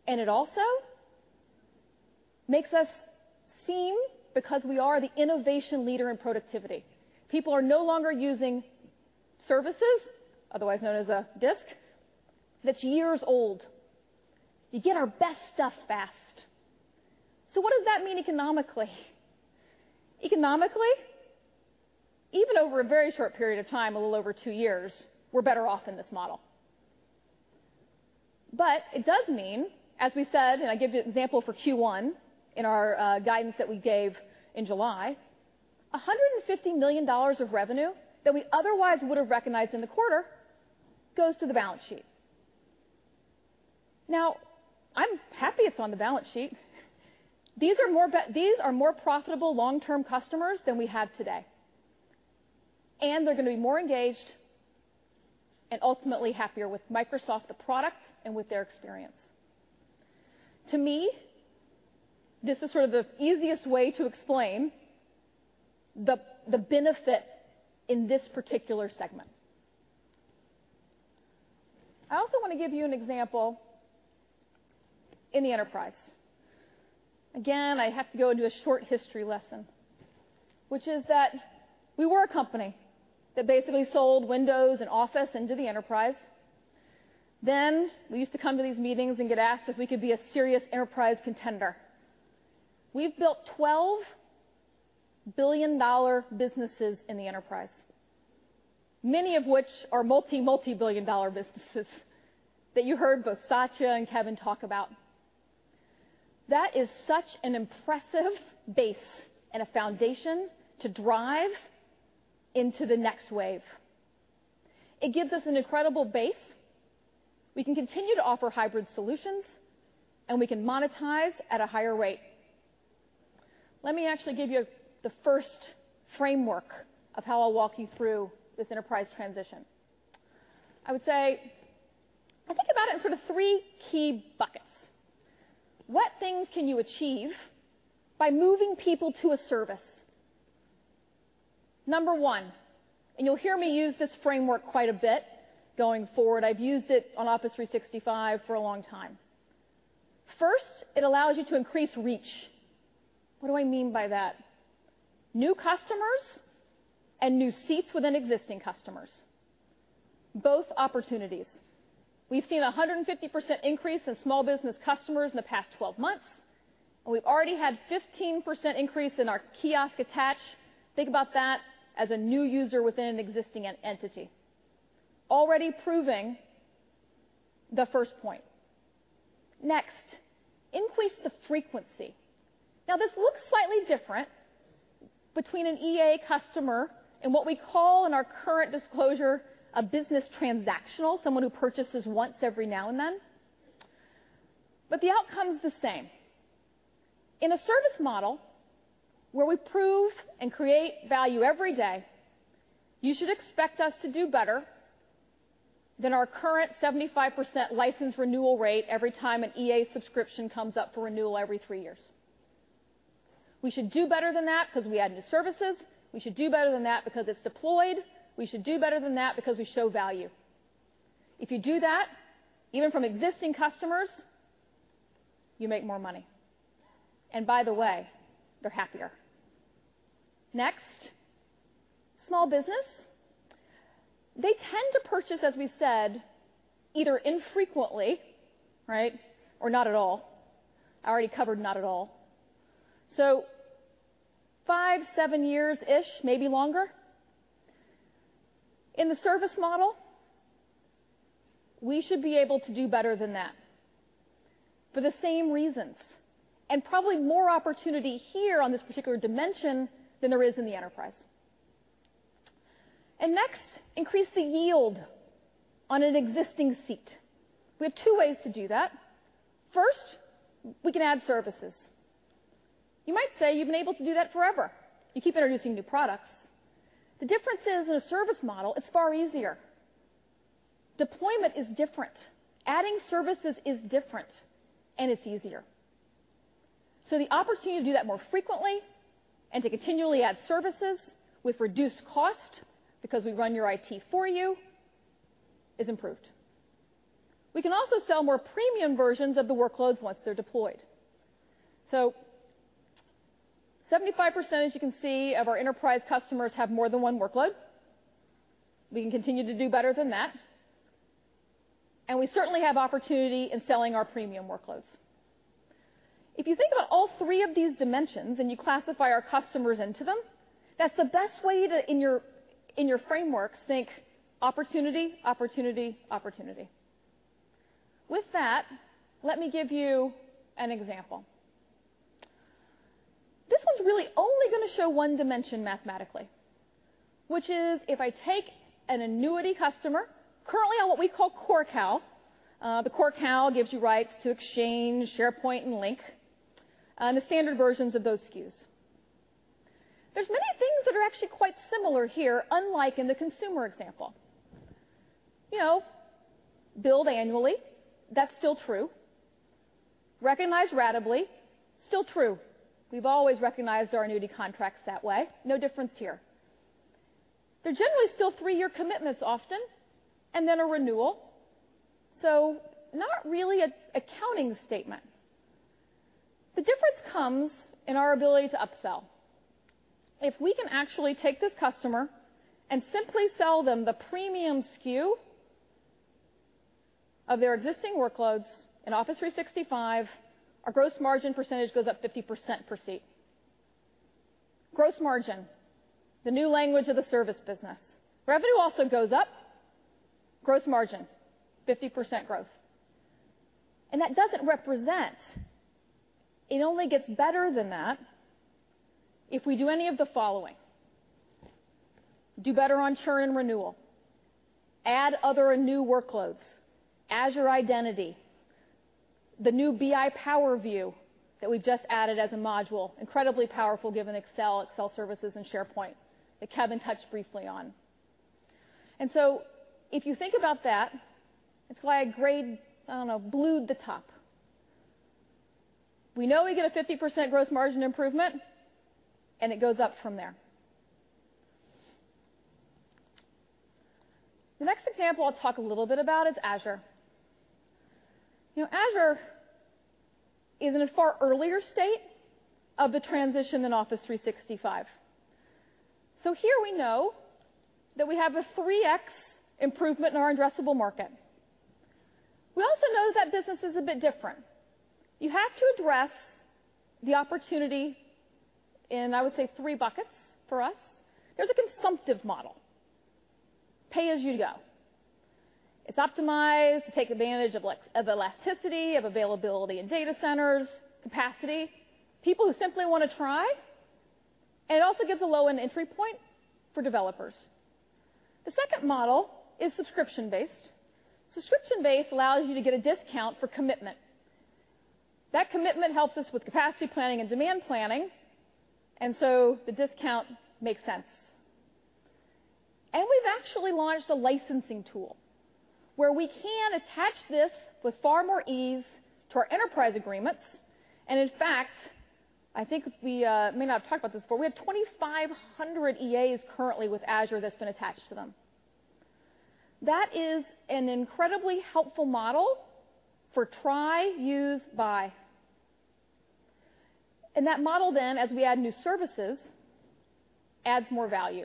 [SPEAKER 2] and it also makes us seem, because we are the innovation leader in productivity. People are no longer using services, otherwise known as a disk, that's years old. You get our best stuff fast. What does that mean economically? Economically, even over a very short period of time, a little over two years, we're better off in this model. It does mean, as we said, and I give you an example for Q1 in our guidance that we gave in July, $150 million of revenue that we otherwise would have recognized in the quarter goes to the balance sheet. Now, I'm happy it's on the balance sheet. These are more profitable long-term customers than we have today, and they're going to be more engaged and ultimately happier with Microsoft, the product, and with their experience. To me, this is sort of the easiest way to explain the benefit in this particular segment. I also want to give you an example in the enterprise. Again, I have to go into a short history lesson, which is that we were a company that basically sold Windows and Office into the enterprise. We used to come to these meetings and get asked if we could be a serious enterprise contender. We've built $12 billion businesses in the enterprise, many of which are multi-multi-billion dollar businesses that you heard both Satya and Kevin talk about. That is such an impressive base and a foundation to drive into the next wave. It gives us an incredible base. We can continue to offer hybrid solutions, and we can monetize at a higher rate. Let me actually give you the first framework of how I will walk you through this enterprise transition. I would say, I think about it in sort of three key buckets. What things can you achieve by moving people to a service? Number one, you'll hear me use this framework quite a bit going forward. I've used it on Office 365 for a long time. First, it allows you to increase reach. What do I mean by that? New customers and new seats within existing customers, both opportunities. We've seen 150% increase in small business customers in the past 12 months, and we've already had 15% increase in our kiosk attach. Think about that as a new user within an existing entity. Already proving the first point. Next, increase the frequency. This looks slightly different between an EA customer and what we call in our current disclosure a business transactional, someone who purchases once every now and then, but the outcome is the same. In a service model where we prove and create value every day, you should expect us to do better than our current 75% license renewal rate every time an EA subscription comes up for renewal every three years. We should do better than that because we add new services. We should do better than that because it's deployed. We should do better than that because we show value. If you do that, even from existing customers, you make more money. By the way, they're happier. Next, small business. They tend to purchase, as we said, either infrequently, right, or not at all. I already covered not at all. Five, seven years-ish, maybe longer. In the service model, we should be able to do better than that for the same reasons, and probably more opportunity here on this particular dimension than there is in the enterprise. Next, increase the yield on an existing seat. We have two ways to do that. First, we can add services. You might say you've been able to do that forever. You keep introducing new products. The difference is, in a service model, it's far easier. Deployment is different. Adding services is different, and it's easier. The opportunity to do that more frequently and to continually add services with reduced cost because we run your IT for you is improved. We can also sell more premium versions of the workloads once they're deployed. 75%, as you can see, of our enterprise customers have more than one workload. We can continue to do better than that. We certainly have opportunity in selling our premium workloads. If you think about all three of these dimensions, and you classify our customers into them, that's the best way to, in your framework, think opportunity. With that, let me give you an example. This one's really only going to show one dimension mathematically, which is if I take an annuity customer currently on what we call Core CAL. The Core CAL gives you rights to Exchange, SharePoint, and Lync, the standard versions of those SKUs. There's many things that are actually quite similar here, unlike in the consumer example. Billed annually, that's still true. Recognized ratably, still true. We've always recognized our annuity contracts that way. No difference here. They're generally still three-year commitments often, and then a renewal, so not really an accounting statement. The difference comes in our ability to upsell. If we can actually take this customer and simply sell them the premium SKU of their existing workloads in Office 365, our gross margin percentage goes up 50% per seat. Gross margin, the new language of the service business. Revenue also goes up. Gross margin, 50% growth. That doesn't represent. It only gets better than that if we do any of the following: do better on churn renewal, add other new workloads, Azure Identity, the new BI Power View that we just added as a module, incredibly powerful given Excel Services, and SharePoint that Kevin touched briefly on. If you think about that, it's why I grayed, I don't know, blued the top. We know we get a 50% gross margin improvement, and it goes up from there. The next example I'll talk a little bit about is Azure. Azure is in a far earlier state of the transition than Office 365. Here we know that we have a 3x improvement in our addressable market. We also know that business is a bit different. You have to address the opportunity in, I would say, 3 buckets for us. There's a consumptive model, pay-as-you-go. It's optimized to take advantage of elasticity, of availability in data centers, capacity. People who simply want to try. It also gives a low-end entry point for developers. The second model is subscription-based. Subscription-based allows you to get a discount for commitment. That commitment helps us with capacity planning and demand planning, the discount makes sense. We've actually launched a licensing tool where we can attach this with far more ease to our enterprise agreements. In fact, I think we may not have talked about this before, we have 2,500 EAs currently with Azure that's been attached to them. That is an incredibly helpful model for try, use, buy. That model then, as we add new services, adds more value.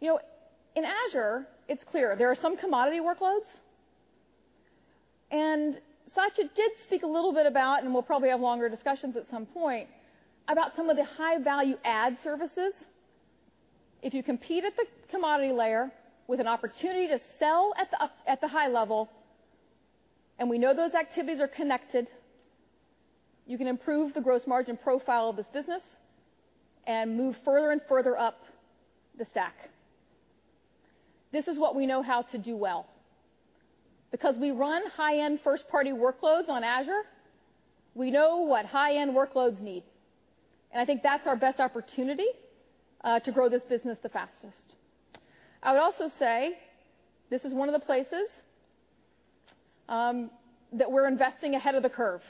[SPEAKER 2] In Azure, it's clear there are some commodity workloads, and Satya did speak a little bit about, and we'll probably have longer discussions at some point, about some of the high-value add services. If you compete at the commodity layer with an opportunity to sell at the high level, and we know those activities are connected, you can improve the gross margin profile of this business and move further and further up the stack. This is what we know how to do well. Because we run high-end first-party workloads on Azure, we know what high-end workloads need, and I think that's our best opportunity to grow this business the fastest. I would also say this is one of the places that we're investing ahead of the curve.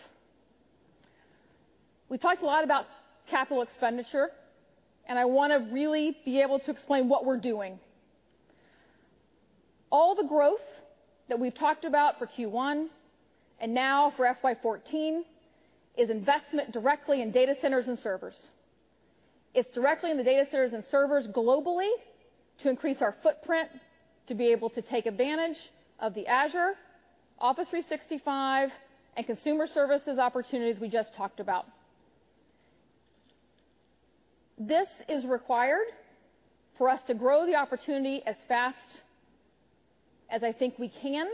[SPEAKER 2] We talked a lot about capital expenditure, and I want to really be able to explain what we're doing. All the growth that we've talked about for Q1 and now for FY 2014 is investment directly in data centers and servers. It's directly in the data centers and servers globally to increase our footprint, to be able to take advantage of the Azure, Office 365, and consumer services opportunities we just talked about. This is required for us to grow the opportunity as fast as I think we can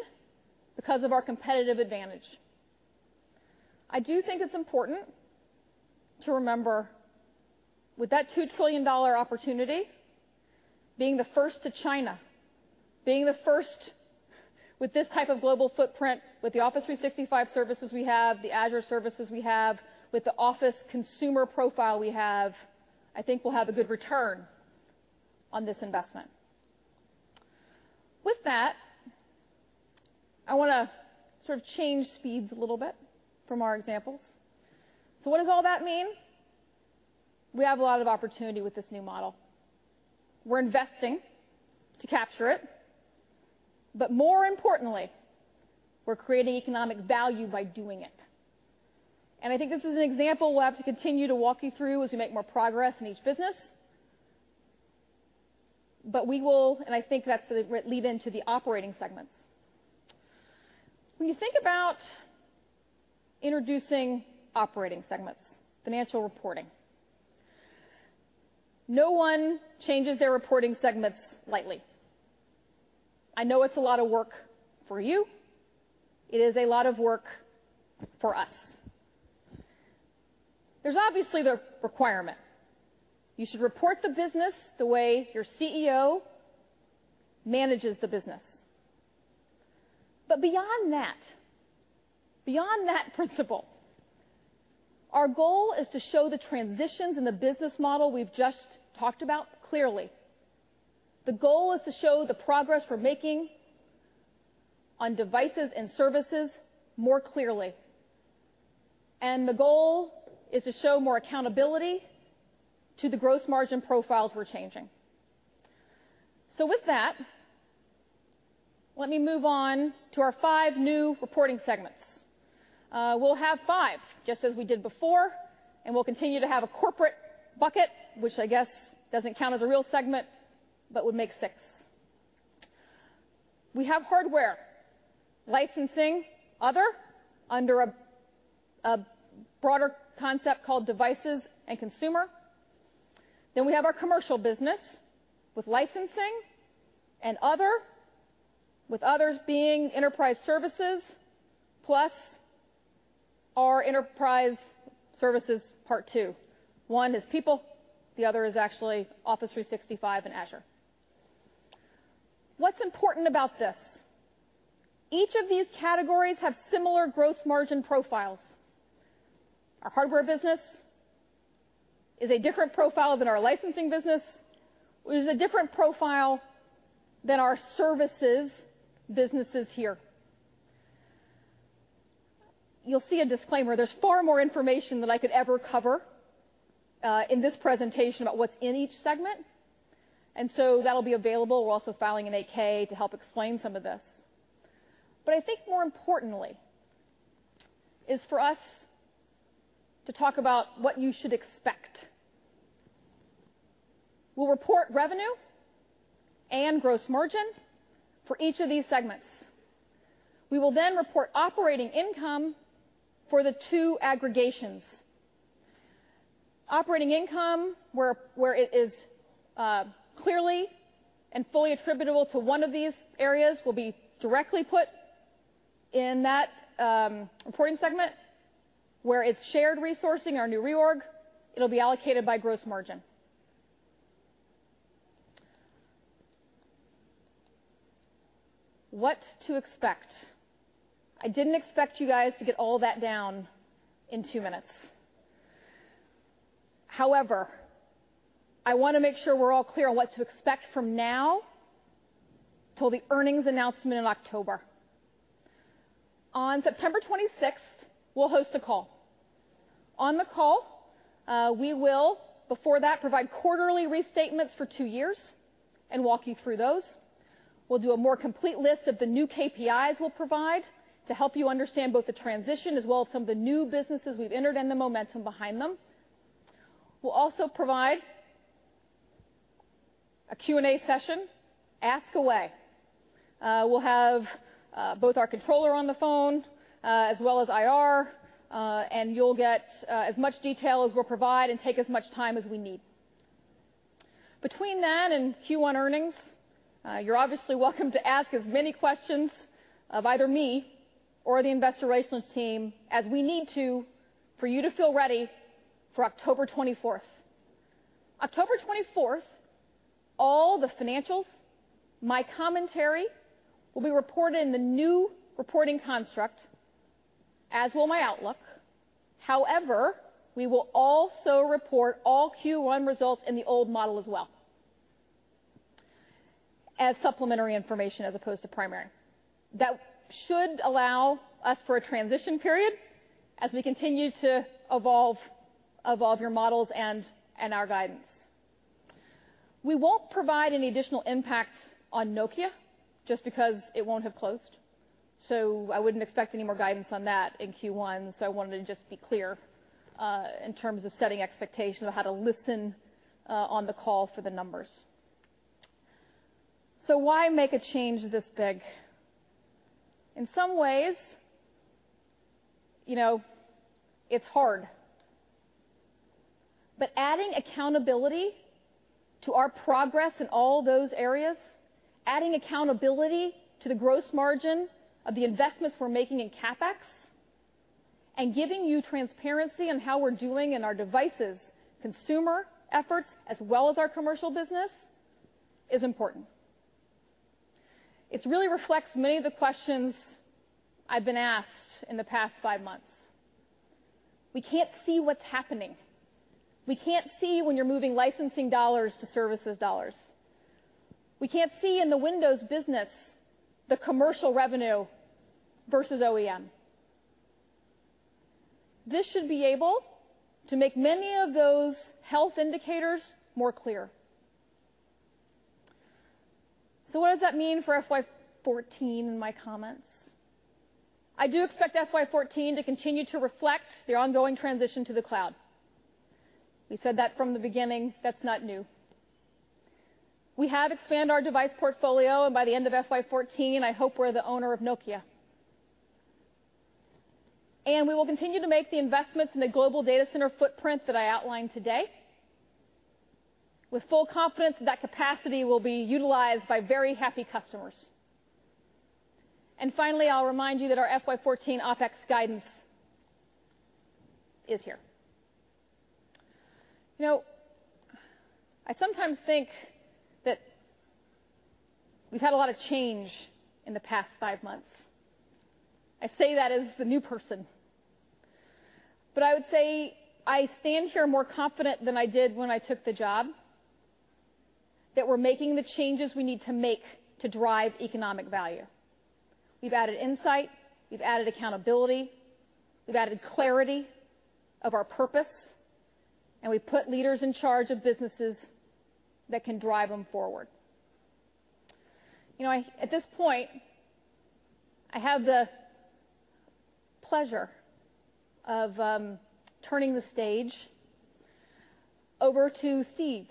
[SPEAKER 2] because of our competitive advantage. I do think it's important to remember, with that $2 trillion opportunity, being the first to China, being the first with this type of global footprint with the Office 365 services we have, the Azure services we have, with the Office consumer profile we have, I think we'll have a good return on this investment. With that, I want to change speeds a little bit from our examples. What does all that mean? We have a lot of opportunity with this new model. We're investing to capture it, but more importantly, we're creating economic value by doing it. I think this is an example we'll have to continue to walk you through as we make more progress in each business. We will, and I think that's the lead-in to the operating segments. When you think about introducing operating segments, financial reporting, no one changes their reporting segments lightly. I know it's a lot of work for you. It is a lot of work for us. There's obviously the requirement. You should report the business the way your CEO manages the business. Beyond that principle, our goal is to show the transitions in the business model we've just talked about clearly. The goal is to show the progress we're making on devices and services more clearly. The goal is to show more accountability to the gross margin profiles we're changing. With that, let me move on to our five new reporting segments. We'll have five, just as we did before, and we'll continue to have a corporate bucket, which I guess doesn't count as a real segment but would make six. We have hardware, licensing, other under a broader concept called devices and consumer. We have our commercial business with licensing and other, with others being enterprise services, plus our enterprise services part 2. One is people, the other is actually Office 365 and Azure. What's important about this? Each of these categories have similar gross margin profiles. Our hardware business is a different profile than our licensing business, which is a different profile than our services businesses here. You'll see a disclaimer. There's far more information than I could ever cover in this presentation about what's in each segment, that'll be available. We're also filing an 8-K to help explain some of this. I think more importantly is for us to talk about what you should expect. We'll report revenue and gross margin for each of these segments. We will report operating income for the two aggregations. Operating income, where it is clearly and fully attributable to one of these areas, will be directly put in that reporting segment. Where it's shared resourcing, our new reorg, it'll be allocated by gross margin. What to expect. I didn't expect you guys to get all that down in two minutes. However, I want to make sure we're all clear on what to expect from now till the earnings announcement in October. On September 26th, we'll host a call. On the call, we will, before that, provide quarterly restatements for two years and walk you through those. We'll do a more complete list of the new KPIs we'll provide to help you understand both the transition as well as some of the new businesses we've entered and the momentum behind them. We'll also provide a Q&A session. Ask away. We'll have both our controller on the phone as well as IR, and you'll get as much detail as we'll provide and take as much time as we need. Between that and Q1 earnings, you're obviously welcome to ask as many questions of either me or the investor relations team as we need to for you to feel ready for October 24th. October 24th, all the financials, my commentary, will be reported in the new reporting construct, as will my outlook. However, we will also report all Q1 results in the old model as well as supplementary information as opposed to primary. That should allow us for a transition period as we continue to evolve your models and our guidance. I wouldn't expect any more guidance on that in Q1. I wanted to just be clear, in terms of setting expectations of how to listen on the call for the numbers. Why make a change this big? In some ways, it's hard, but adding accountability to our progress in all those areas, adding accountability to the gross margin of the investments we're making in CapEx, and giving you transparency on how we're doing in our devices, consumer efforts, as well as our commercial business, is important. It really reflects many of the questions I've been asked in the past five months. We can't see what's happening. We can't see when you're moving licensing dollars to services dollars. We can't see in the Windows business the commercial revenue versus OEM. This should be able to make many of those health indicators more clear. What does that mean for FY 2014 in my comments? I do expect FY 2014 to continue to reflect the ongoing transition to the cloud. We said that from the beginning. That's not new. We have expanded our device portfolio, and by the end of FY 2014, I hope we're the owner of Nokia. We will continue to make the investments in the global data center footprint that I outlined today with full confidence that that capacity will be utilized by very happy customers. Finally, I'll remind you that our FY 2014 OpEx guidance is here. I sometimes think that we've had a lot of change in the past five months. I say that as the new person, but I would say I stand here more confident than I did when I took the job, that we're making the changes we need to make to drive economic value. We've added insight, we've added accountability, we've added clarity of our purpose, and we've put leaders in charge of businesses that can drive them forward. At this point, I have the pleasure of turning the stage over to Steve,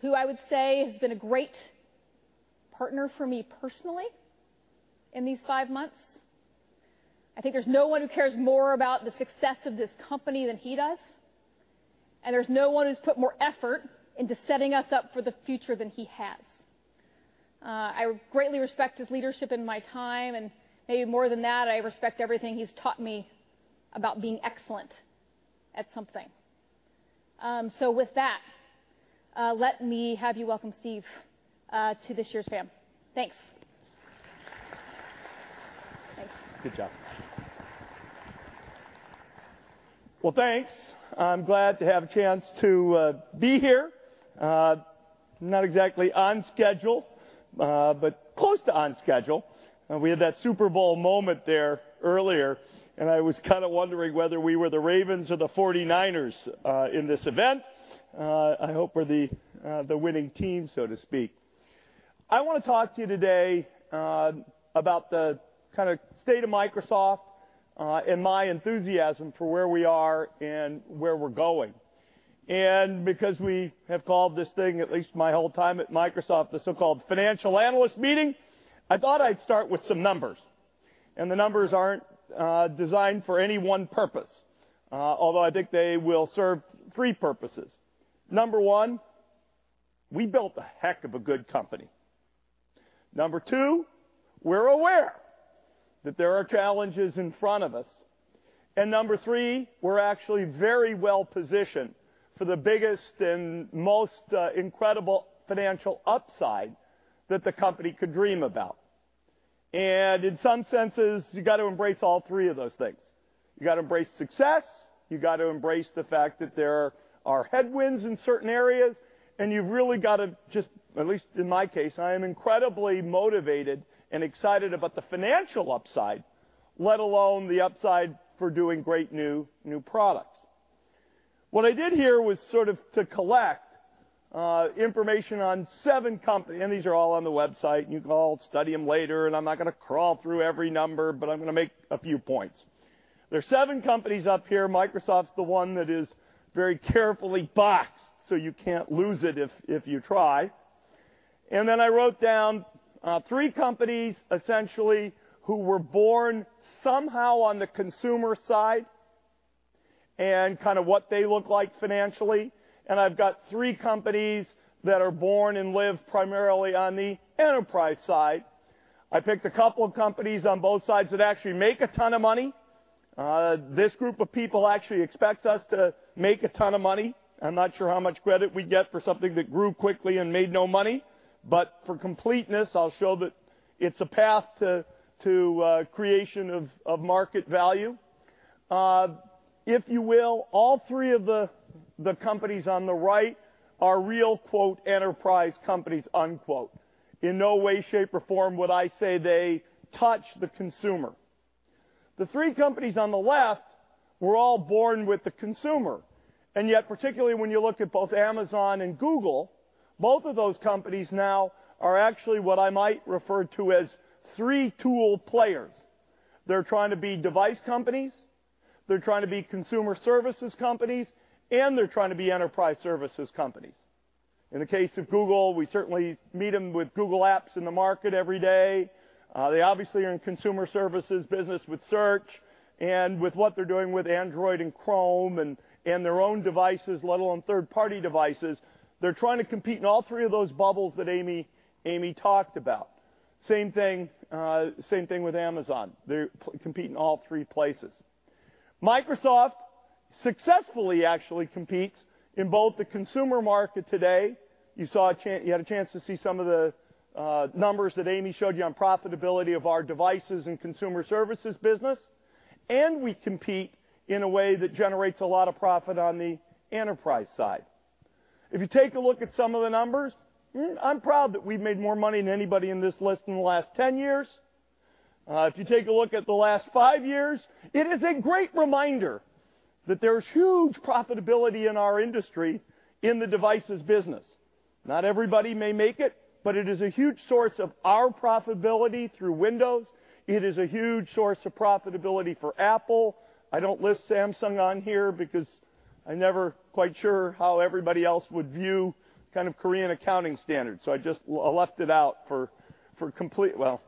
[SPEAKER 2] who I would say has been a great partner for me personally in these five months. I think there's no one who cares more about the success of this company than he does, and there's no one who's put more effort into setting us up for the future than he has. I greatly respect his leadership in my time, and maybe more than that, I respect everything he's taught me about being excellent at something. With that, let me have you welcome Steve to this year's FAM. Thanks.
[SPEAKER 16] Good job. Well, thanks. I'm glad to have a chance to be here. Not exactly on schedule, but close to on schedule. We had that Super Bowl moment there earlier, I was kind of wondering whether we were the Ravens or the 49ers in this event. I hope we're the winning team, so to speak. I want to talk to you today about the state of Microsoft and my enthusiasm for where we are and where we're going. Because we have called this thing, at least my whole time at Microsoft, the so-called Financial Analyst Meeting, I thought I'd start with some numbers. The numbers aren't designed for any one purpose, although I think they will serve three purposes. Number one, we built a heck of a good company. Number two, we're aware that there are challenges in front of us. Number three, we're actually very well-positioned for the biggest and most incredible financial upside that the company could dream about. In some senses, you've got to embrace all three of those things. You've got to embrace success, you've got to embrace the fact that there are headwinds in certain areas, you've really got to just, at least in my case, I am incredibly motivated and excited about the financial upside, let alone the upside for doing great new products. What I did here was sort of to collect information on seven companies. These are all on the website, you can all study them later, I'm not going to crawl through every number, but I'm going to make a few points. There's seven companies up here. Microsoft's the one that is very carefully boxed, so you can't lose it if you try. Then I wrote down three companies essentially who were born somehow on the consumer side kind of what they look like financially, I've got three companies that are born and live primarily on the enterprise side. I picked a couple of companies on both sides that actually make a ton of money. This group of people actually expects us to make a ton of money. I'm not sure how much credit we get for something that grew quickly and made no money. For completeness, I'll show that it's a path to creation of market value. If you will, all three of the companies on the right are real, quote, enterprise companies, unquote. In no way, shape, or form would I say they touch the consumer. The three companies on the left were all born with the consumer. Yet, particularly when you look at both Amazon and Google, both of those companies now are actually what I might refer to as three-tool players. They're trying to be device companies, they're trying to be consumer services companies, and they're trying to be enterprise services companies. In the case of Google, we certainly meet them with Google Apps in the market every day. They obviously are in consumer services business with search and with what they're doing with Android and Chrome and their own devices, let alone third-party devices. They're trying to compete in all three of those bubbles that Amy talked about. Same thing with Amazon. They compete in all three places. Microsoft successfully actually competes in both the consumer market today. You had a chance to see some of the numbers that Amy showed you on profitability of our devices and consumer services business. We compete in a way that generates a lot of profit on the enterprise side. If you take a look at some of the numbers, I am proud that we have made more money than anybody in this list in the last 10 years. If you take a look at the last five years, it is a great reminder that there is huge profitability in our industry in the devices business. Not everybody may make it, but it is a huge source of our profitability through Windows. It is a huge source of profitability for Apple. I do not list Samsung on here because I am never quite sure how everybody else would view kind of Korean accounting standards, so I just left it out. Well,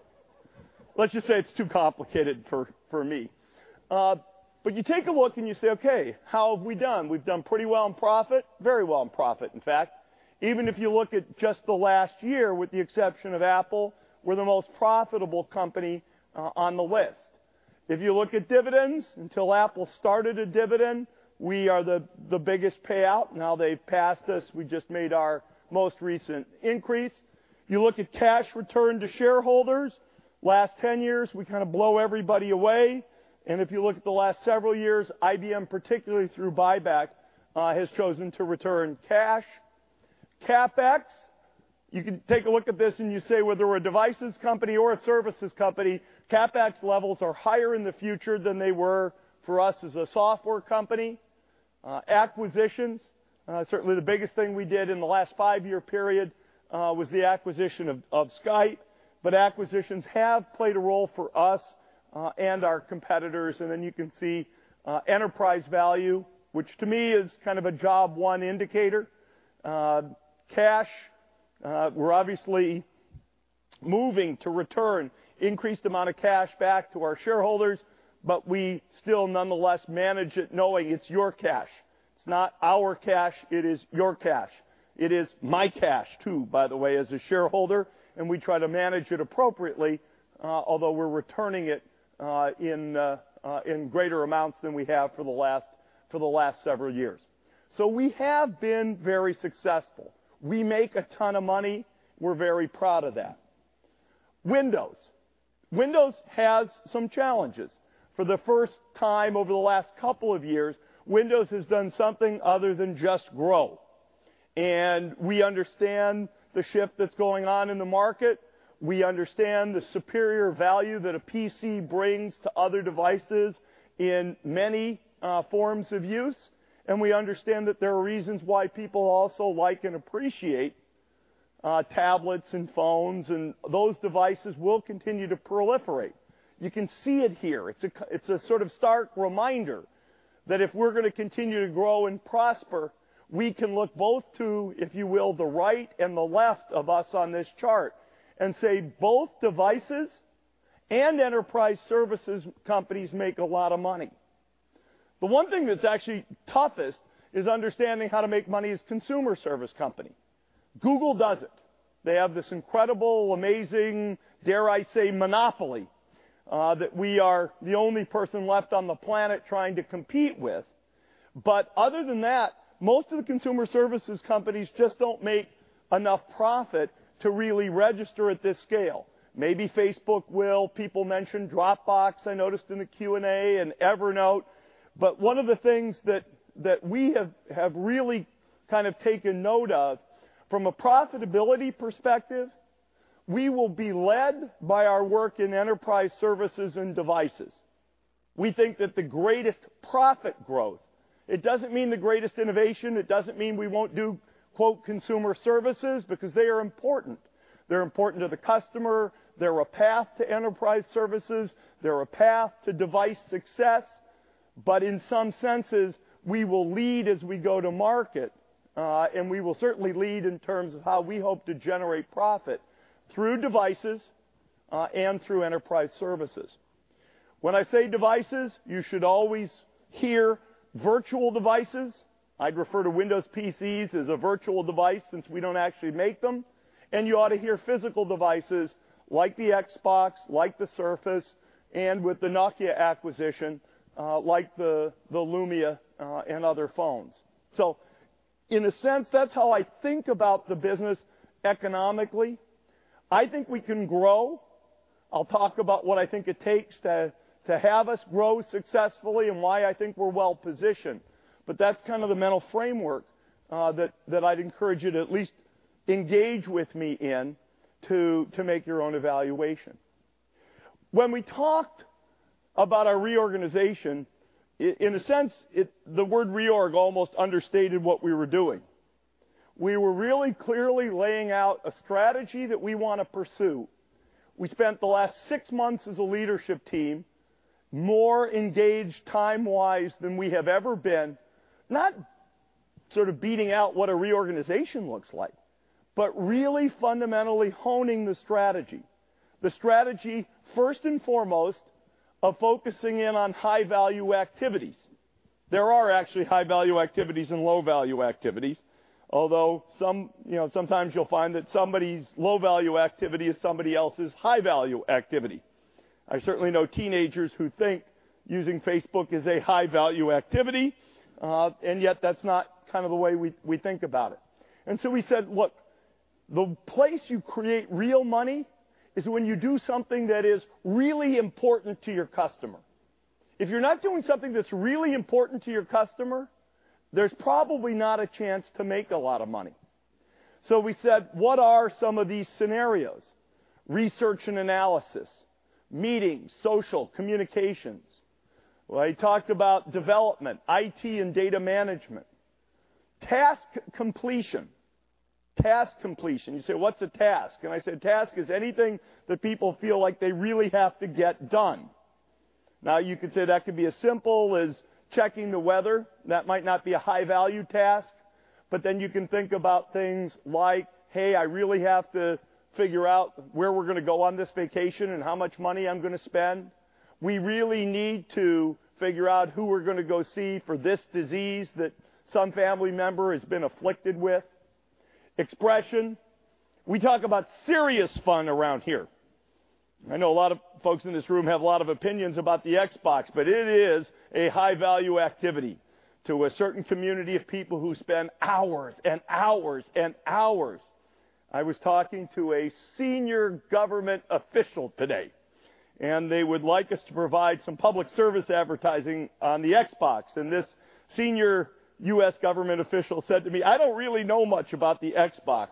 [SPEAKER 16] let us just say it is too complicated for me. You take a look and you say, "Okay, how have we done?" We have done pretty well in profit, very well in profit, in fact. Even if you look at just the last year, with the exception of Apple, we are the most profitable company on the list. If you look at dividends, until Apple started a dividend, we are the biggest payout. Now they have passed us. We just made our most recent increase. You look at cash return to shareholders. Last 10 years, we kind of blow everybody away. If you look at the last several years, IBM, particularly through buyback, has chosen to return cash. CapEx, you can take a look at this and you say whether we are a devices company or a services company, CapEx levels are higher in the future than they were for us as a software company. Acquisitions, certainly the biggest thing we did in the last five-year period was the acquisition of Skype. Acquisitions have played a role for us and our competitors. You can see enterprise value, which to me is kind of a job one indicator. Cash, we are obviously moving to return increased amount of cash back to our shareholders, but we still nonetheless manage it knowing it is your cash. It is not our cash, it is your cash. It is my cash, too, by the way, as a shareholder, and we try to manage it appropriately, although we are returning it in greater amounts than we have for the last several years. We have been very successful. We make a ton of money. We are very proud of that. Windows. Windows has some challenges. For the first time over the last couple of years, Windows has done something other than just grow. We understand the shift that is going on in the market. We understand the superior value that a PC brings to other devices in many forms of use. We understand that there are reasons why people also like and appreciate tablets and phones, and those devices will continue to proliferate. You can see it here. It is a sort of stark reminder that if we are going to continue to grow and prosper, we can look both to, if you will, the right and the left of us on this chart and say both devices and enterprise services companies make a lot of money. The one thing that is actually toughest is understanding how to make money as a consumer service company. Google does it. They have this incredible, amazing, dare I say, monopoly, that we are the only person left on the planet trying to compete with. Other than that, most of the consumer services companies just don't make enough profit to really register at this scale. Maybe Facebook will. People mentioned Dropbox, I noticed in the Q&A, and Evernote. One of the things that we have really kind of taken note of, from a profitability perspective, we will be led by our work in enterprise services and devices. We think that the greatest profit growth, it doesn't mean the greatest innovation, it doesn't mean we won't do, quote, consumer services, because they are important. They're important to the customer. They're a path to enterprise services. They're a path to device success. In some senses, we will lead as we go to market, and we will certainly lead in terms of how we hope to generate profit through devices and through enterprise services. When I say devices, you should always hear virtual devices. I'd refer to Windows PCs as a virtual device since we don't actually make them. You ought to hear physical devices like the Xbox, like the Surface, and with the Nokia acquisition, like the Lumia, and other phones. In a sense, that's how I think about the business economically. I think we can grow. I'll talk about what I think it takes to have us grow successfully and why I think we're well-positioned. That's kind of the mental framework that I'd encourage you to at least engage with me in to make your own evaluation. When we talked about our reorganization, in a sense, the word reorg almost understated what we were doing. We were really clearly laying out a strategy that we want to pursue. We spent the last six months as a leadership team, more engaged time-wise than we have ever been, not sort of beating out what a reorganization looks like, but really fundamentally honing the strategy. The strategy, first and foremost, of focusing in on high-value activities. There are actually high-value activities and low-value activities. Although sometimes you'll find that somebody's low-value activity is somebody else's high-value activity. I certainly know teenagers who think using Facebook is a high-value activity, and yet that's not kind of the way we think about it. We said, look, the place you create real money is when you do something that is really important to your customer. If you're not doing something that's really important to your customer, there's probably not a chance to make a lot of money. We said, what are some of these scenarios? Research and analysis, meetings, social, communications. I talked about development, IT, and data management. Task completion. You say, "What's a task?" I said, task is anything that people feel like they really have to get done. Now you could say that could be as simple as checking the weather. That might not be a high-value task, you can think about things like, hey, I really have to figure out where we're going to go on this vacation and how much money I'm going to spend. We really need to figure out who we're going to go see for this disease that some family member has been afflicted with. Expression. We talk about serious fun around here. I know a lot of folks in this room have a lot of opinions about the Xbox, but it is a high-value activity to a certain community of people who spend hours and hours and hours. I was talking to a senior government official today, they would like us to provide some public service advertising on the Xbox. This senior U.S. government official said to me, "I don't really know much about the Xbox,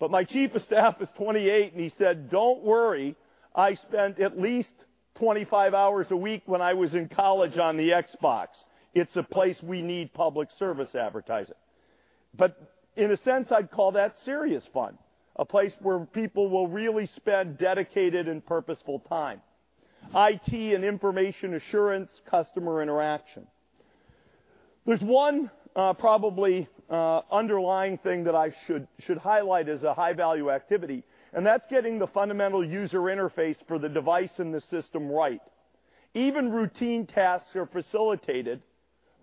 [SPEAKER 16] but my chief of staff is 28," and he said, "Don't worry, I spent at least 25 hours a week when I was in college on the Xbox. It's a place we need public service advertising." In a sense, I'd call that serious fun, a place where people will really spend dedicated and purposeful time. IT and information assurance, customer interaction. There's one probably underlying thing that I should highlight as a high-value activity, and that's getting the fundamental user interface for the device and the system right. Even routine tasks are facilitated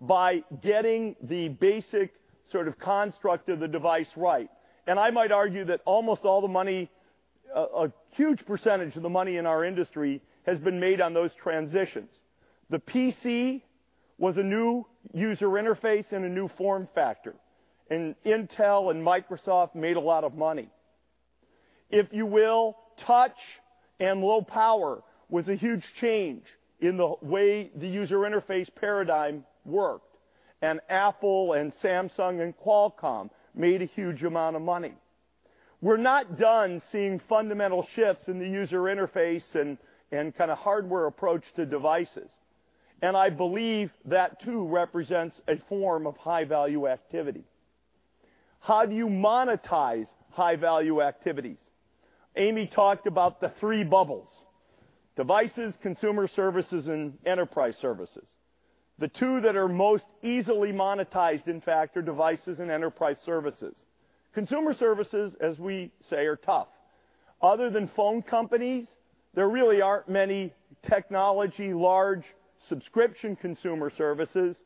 [SPEAKER 16] by getting the basic sort of construct of the device right. I might argue that almost all the money, a huge percentage of the money in our industry, has been made on those transitions. The PC was a new user interface and a new form factor, Intel and Microsoft made a lot of money. If you will, touch and low power was a huge change in the way the user interface paradigm worked, Apple and Samsung and Qualcomm made a huge amount of money. We're not done seeing fundamental shifts in the user interface and kind of hardware approach to devices. I believe that too represents a form of high-value activity. How do you monetize high-value activities? Amy talked about the three bubbles, devices, consumer services, and enterprise services. The two that are most easily monetized, in fact, are devices and enterprise services. Consumer services, as we say, are tough. Other than phone companies, there really aren't many technology large subscription consumer services,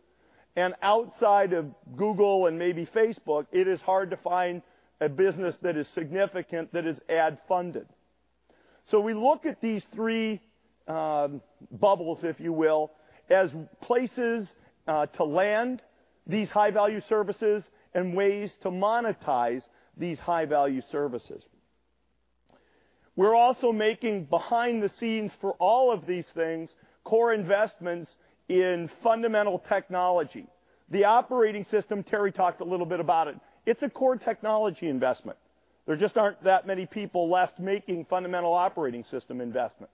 [SPEAKER 16] outside of Google and maybe Facebook, it is hard to find a business that is significant that is ad-funded. We look at these three bubbles, if you will, as places to land these high-value services and ways to monetize these high-value services. We're also making behind the scenes for all of these things core investments in fundamental technology. The operating system, Terry talked a little bit about it. It's a core technology investment. There just aren't that many people left making fundamental operating system investment.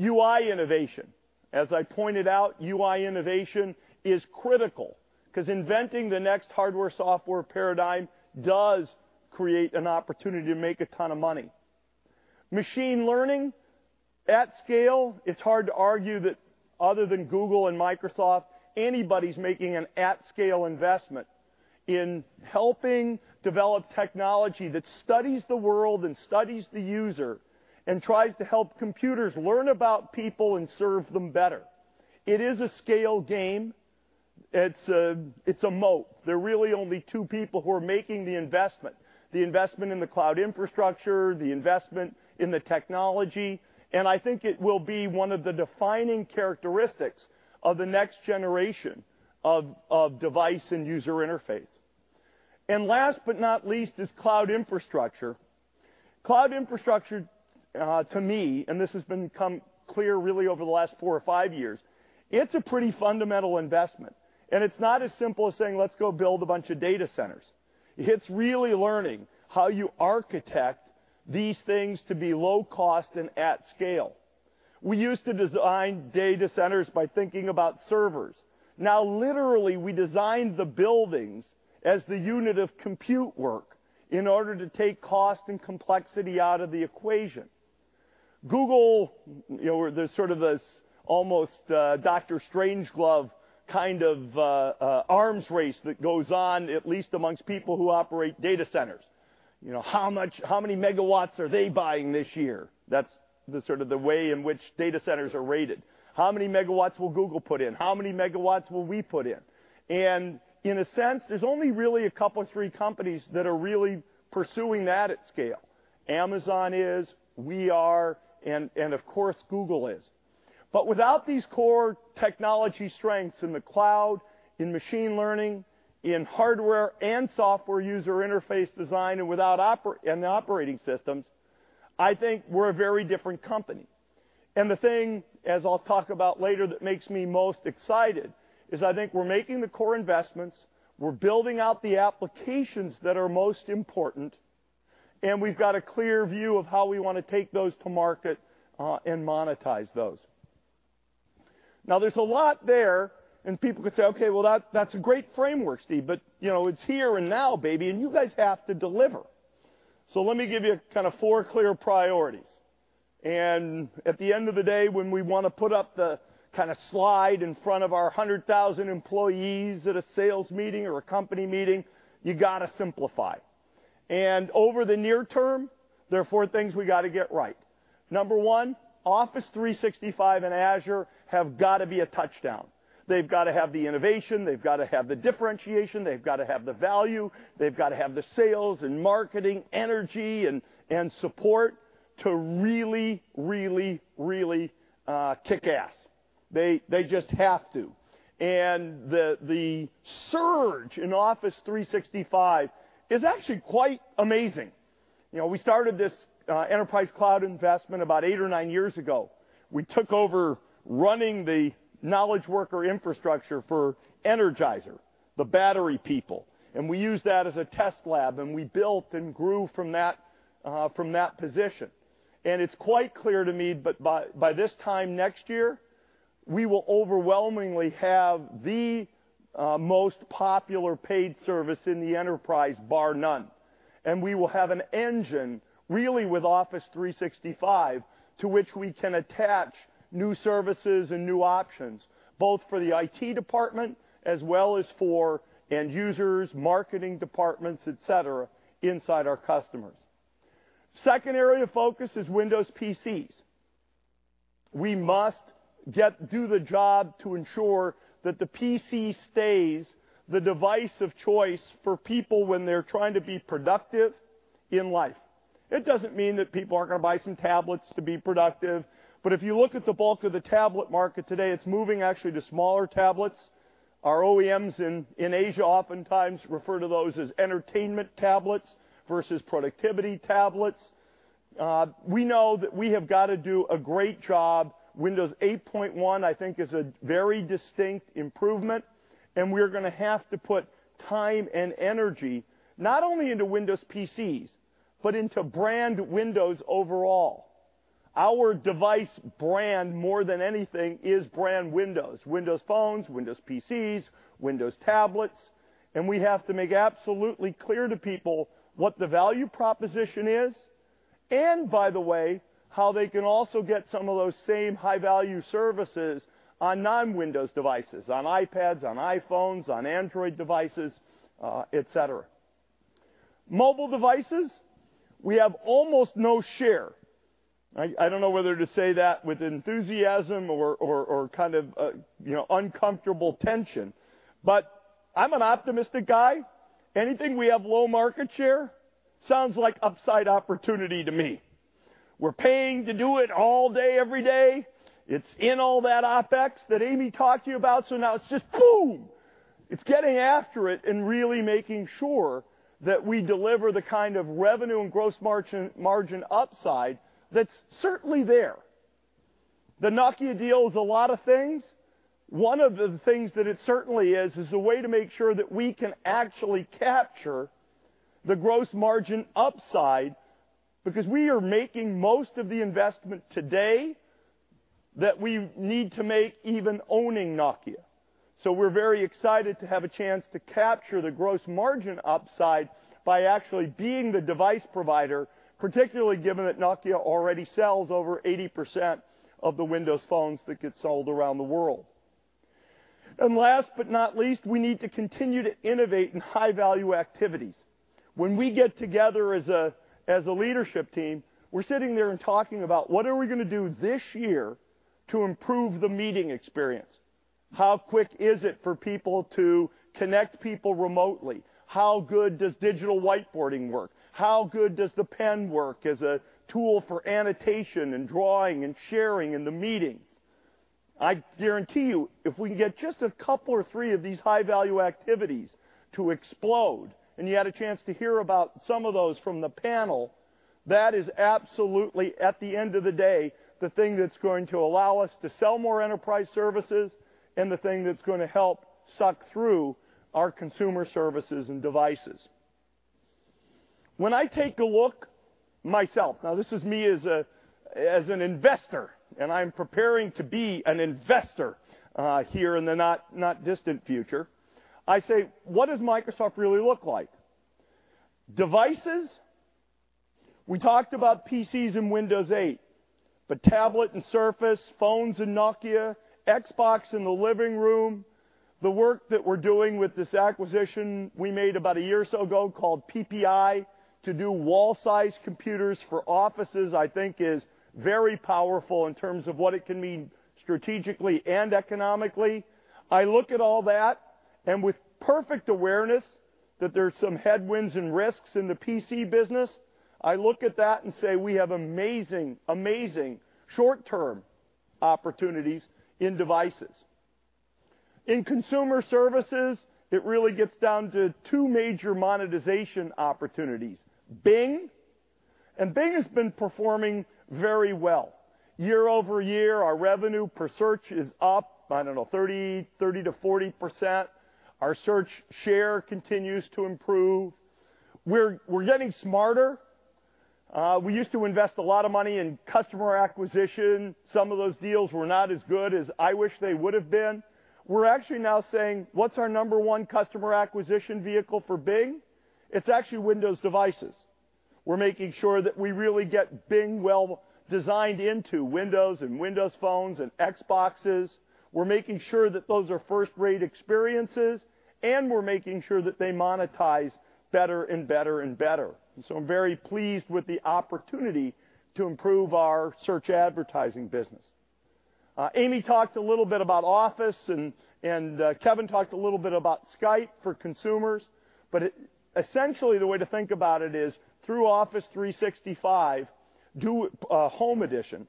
[SPEAKER 16] UI innovation. As I pointed out, UI innovation is critical because inventing the next hardware-software paradigm does create an opportunity to make a ton of money. Machine learning at scale, it's hard to argue that other than Google and Microsoft, anybody's making an at-scale investment in helping develop technology that studies the world and studies the user and tries to help computers learn about people and serve them better. It is a scale game. It's a moat. There are really only two people who are making the investment, the investment in the cloud infrastructure, the investment in the technology, and I think it will be one of the defining characteristics of the next generation of device and user interface. Last but not least is cloud infrastructure. Cloud infrastructure, to me, and this has become clear really over the last four or five years, it's a pretty fundamental investment. It's not as simple as saying, "Let's go build a bunch of data centers." It's really learning how you architect these things to be low cost and at scale. We used to design data centers by thinking about servers. Now literally, we design the buildings as the unit of compute work in order to take cost and complexity out of the equation. Google, there's sort of this almost Dr. Strangelove kind of arms race that goes on, at least amongst people who operate data centers. How many megawatts are they buying this year? That's the way in which data centers are rated. How many megawatts will Google put in? How many megawatts will we put in? In a sense, there's only really a couple of three companies that are really pursuing that at scale. Amazon is, we are, and of course, Google is. Without these core technology strengths in the cloud, in machine learning, in hardware and software user interface design, and the operating systems, I think we're a very different company. The thing, as I'll talk about later, that makes me most excited is I think we're making the core investments, we're building out the applications that are most important, and we've got a clear view of how we want to take those to market and monetize those. Now, there's a lot there, and people could say, "Okay, well, that's a great framework, Steve, but it's here and now, baby, and you guys have to deliver." Let me give you four clear priorities. At the end of the day, when we want to put up the slide in front of our 100,000 employees at a sales meeting or a company meeting, you got to simplify. Over the near term, there are four things we got to get right. Number one, Office 365 and Azure have got to be a touchdown. They've got to have the innovation. They've got to have the differentiation. They've got to have the value. They've got to have the sales and marketing energy and support to really, really, really kick ass. They just have to. The surge in Office 365 is actually quite amazing. We started this enterprise cloud investment about eight or nine years ago. We took over running the knowledge worker infrastructure for Energizer, the battery people, and we used that as a test lab, and we built and grew from that position. It's quite clear to me by this time next year, we will overwhelmingly have the most popular paid service in the enterprise, bar none. We will have an engine really with Office 365 to which we can attach new services and new options, both for the IT department as well as for end users, marketing departments, et cetera, inside our customers. Second area of focus is Windows PCs. We must do the job to ensure that the PC stays the device of choice for people when they're trying to be productive in life. It doesn't mean that people aren't going to buy some tablets to be productive, but if you look at the bulk of the tablet market today, it's moving actually to smaller tablets. Our OEMs in Asia oftentimes refer to those as entertainment tablets versus productivity tablets. We know that we have got to do a great job. Windows 8.1, I think, is a very distinct improvement. We're going to have to put time and energy not only into Windows PCs, but into brand Windows overall. Our device brand, more than anything, is brand Windows. Windows phones, Windows PCs, Windows tablets, and we have to make absolutely clear to people what the value proposition is, by the way, how they can also get some of those same high-value services on non-Windows devices, on iPads, on iPhones, on Android devices, et cetera. Mobile devices, we have almost no share. I don't know whether to say that with enthusiasm or kind of uncomfortable tension, but I'm an optimistic guy. Anything we have low market share sounds like upside opportunity to me. We're paying to do it all day, every day. It's in all that OpEx that Amy talked to you about. Now it's just boom. It's getting after it and really making sure that we deliver the kind of revenue and gross margin upside that's certainly there. The Nokia deal is a lot of things. One of the things that it certainly is a way to make sure that we can actually capture the gross margin upside because we are making most of the investment today that we need to make even owning Nokia. We're very excited to have a chance to capture the gross margin upside by actually being the device provider, particularly given that Nokia already sells over 80% of the Windows phones that get sold around the world. Last but not least, we need to continue to innovate in high-value activities. When we get together as a leadership team, we're sitting there and talking about what are we going to do this year to improve the meeting experience. How quick is it for people to connect people remotely? How good does digital whiteboarding work? How good does the pen work as a tool for annotation and drawing and sharing in the meetings? I guarantee you, if we can get just a couple or three of these high-value activities to explode, you had a chance to hear about some of those from the panel, that is absolutely, at the end of the day, the thing that's going to allow us to sell more enterprise services and the thing that's going to help suck through our consumer services and devices. When I take a look myself, now, this is me as an investor, I'm preparing to be an investor here in the not distant future. I say, "What does Microsoft really look like?" Devices, we talked about PCs and Windows 8. Tablet and Surface, phones and Nokia, Xbox in the living room. The work that we're doing with this acquisition we made about a year or so ago called PPI to do wall-sized computers for offices, I think, is very powerful in terms of what it can mean strategically and economically. I look at all that, with perfect awareness that there's some headwinds and risks in the PC business, I look at that and say we have amazing short-term opportunities in devices. In consumer services, it really gets down to two major monetization opportunities. Bing. Bing has been performing very well. Year-over-year, our revenue per search is up, I don't know, 30%-40%. Our search share continues to improve. We're getting smarter. We used to invest a lot of money in customer acquisition. Some of those deals were not as good as I wish they would've been. We're actually now saying, what's our number 1 customer acquisition vehicle for Bing? It's actually Windows devices. We're making sure that we really get Bing well designed into Windows and Windows phones and Xboxes. We're making sure that those are first-rate experiences, and we're making sure that they monetize better and better and better. I'm very pleased with the opportunity to improve our search advertising business. Amy talked a little bit about Office, Kevin talked a little bit about Skype for consumers, but essentially, the way to think about it is through Office 365 Home Edition.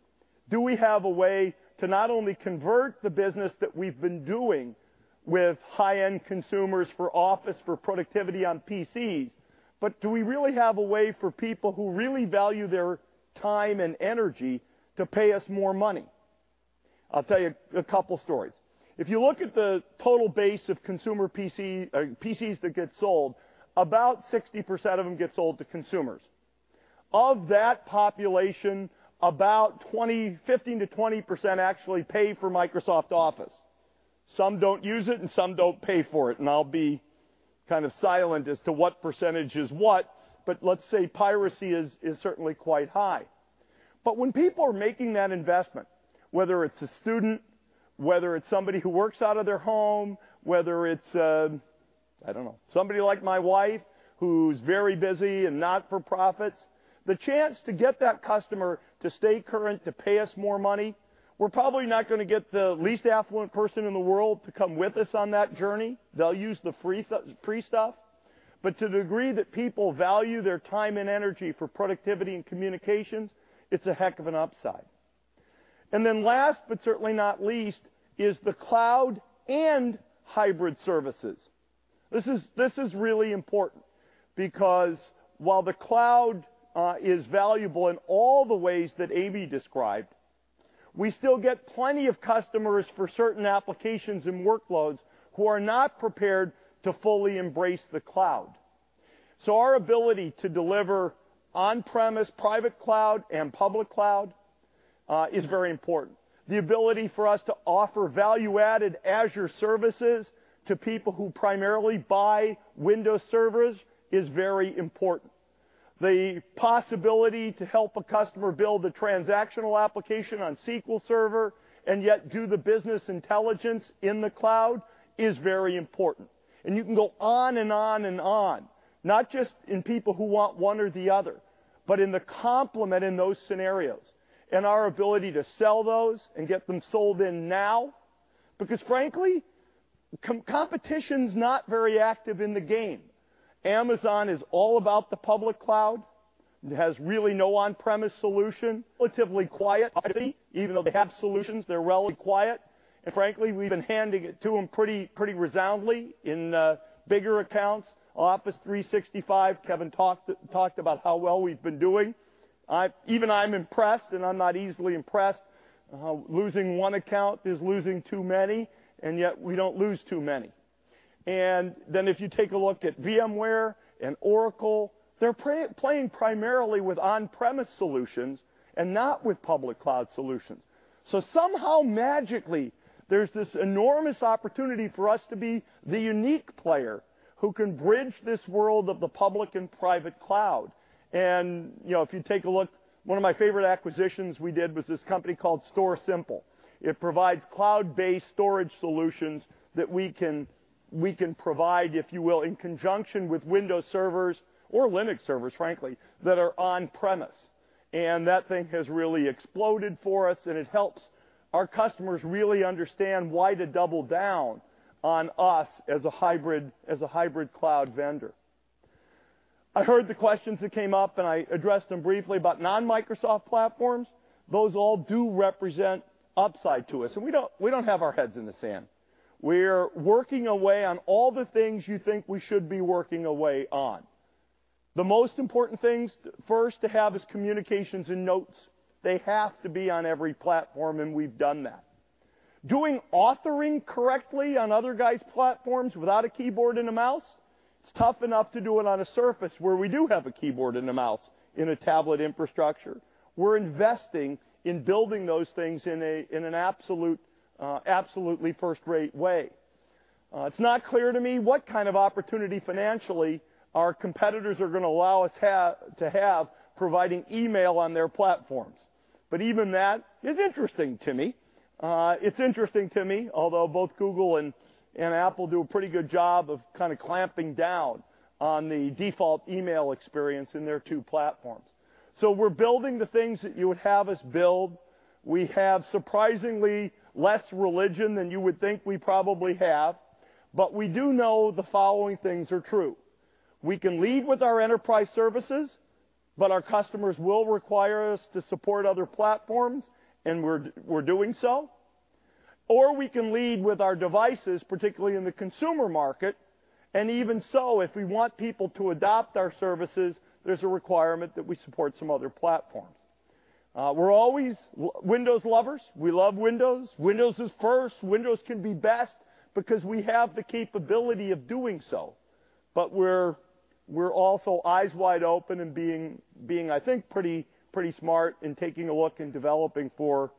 [SPEAKER 16] Do we have a way to not only convert the business that we've been doing with high-end consumers for Office for productivity on PCs, but do we really have a way for people who really value their time and energy to pay us more money? I'll tell you a couple stories. If you look at the total base of PCs that get sold, about 60% of them get sold to consumers. Of that population, about 15%-20% actually pay for Microsoft Office. Some don't use it, some don't pay for it. I'll be kind of silent as to what percentage is what, let's say piracy is certainly quite high. When people are making that investment, whether it's a student, whether it's somebody who works out of their home, whether it's, I don't know, somebody like my wife, who's very busy in not-for-profits, the chance to get that customer to stay current, to pay us more money, we're probably not going to get the least affluent person in the world to come with us on that journey. They'll use the free stuff. To the degree that people value their time and energy for productivity and communications, it's a heck of an upside. Last, but certainly not least, is the cloud and hybrid services. This is really important because while the cloud is valuable in all the ways that Amy described, we still get plenty of customers for certain applications and workloads who are not prepared to fully embrace the cloud. Our ability to deliver on-premise private cloud and public cloud is very important. The ability for us to offer value-added Azure services to people who primarily buy Windows servers is very important. The possibility to help a customer build a transactional application on SQL Server and yet do the business intelligence in the cloud is very important. You can go on and on and on, not just in people who want one or the other, but in the complement in those scenarios and our ability to sell those and get them sold in now. Because frankly, competition's not very active in the game. Amazon is all about the public cloud. It has really no on-premise solution. Relatively quiet, even though they have solutions, they're relatively quiet, frankly, we've been handing it to them pretty resoundly in bigger accounts. Office 365, Kevin talked about how well we've been doing. Even I'm impressed, and I'm not easily impressed. Losing one account is losing too many, yet we don't lose too many. If you take a look at VMware and Oracle, they're playing primarily with on-premise solutions and not with public cloud solutions. Somehow, magically, there's this enormous opportunity for us to be the unique player who can bridge this world of the public and private cloud. If you take a look, one of my favorite acquisitions we did was this company called StorSimple. It provides cloud-based storage solutions that we can provide, if you will, in conjunction with Windows servers or Linux servers, frankly, that are on-premise. That thing has really exploded for us, and it helps our customers really understand why to double down on us as a hybrid cloud vendor. I heard the questions that came up, and I addressed them briefly about non-Microsoft platforms. Those all do represent upside to us. We don't have our heads in the sand. We're working away on all the things you think we should be working away on. The most important things, first, to have is communications and notes. They have to be on every platform, and we've done that. Doing authoring correctly on other guys' platforms without a keyboard and a mouse, it's tough enough to do it on a Surface where we do have a keyboard and a mouse in a tablet infrastructure. We're investing in building those things in an absolutely first-rate way. It's not clear to me what kind of opportunity financially our competitors are going to allow us to have providing email on their platforms. Even that is interesting to me. It's interesting to me, although both Google and Apple do a pretty good job of kind of clamping down on the default email experience in their two platforms. We're building the things that you would have us build. We have surprisingly less religion than you would think we probably have. We do know the following things are true. We can lead with our enterprise services, but our customers will require us to support other platforms, and we're doing so. We can lead with our devices, particularly in the consumer market, and even so, if we want people to adopt our services, there's a requirement that we support some other platforms. We're always Windows lovers. We love Windows. Windows is first. Windows can be best because we have the capability of doing so. We're also eyes wide open and being, I think, pretty smart in taking a look and developing for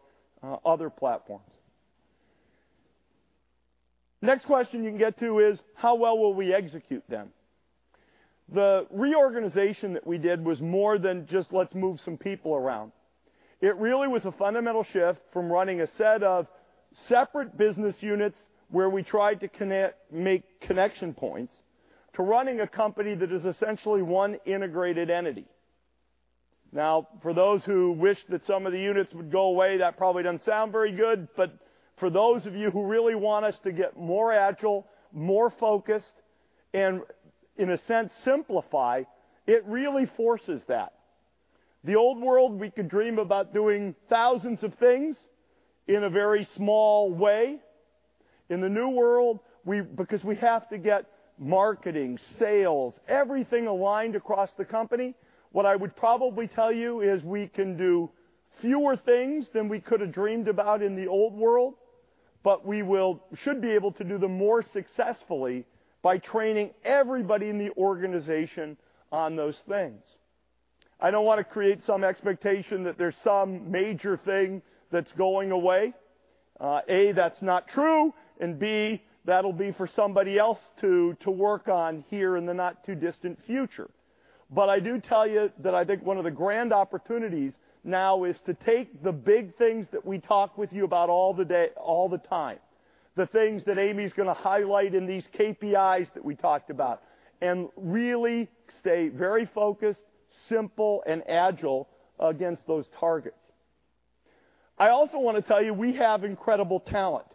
[SPEAKER 16] other platforms. Next question you can get to is: How well will we execute then? The reorganization that we did was more than just let's move some people around. It really was a fundamental shift from running a set of separate business units where we tried to make connection points, to running a company that is essentially one integrated entity. For those who wish that some of the units would go away, that probably doesn't sound very good. For those of you who really want us to get more agile, more focused, and in a sense, simplify, it really forces that. The old world, we could dream about doing thousands of things in a very small way. In the new world, because we have to get marketing, sales, everything aligned across the company, what I would probably tell you is we can do fewer things than we could've dreamed about in the old world, but we should be able to do them more successfully by training everybody in the organization on those things. I don't want to create some expectation that there's some major thing that's going away. A, that's not true, and B, that'll be for somebody else to work on here in the not-too-distant future. I do tell you that I think one of the grand opportunities now is to take the big things that we talk with you about all the time, the things that Amy's going to highlight in these KPIs that we talked about, and really stay very focused, simple, and agile against those targets. I also want to tell you, we have incredible talent.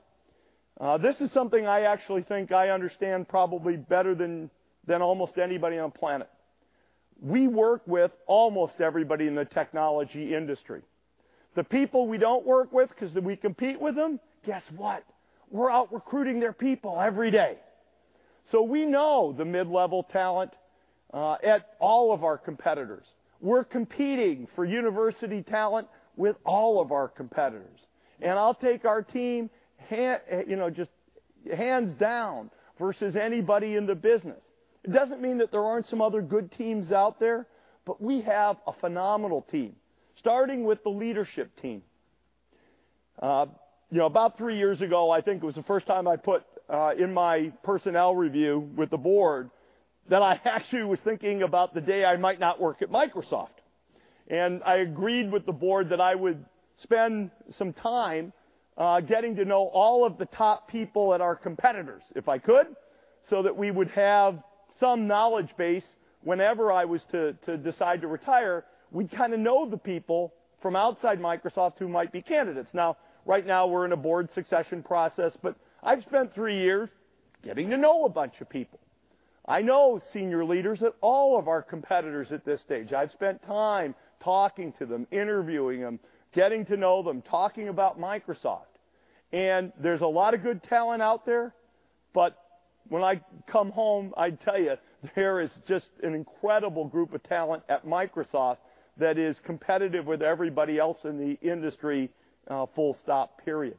[SPEAKER 16] This is something I actually think I understand probably better than almost anybody on the planet. We work with almost everybody in the technology industry. The people we don't work with because we compete with them, guess what? We're out recruiting their people every day. We know the mid-level talent at all of our competitors. We're competing for university talent with all of our competitors. I'll take our team just hands down versus anybody in the business. It doesn't mean that there aren't some other good teams out there, we have a phenomenal team, starting with the leadership team. About three years ago, I think it was the first time I put in my personnel review with the board that I actually was thinking about the day I might not work at Microsoft. I agreed with the board that I would spend some time getting to know all of the top people at our competitors, if I could, so that we would have some knowledge base whenever I was to decide to retire, we'd kind of know the people from outside Microsoft who might be candidates. Right now, we're in a board succession process, I've spent three years getting to know a bunch of people. I know senior leaders at all of our competitors at this stage. I've spent time talking to them, interviewing them, getting to know them, talking about Microsoft. There's a lot of good talent out there, when I come home, I tell you, there is just an incredible group of talent at Microsoft that is competitive with everybody else in the industry, full stop, period.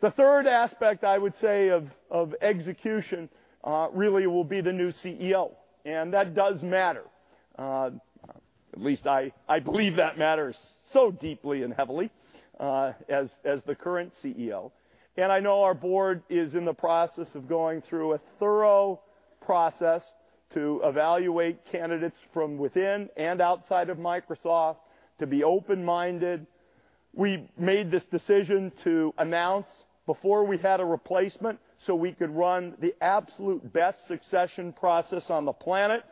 [SPEAKER 16] The third aspect I would say of execution really will be the new CEO, that does matter. At least I believe that matters so deeply and heavily as the current CEO. I know our board is in the process of going through a thorough process to evaluate candidates from within and outside of Microsoft to be open-minded. We made this decision to announce before we had a replacement so we could run the absolute best succession process on the planet.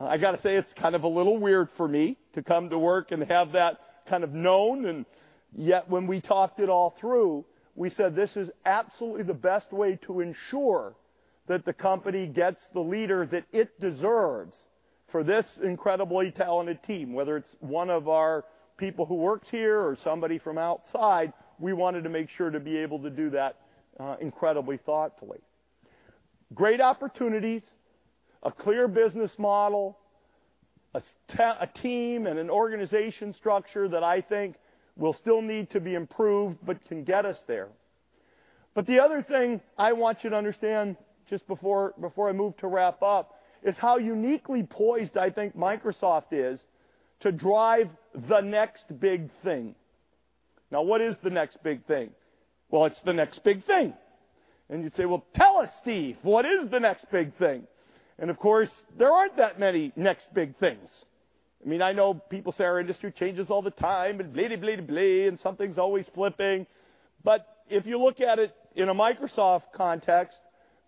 [SPEAKER 16] I got to say, it's kind of a little weird for me to come to work and have that kind of known, yet when we talked it all through, we said, "This is absolutely the best way to ensure that the company gets the leader that it deserves for this incredibly talented team." Whether it's one of our people who works here or somebody from outside, we wanted to make sure to be able to do that incredibly thoughtfully. Great opportunities, a clear business model, a team and an organization structure that I think will still need to be improved, but can get us there. The other thing I want you to understand just before I move to wrap up is how uniquely poised I think Microsoft is to drive the next big thing. What is the next big thing? It's the next big thing. You'd say, "Tell us, Steve, what is the next big thing?" Of course, there aren't that many next big things. I know people say our industry changes all the time, blahdy, blah, something's always flipping, if you look at it in a Microsoft context,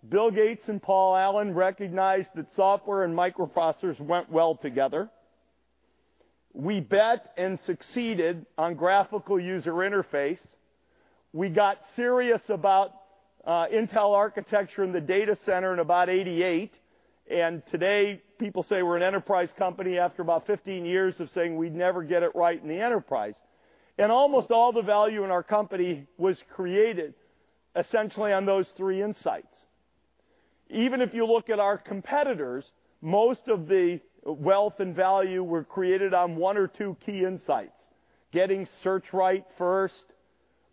[SPEAKER 16] Bill Gates and Paul Allen recognized that software and microprocessors went well together. We bet and succeeded on graphical user interface. We got serious about Intel architecture in the data center in about '88, today people say we're an enterprise company after about 15 years of saying we'd never get it right in the enterprise. Almost all the value in our company was created essentially on those three insights. Even if you look at our competitors, most of the wealth and value were created on one or two key insights. Getting search right first,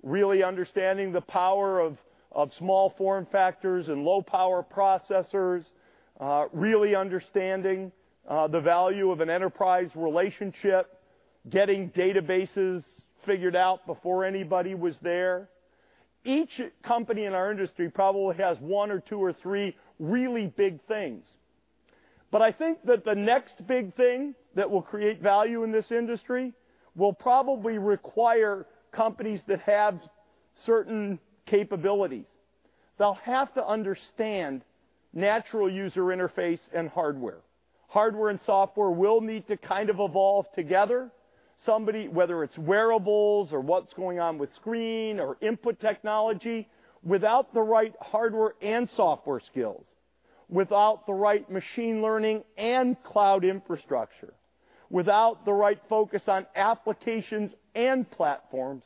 [SPEAKER 16] really understanding the power of small form factors and low-power processors, really understanding the value of an enterprise relationship, getting databases figured out before anybody was there. Each company in our industry probably has one or two or three really big things. I think that the next big thing that will create value in this industry will probably require companies that have certain capabilities. They'll have to understand natural user interface and hardware. Hardware and software will need to kind of evolve together. Whether it's wearables or what's going on with screen or input technology, without the right hardware and software skills, without the right machine learning and cloud infrastructure, without the right focus on applications and platforms,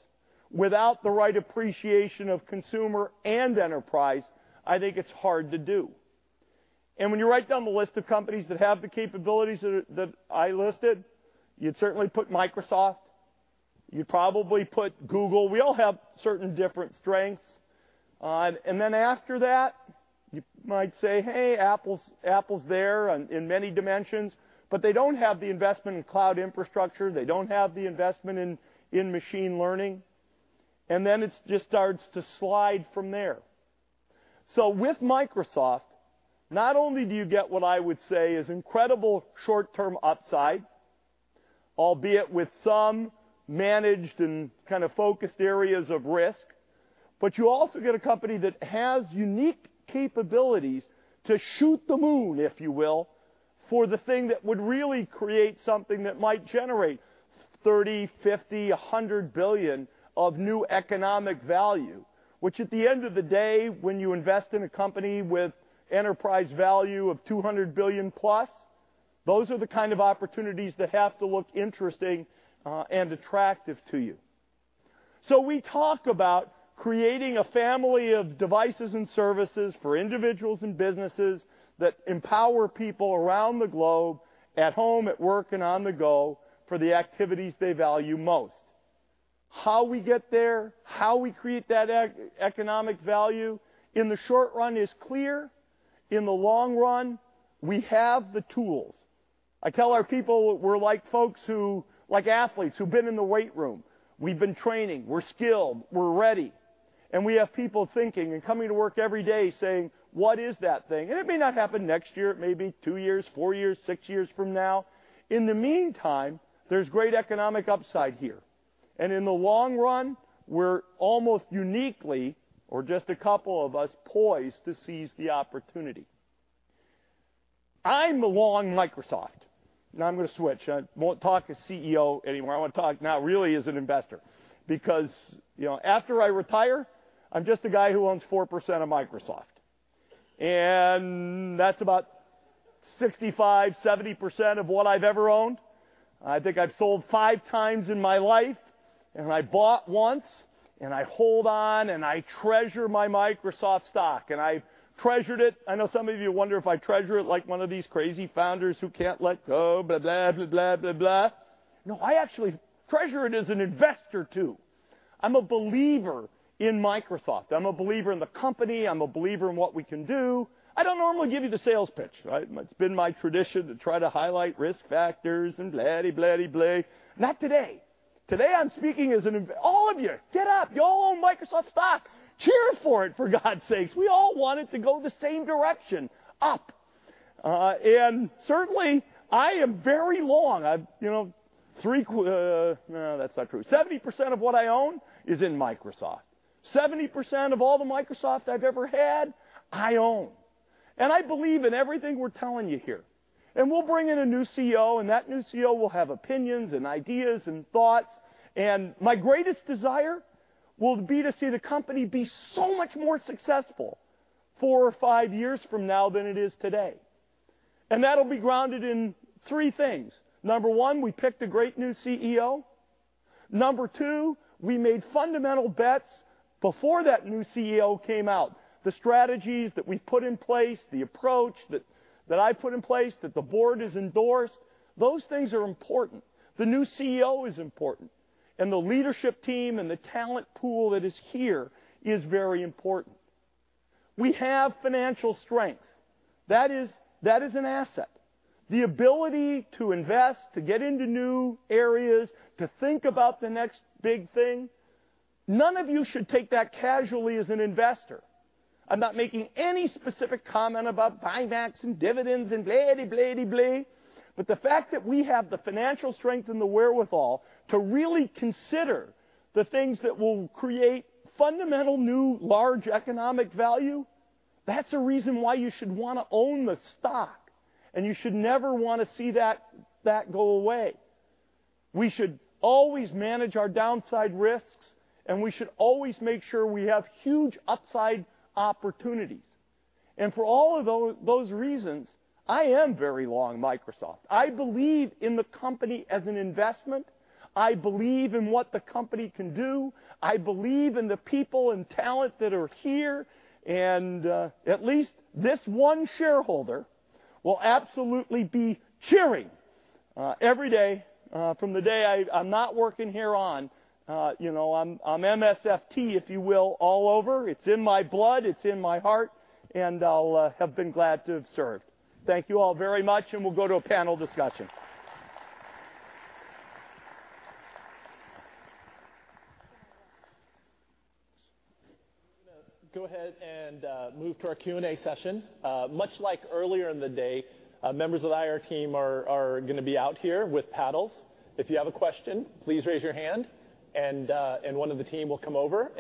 [SPEAKER 16] without the right appreciation of consumer and enterprise, I think it's hard to do. When you write down the list of companies that have the capabilities that I listed, you'd certainly put Microsoft. You'd probably put Google. We all have certain different strengths. Then after that, you might say, "Hey, Apple's there in many dimensions." They don't have the investment in cloud infrastructure. They don't have the investment in machine learning. Then it just starts to slide from there. With Microsoft, not only do you get what I would say is incredible short-term upside, albeit with some managed and kind of focused areas of risk, you also get a company that has unique capabilities to shoot the moon, if you will, for the thing that would really create something that might generate $30, $50, $100 billion of new economic value. At the end of the day, when you invest in a company with enterprise value of $200 billion plus, those are the kind of opportunities that have to look interesting and attractive to you. We talk about creating a family of devices and services for individuals and businesses that empower people around the globe, at home, at work, and on the go, for the activities they value most. How we get there, how we create that economic value in the short run is clear. In the long run, we have the tools. I tell our people we're like athletes who've been in the weight room. We've been training. We're skilled. We're ready. We have people thinking and coming to work every day saying, "What is that thing?" It may not happen next year. It may be two years, four years, six years from now. In the meantime, there's great economic upside here. In the long run, we're almost uniquely, or just a couple of us, poised to seize the opportunity. I'm the long Microsoft. Now I'm going to switch. I won't talk as CEO anymore. I want to talk now really as an investor. After I retire, I'm just a guy who owns 4% of Microsoft. That's about 65%, 70% of what I've ever owned. I think I've sold five times in my life, and I bought once, and I hold on, and I treasure my Microsoft stock. I treasured it. I know some of you wonder if I treasure it like one of these crazy founders who can't let go, blah, blah, blah. No, I actually treasure it as an investor, too. I'm a believer in Microsoft. I'm a believer in the company. I'm a believer in what we can do. I don't normally give you the sales pitch, right? It's been my tradition to try to highlight risk factors and blahdy, blah. Not today. Today, I'm speaking as. All of you, get up. You all own Microsoft stock. Cheer for it, for God's sakes. We all want it to go the same direction, up. Certainly, I am very long. No, that's not true. 70% of what I own is in Microsoft. 70% of all the Microsoft I've ever had, I own. I believe in everything we're telling you here. We'll bring in a new CEO, and that new CEO will have opinions and ideas and thoughts. My greatest desire will be to see the company be so much more successful four or five years from now than it is today. That'll be grounded in three things. Number one, we picked a great new CEO. Number two, we made fundamental bets before that new CEO came out. The strategies that we've put in place, the approach that I've put in place, that the board has endorsed, those things are important. The new CEO is important, and the leadership team and the talent pool that is here is very important. We have financial strength. That is an asset. The ability to invest, to get into new areas, to think about the next big thing, none of you should take that casually as an investor. I'm not making any specific comment about buybacks and dividends and blady, bla. The fact that we have the financial strength and the wherewithal to really consider the things that will create fundamental new large economic value, that's a reason why you should want to own the stock, you should never want to see that go away. We should always manage our downside risks, and we should always make sure we have huge upside opportunities. For all of those reasons, I am very long Microsoft. I believe in the company as an investment. I believe in what the company can do. I believe in the people and talent that are here. At least this one shareholder will absolutely be cheering every day from the day I'm not working here on. I'm MSFT, if you will, all over. It's in my blood, it's in my heart, and I'll have been glad to have served. Thank you all very much, we'll go to a panel discussion.
[SPEAKER 1] We're gonna go ahead and move to our Q&A session. Much like earlier in the day, members of the IR team are gonna be out here with paddles. If you have a question, please raise your hand, one of the team will come over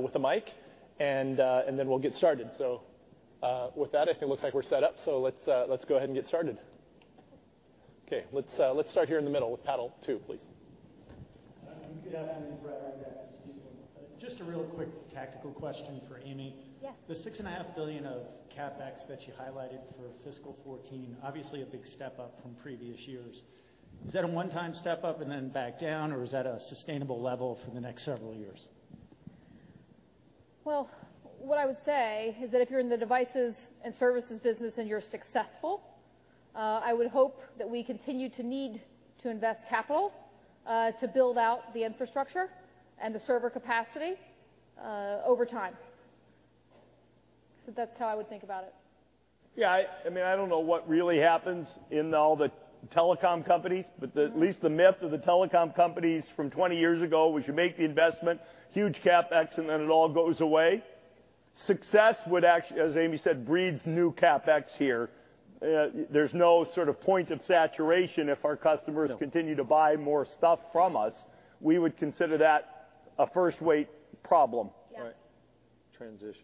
[SPEAKER 1] with a mic, then we'll get started. With that, it looks like we're set up. Let's go ahead and get started. Let's start here in the middle with paddle two, please.
[SPEAKER 17] Good afternoon. Brad Reback, Stifel. Just a real quick tactical question for Amy.
[SPEAKER 2] Yeah.
[SPEAKER 17] The $6.5 billion of CapEx that you highlighted for FY 2014, obviously a big step up from previous years. Is that a one-time step up and then back down, or is that a sustainable level for the next several years?
[SPEAKER 2] What I would say is that if you're in the devices and services business and you're successful, I would hope that we continue to need to invest capital to build out the infrastructure and the server capacity over time. That's how I would think about it.
[SPEAKER 16] I don't know what really happens in all the telecom companies, at least the myth of the telecom companies from 20 years ago was you make the investment, huge CapEx, then it all goes away. Success would actually, as Amy said, breeds new CapEx here. There's no sort of point of saturation if our customers-
[SPEAKER 1] No
[SPEAKER 16] continue to buy more stuff from us. We would consider that a first-world problem.
[SPEAKER 2] Yeah.
[SPEAKER 1] Right. Transition.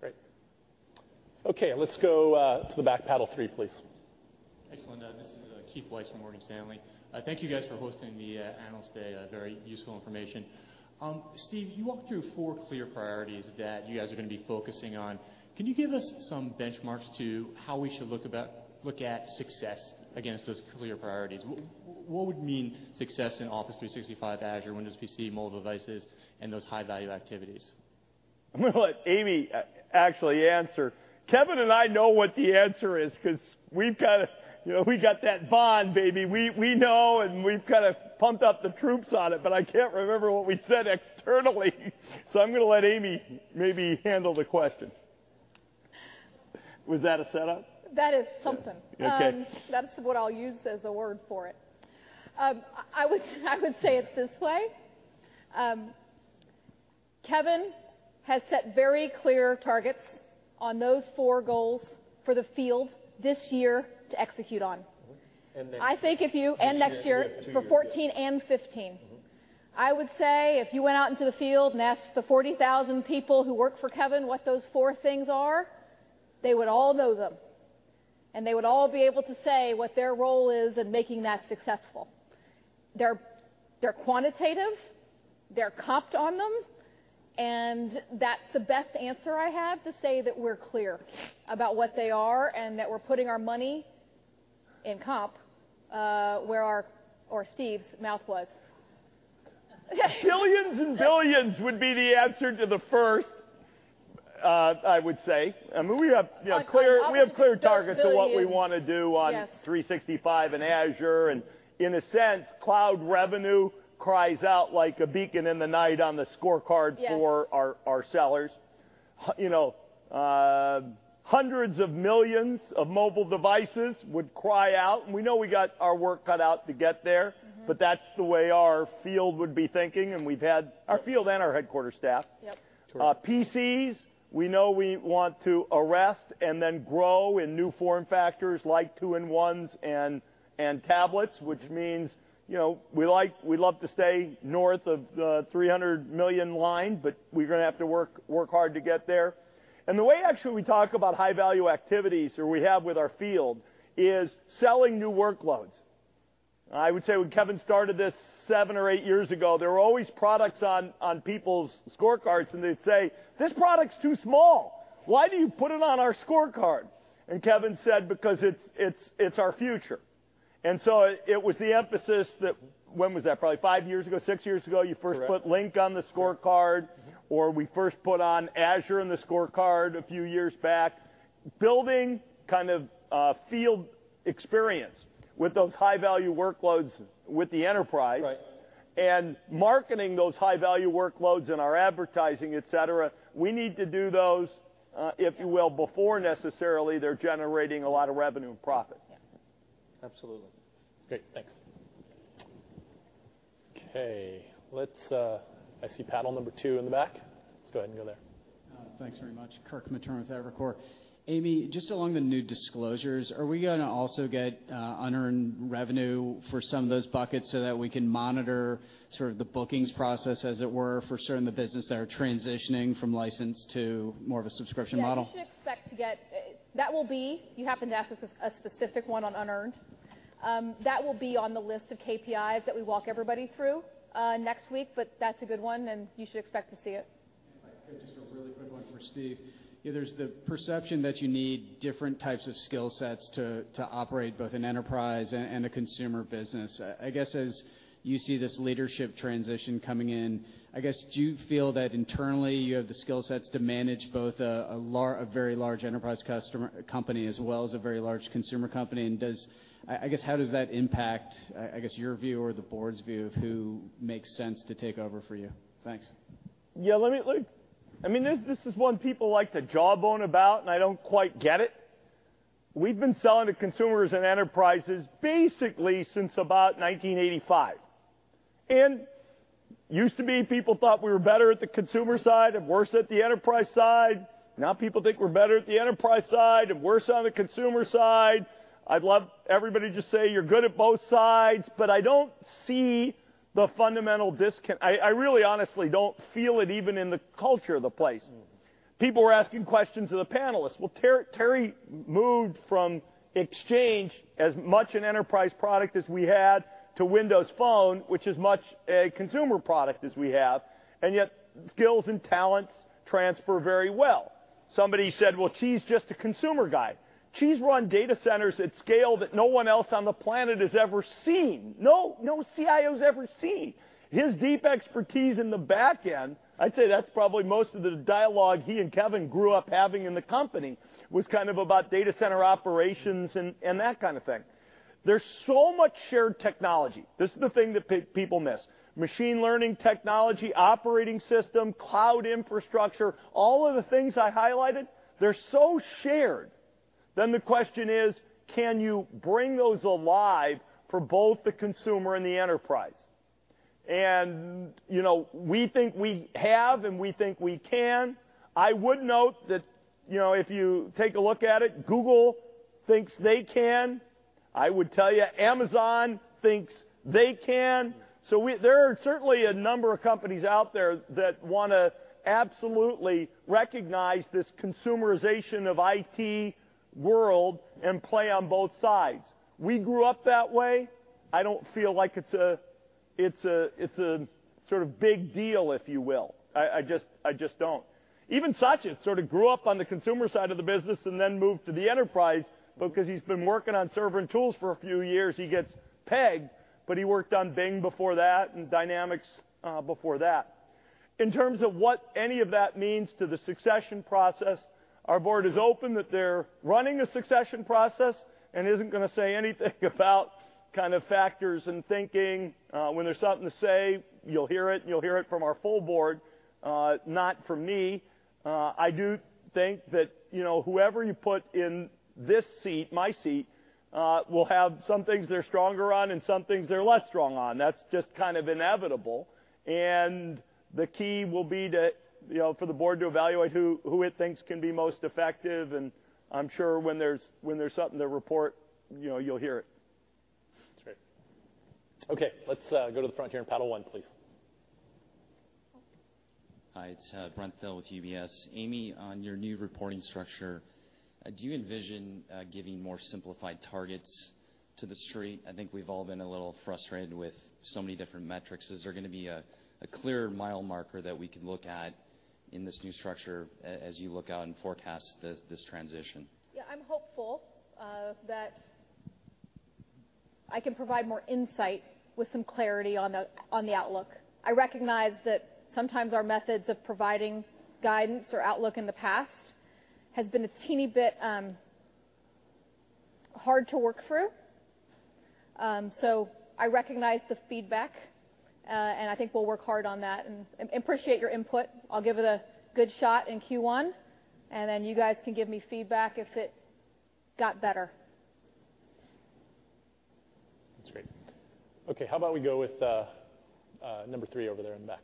[SPEAKER 1] Great. Okay, let's go to the back, paddle three, please.
[SPEAKER 18] Excellent. This is Keith Weiss from Morgan Stanley. Thank you guys for hosting the Analyst Day, very useful information. Steve, you walked through four clear priorities that you guys are gonna be focusing on. Can you give us some benchmarks to how we should look at success against those clear priorities? What would mean success in Office 365, Azure, Windows PC, mobile devices, and those high-value activities?
[SPEAKER 16] I'm gonna let Amy actually answer. Kevin and I know what the answer is because we've got that bond, baby. We know, and we've kind of pumped up the troops on it, but I can't remember what we said externally. I'm gonna let Amy maybe handle the question. Was that a setup?
[SPEAKER 2] That is something.
[SPEAKER 16] Okay.
[SPEAKER 2] That's what I'll use as the word for it. I would say it this way. Kevin has set very clear targets on those four goals for the field this year to execute on.
[SPEAKER 1] Next year.
[SPEAKER 2] Next year for 2014 and 2015. I would say if you went out into the field and asked the 40,000 people who work for Kevin what those four things are, they would all know them, and they would all be able to say what their role is in making that successful. They're quantitative, they're comped on them, and that's the best answer I have to say that we're clear about what they are and that we're putting our money in comp, where our or Steve's mouth was.
[SPEAKER 16] Billions and billions would be the answer to the first, I would say. We have clear targets of what we want to do on 365 and Azure. In a sense, cloud revenue cries out like a beacon in the night on the scorecard for our sellers. Hundreds of millions of mobile devices would cry out, and we know we got our work cut out to get there. That's the way our field would be thinking, and we've had our field and our headquarter staff.
[SPEAKER 2] Yep.
[SPEAKER 1] True.
[SPEAKER 16] PCs, we know we want to arrest and then grow in new form factors like two-in-ones and tablets, which means we love to stay north of the $300 million line, but we're going to have to work hard to get there. The way actually we talk about high-value activities, or we have with our field, is selling new workloads. I would say when Kevin started this seven or eight years ago, there were always products on people's scorecards, and they'd say, "This product's too small. Why do you put it on our scorecard?" Kevin said, "Because it's our future." So it was the emphasis that, when was that? Probably five years ago, six years ago, you first put Lync
[SPEAKER 1] Correct
[SPEAKER 16] on the scorecard, or we first put on Azure on the scorecard a few years back. Building kind of field experience with those high-value workloads with the enterprise
[SPEAKER 1] Right
[SPEAKER 16] Marketing those high-value workloads in our advertising, et cetera, we need to do those, if you will.
[SPEAKER 2] Yeah
[SPEAKER 16] Before necessarily they're generating a lot of revenue and profit.
[SPEAKER 2] Yeah.
[SPEAKER 1] Absolutely. Great. Thanks. Okay, I see panel number 2 in the back. Let's go ahead and go there.
[SPEAKER 19] Thanks very much. Kirk Materne with Evercore. Amy, just along the new disclosures, are we going to also get unearned revenue for some of those buckets so that we can monitor sort of the bookings process, as it were, for certain of the business that are transitioning from license to more of a subscription model?
[SPEAKER 2] Yeah. You happened to ask a specific one on unearned. That will be on the list of KPIs that we walk everybody through next week, that's a good one, and you should expect to see it.
[SPEAKER 19] Right. Just a really quick one for Steve. There's the perception that you need different types of skill sets to operate both an enterprise and a consumer business. I guess, as you see this leadership transition coming in, do you feel that internally you have the skill sets to manage both a very large enterprise company as well as a very large consumer company, I guess how does that impact your view or the board's view of who makes sense to take over for you? Thanks.
[SPEAKER 16] Yeah. This is one people like to jawbone about, I don't quite get it. We've been selling to consumers and enterprises basically since about 1985. Used to be people thought we were better at the consumer side and worse at the enterprise side. Now people think we're better at the enterprise side and worse on the consumer side. I'd love everybody to just say you're good at both sides, I don't see the fundamental. I really honestly don't feel it even in the culture of the place. People were asking questions of the panelists. Well, Terry moved from Exchange, as much an enterprise product as we had, to Windows Phone, which is much a consumer product as we have, yet skills and talents transfer very well. Somebody said, "Well, Qi's just a consumer guy." Qi's run data centers at scale that no one else on the planet has ever seen. No CIO's ever seen. His deep expertise in the back end, I'd say that's probably most of the dialogue he and Kevin grew up having in the company, was kind of about data center operations and that kind of thing. There's so much shared technology. This is the thing that people miss. Machine learning technology, operating system, cloud infrastructure, all of the things I highlighted, they're so shared. The question is: can you bring those alive for both the consumer and the enterprise? We think we have, and we think we can. I would note that if you take a look at it, Google thinks they can. I would tell you Amazon thinks they can. There are certainly a number of companies out there that want to absolutely recognize this consumerization of IT world and play on both sides. We grew up that way. I don't feel like it's a sort of big deal, if you will. I just don't. Even Satya sort of grew up on the consumer side of the business and then moved to the enterprise, but because he's been working on server and tools for a few years, he gets pegged, but he worked on Bing before that and Dynamics before that. In terms of what any of that means to the succession process, our board is open that they're running a succession process and isn't going to say anything about kind of factors and thinking. When there's something to say, you'll hear it, and you'll hear it from our full board, not from me. I do think that whoever you put in this seat, my seat, will have some things they're stronger on and some things they're less strong on. That's just kind of inevitable. The key will be for the board to evaluate who it thinks can be most effective, and I'm sure when there's something to report, you'll hear it.
[SPEAKER 1] That's great. Okay, let's go to the front here in panel 1, please.
[SPEAKER 20] Hi, it's Brent Thill with UBS. Amy, on your new reporting structure, do you envision giving more simplified targets to the street? I think we've all been a little frustrated with so many different metrics. Is there going to be a clear mile marker that we can look at in this new structure as you look out and forecast this transition?
[SPEAKER 2] I'm hopeful that I can provide more insight with some clarity on the outlook. I recognize that sometimes our methods of providing guidance or outlook in the past has been a teeny bit hard to work through. I recognize the feedback, and I think we'll work hard on that and appreciate your input. I'll give it a good shot in Q1, and then you guys can give me feedback if it got better.
[SPEAKER 1] That's great. Okay. How about we go with number 3 over there in the back?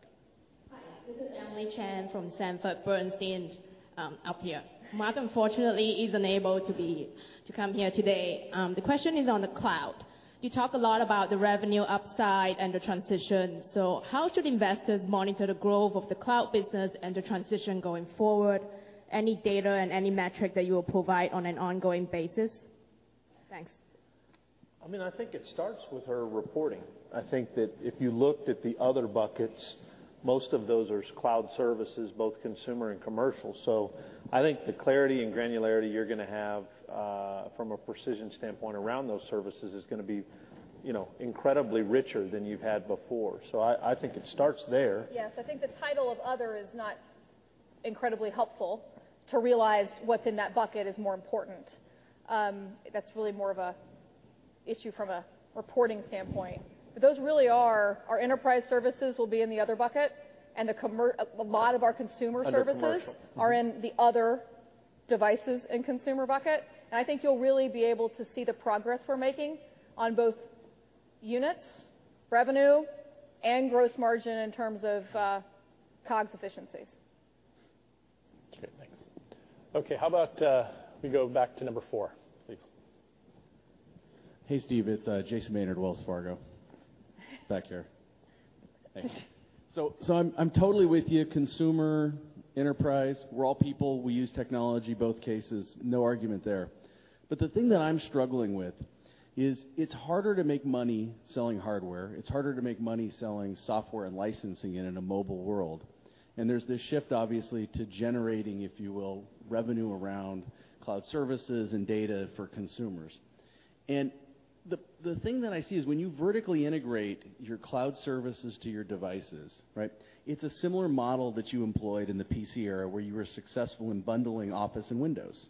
[SPEAKER 21] Hi. This is Emily Chen from Sanford Bernstein, up here. Mark, unfortunately, is unable to come here today. The question is on the cloud. You talk a lot about the revenue upside and the transition. How should investors monitor the growth of the cloud business and the transition going forward? Any data and any metric that you will provide on an ongoing basis? Thanks.
[SPEAKER 16] I think it starts with our reporting. I think that if you looked at the other buckets, most of those are cloud services, both consumer and commercial. I think the clarity and granularity you're going to have, from a precision standpoint around those services is going to be incredibly richer than you've had before. I think it starts there.
[SPEAKER 2] Yes. I think the title of other is not incredibly helpful to realize what's in that bucket is more important. That's really more of an issue from a reporting standpoint. Those really are our enterprise services will be in the other bucket and a lot of our consumer services-
[SPEAKER 16] The commercial.
[SPEAKER 2] are in the other Devices and Consumer bucket. I think you'll really be able to see the progress we're making on both units, revenue, and gross margin in terms of COGS efficiencies.
[SPEAKER 1] That's great. Thanks. Okay. How about we go back to number four, please?
[SPEAKER 22] Hey, Steve. It's Jason Maynard, Wells Fargo. Back here. Thanks. I'm totally with you, consumer, enterprise. We're all people. We use technology, both cases, no argument there. The thing that I'm struggling with is it's harder to make money selling hardware. It's harder to make money selling software and licensing it in a mobile world. There's this shift, obviously, to generating, if you will, revenue around cloud services and data for consumers. The thing that I see is when you vertically integrate your cloud services to your devices, it's a similar model that you employed in the PC era where you were successful in bundling Office and Windows.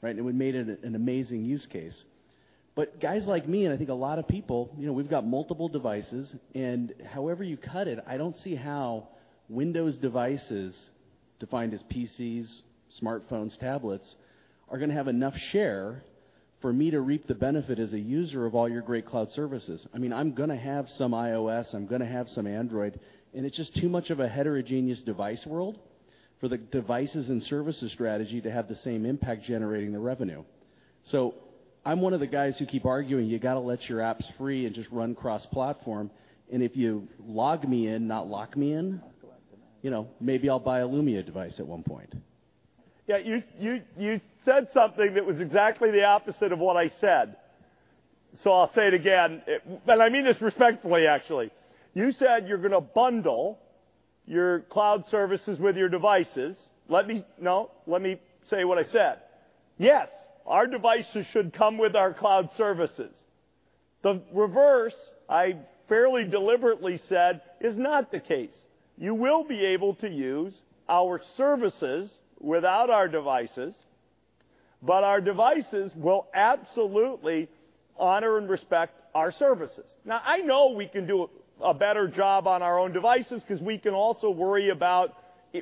[SPEAKER 22] Right? We made it an amazing use case. Guys like me, and I think a lot of people, we've got multiple devices, and however you cut it, I don't see how Windows devices, defined as PCs, smartphones, tablets, are going to have enough share for me to reap the benefit as a user of all your great cloud services. I'm going to have some iOS, I'm going to have some Android, it's just too much of a heterogeneous device world for the devices and services strategy to have the same impact generating the revenue. I'm one of the guys who keep arguing, you got to let your apps free and just run cross-platform. If you log me in, not lock me in-
[SPEAKER 16] Not lock them in
[SPEAKER 22] maybe I'll buy a Lumia device at one point.
[SPEAKER 16] Yeah, you said something that was exactly the opposite of what I said. I'll say it again, and I mean this respectfully, actually. You said you're going to bundle your cloud services with your devices. No, let me say what I said. Yes, our devices should come with our cloud services. The reverse, I fairly deliberately said, is not the case. You will be able to use our services without our devices, but our devices will absolutely honor and respect our services. Now, I know we can do a better job on our own devices because we can also worry about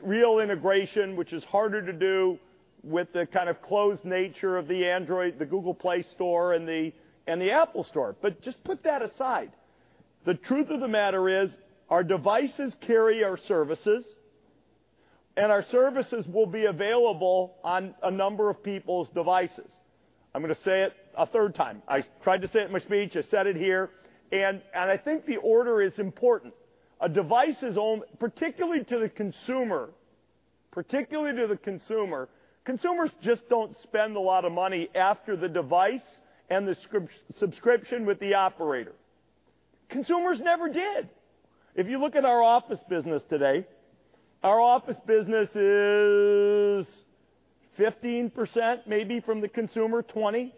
[SPEAKER 16] real integration, which is harder to do with the kind of closed nature of the Android, the Google Play store, and the Apple Store. Just put that aside. The truth of the matter is our devices carry our services, and our services will be available on a number of people's devices. I'm going to say it a third time. I tried to say it in my speech. I said it here, and I think the order is important. A device is owned, particularly to the consumer. Consumers just don't spend a lot of money after the device and the subscription with the operator. Consumers never did. If you look at our Office business today, our Office business is 15%, maybe from the consumer, 20%.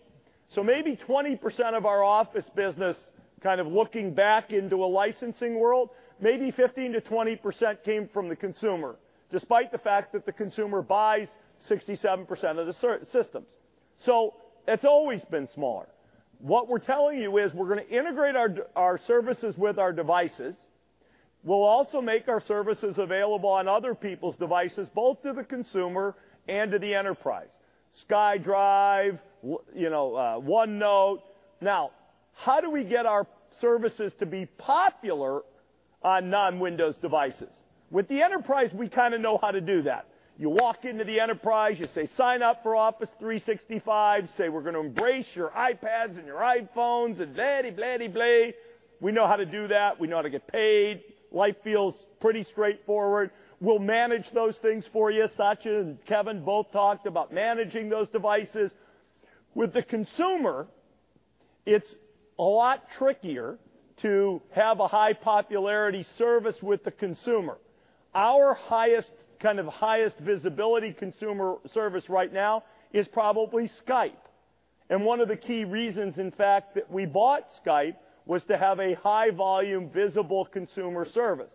[SPEAKER 16] Maybe 20% of our Office business, kind of looking back into a licensing world, maybe 15%-20% came from the consumer, despite the fact that the consumer buys 67% of the systems. It's always been smaller. What we're telling you is we're going to integrate our services with our devices. We'll also make our services available on other people's devices, both to the consumer and to the enterprise. SkyDrive, OneNote. Now, how do we get our services to be popular on non-Windows devices? With the enterprise, we kind of know how to do that. You walk into the enterprise, you say, "Sign up for Office 365," say, "We're going to embrace your iPads and your iPhones and blahdy blahdy blah." We know how to do that. We know how to get paid. Life feels pretty straightforward. We'll manage those things for you. Satya and Kevin both talked about managing those devices. With the consumer, it's a lot trickier to have a high-popularity service with the consumer. Our highest visibility consumer service right now is probably Skype. One of the key reasons, in fact, that we bought Skype was to have a high volume, visible consumer service.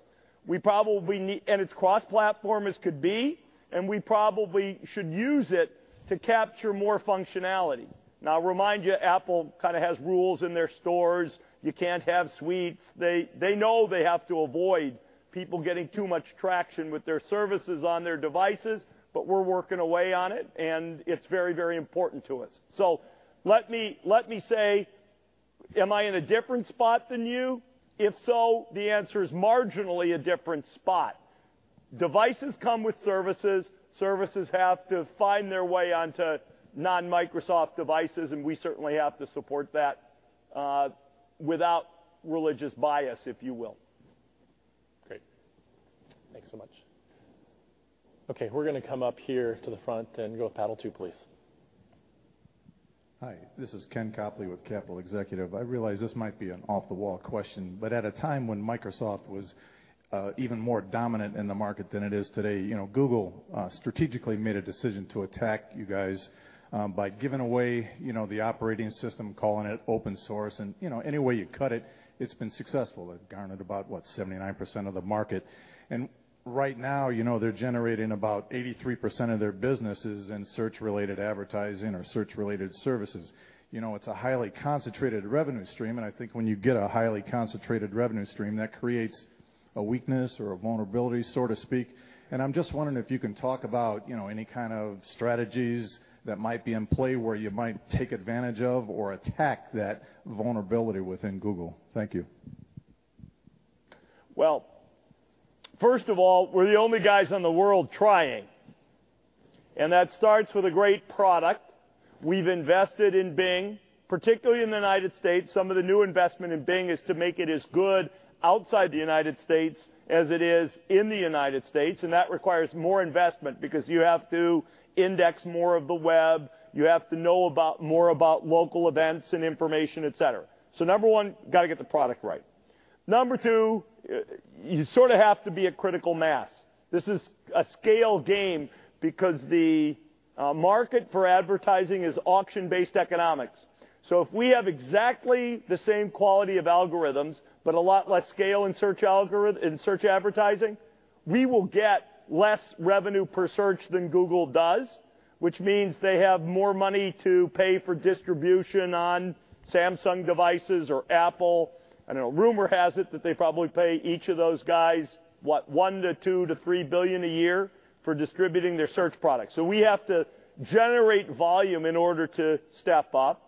[SPEAKER 16] It's cross-platform as could be, and we probably should use it to capture more functionality. Now, I remind you, Apple kind of has rules in their stores. You can't have suites. They know they have to avoid people getting too much traction with their services on their devices, but we're working away on it, and it's very important to us. Let me say, am I in a different spot than you? If so, the answer is marginally a different spot. Devices come with services. Services have to find their way onto non-Microsoft devices, and we certainly have to support that without religious bias, if you will.
[SPEAKER 1] Great. Thanks so much. Okay, we're going to come up here to the front and go with paddle 2, please.
[SPEAKER 23] Hi, this is Ken Copley with Capital Group. I realize this might be an off-the-wall question, but at a time when Microsoft was even more dominant in the market than it is today, Google strategically made a decision to attack you guys by giving away the operating system, calling it open source, any way you cut it's been successful. They've garnered about, what, 79% of the market. Right now, they're generating about 83% of their businesses in search-related advertising or search-related services. It's a highly concentrated revenue stream, I think when you get a highly concentrated revenue stream, that creates a weakness or a vulnerability, so to speak. I'm just wondering if you can talk about any kind of strategies that might be in play where you might take advantage of or attack that vulnerability within Google. Thank you.
[SPEAKER 16] Well, first of all, we're the only guys in the world trying, that starts with a great product. We've invested in Bing, particularly in the U.S. Some of the new investment in Bing is to make it as good outside the U.S. as it is in the U.S., that requires more investment because you have to index more of the web, you have to know more about local events and information, et cetera. Number 1, got to get the product right. Number 2, you sort of have to be a critical mass. This is a scale game because the market for advertising is auction-based economics. If we have exactly the same quality of algorithms, but a lot less scale in search advertising, we will get less revenue per search than Google does, which means they have more money to pay for distribution on Samsung devices or Apple. I know rumor has it that they probably pay each of those guys, what, $1 billion to $2 billion to $3 billion a year for distributing their search products. We have to generate volume in order to step up.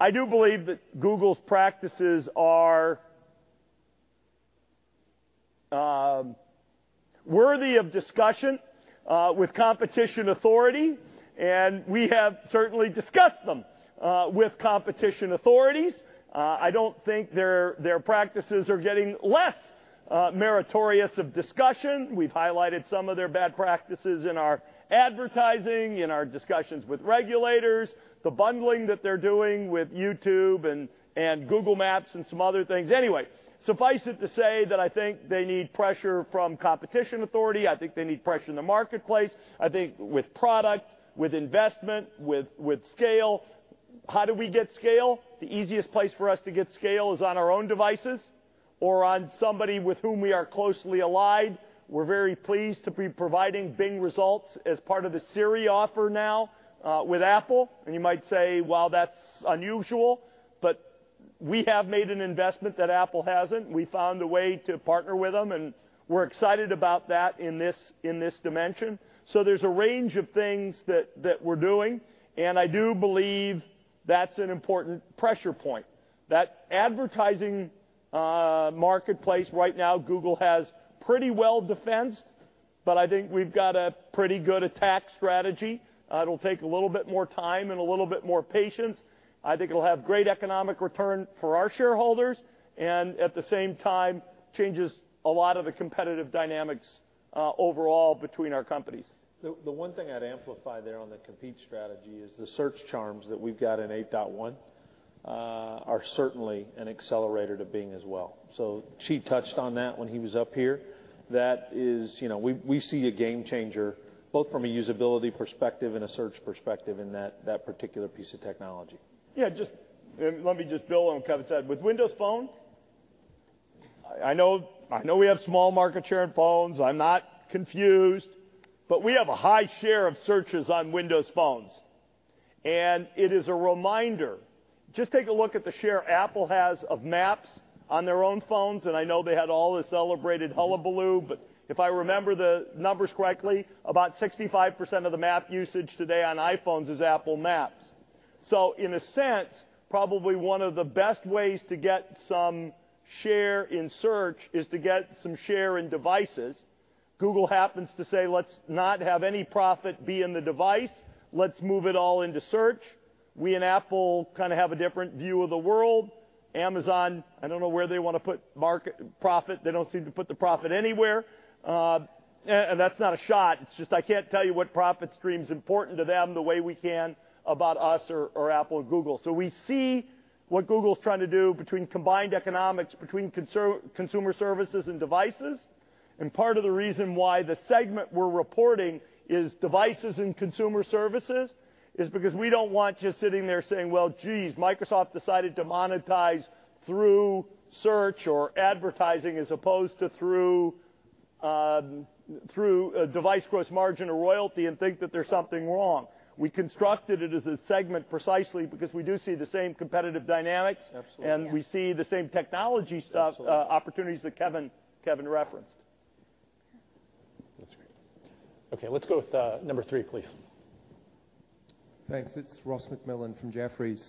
[SPEAKER 16] I do believe that Google's practices are worthy of discussion with competition authority, we have certainly discussed them with competition authorities. I don't think their practices are getting less meritorious of discussion. We've highlighted some of their bad practices in our advertising, in our discussions with regulators, the bundling that they're doing with YouTube and Google Maps and some other things. Suffice it to say that I think they need pressure from competition authority. I think they need pressure in the marketplace. I think with product, with investment, with scale. How do we get scale? The easiest place for us to get scale is on our own devices or on somebody with whom we are closely allied. We're very pleased to be providing Bing results as part of the Siri offer now with Apple. You might say, "Well, that's unusual," but we have made an investment that Apple hasn't. We found a way to partner with them, and we're excited about that in this dimension. There's a range of things that we're doing, and I do believe that's an important pressure point. That advertising marketplace right now, Google has pretty well defensed, but I think we've got a pretty good attack strategy. It'll take a little bit more time and a little bit more patience. I think it'll have great economic return for our shareholders, and at the same time, changes a lot of the competitive dynamics overall between our companies.
[SPEAKER 3] The one thing I'd amplify there on the compete strategy is the search charms that we've got in 8.1 are certainly an accelerator to Bing as well. She touched on that when he was up here. We see a game changer, both from a usability perspective and a search perspective in that particular piece of technology.
[SPEAKER 16] Yeah. Let me just build on what Kevin said. With Windows Phone, I know we have a small market share in phones. I'm not confused, but we have a high share of searches on Windows phones, and it is a reminder. Just take a look at the share Apple has of maps on their own phones, and I know they had all this celebrated hullabaloo, but if I remember the numbers correctly, about 65% of the map usage today on iPhones is Apple Maps. In a sense, probably one of the best ways to get some share in search is to get some share in devices. Google happens to say, "Let's not have any profit be in the device. Let's move it all into search." We and Apple kind of have a different view of the world. Amazon, I don't know where they want to put profit. They don't seem to put the profit anywhere. That's not a shot, it's just I can't tell you what profit stream's important to them the way we can about us or Apple or Google. We see what Google's trying to do between combined economics, between consumer services and devices. Part of the reason why the segment we're reporting is devices and consumer services is because we don't want you sitting there saying, "Well, geez, Microsoft decided to monetize through search or advertising as opposed to Through device gross margin or royalty and think that there's something wrong. We constructed it as a segment precisely because we do see the same competitive dynamics.
[SPEAKER 3] Absolutely. Yeah.
[SPEAKER 16] We see the same technology.
[SPEAKER 3] Absolutely opportunities that Kevin referenced.
[SPEAKER 1] That's great. Let's go with number 3, please.
[SPEAKER 24] Thanks. It's Ross MacMillan from Jefferies.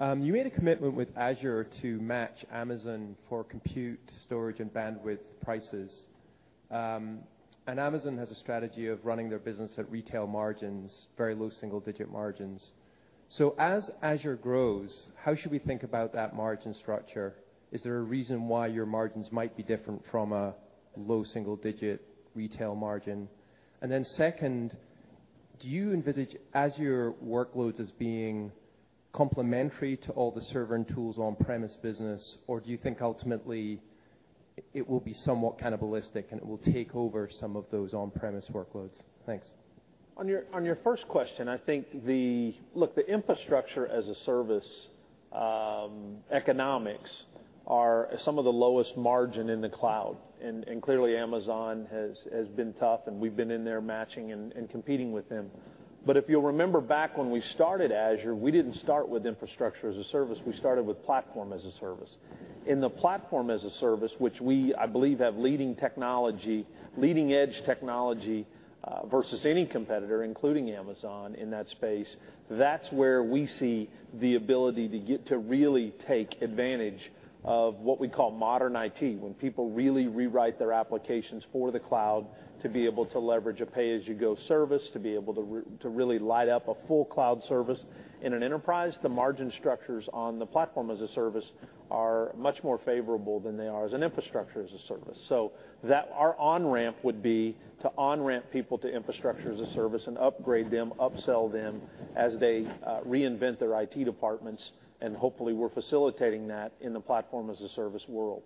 [SPEAKER 24] You made a commitment with Azure to match Amazon for compute, storage, and bandwidth prices. Amazon has a strategy of running their business at retail margins, very low single-digit margins. As Azure grows, how should we think about that margin structure? Is there a reason why your margins might be different from a low single-digit retail margin? Second, do you envisage Azure workloads as being complementary to all the server and tools on-premise business, or do you think ultimately it will be somewhat cannibalistic, and it will take over some of those on-premise workloads? Thanks.
[SPEAKER 3] On your first question, I think, look, the infrastructure-as-a-service economics are some of the lowest margin in the cloud, and clearly, Amazon has been tough, and we've been in there matching and competing with them. If you'll remember back when we started Azure, we didn't start with infrastructure as a service. We started with platform as a service. In the platform as a service, which we, I believe, have leading edge technology versus any competitor, including Amazon in that space, that's where we see the ability to get to really take advantage of what we call modern IT. When people really rewrite their applications for the cloud to be able to leverage a pay-as-you-go service, to be able to really light up a full cloud service in an enterprise, the margin structures on the platform as a service are much more favorable than they are as an infrastructure as a service. Our on-ramp would be to on-ramp people to infrastructure as a service and upgrade them, upsell them as they reinvent their IT departments, and hopefully, we're facilitating that in the platform as a service world.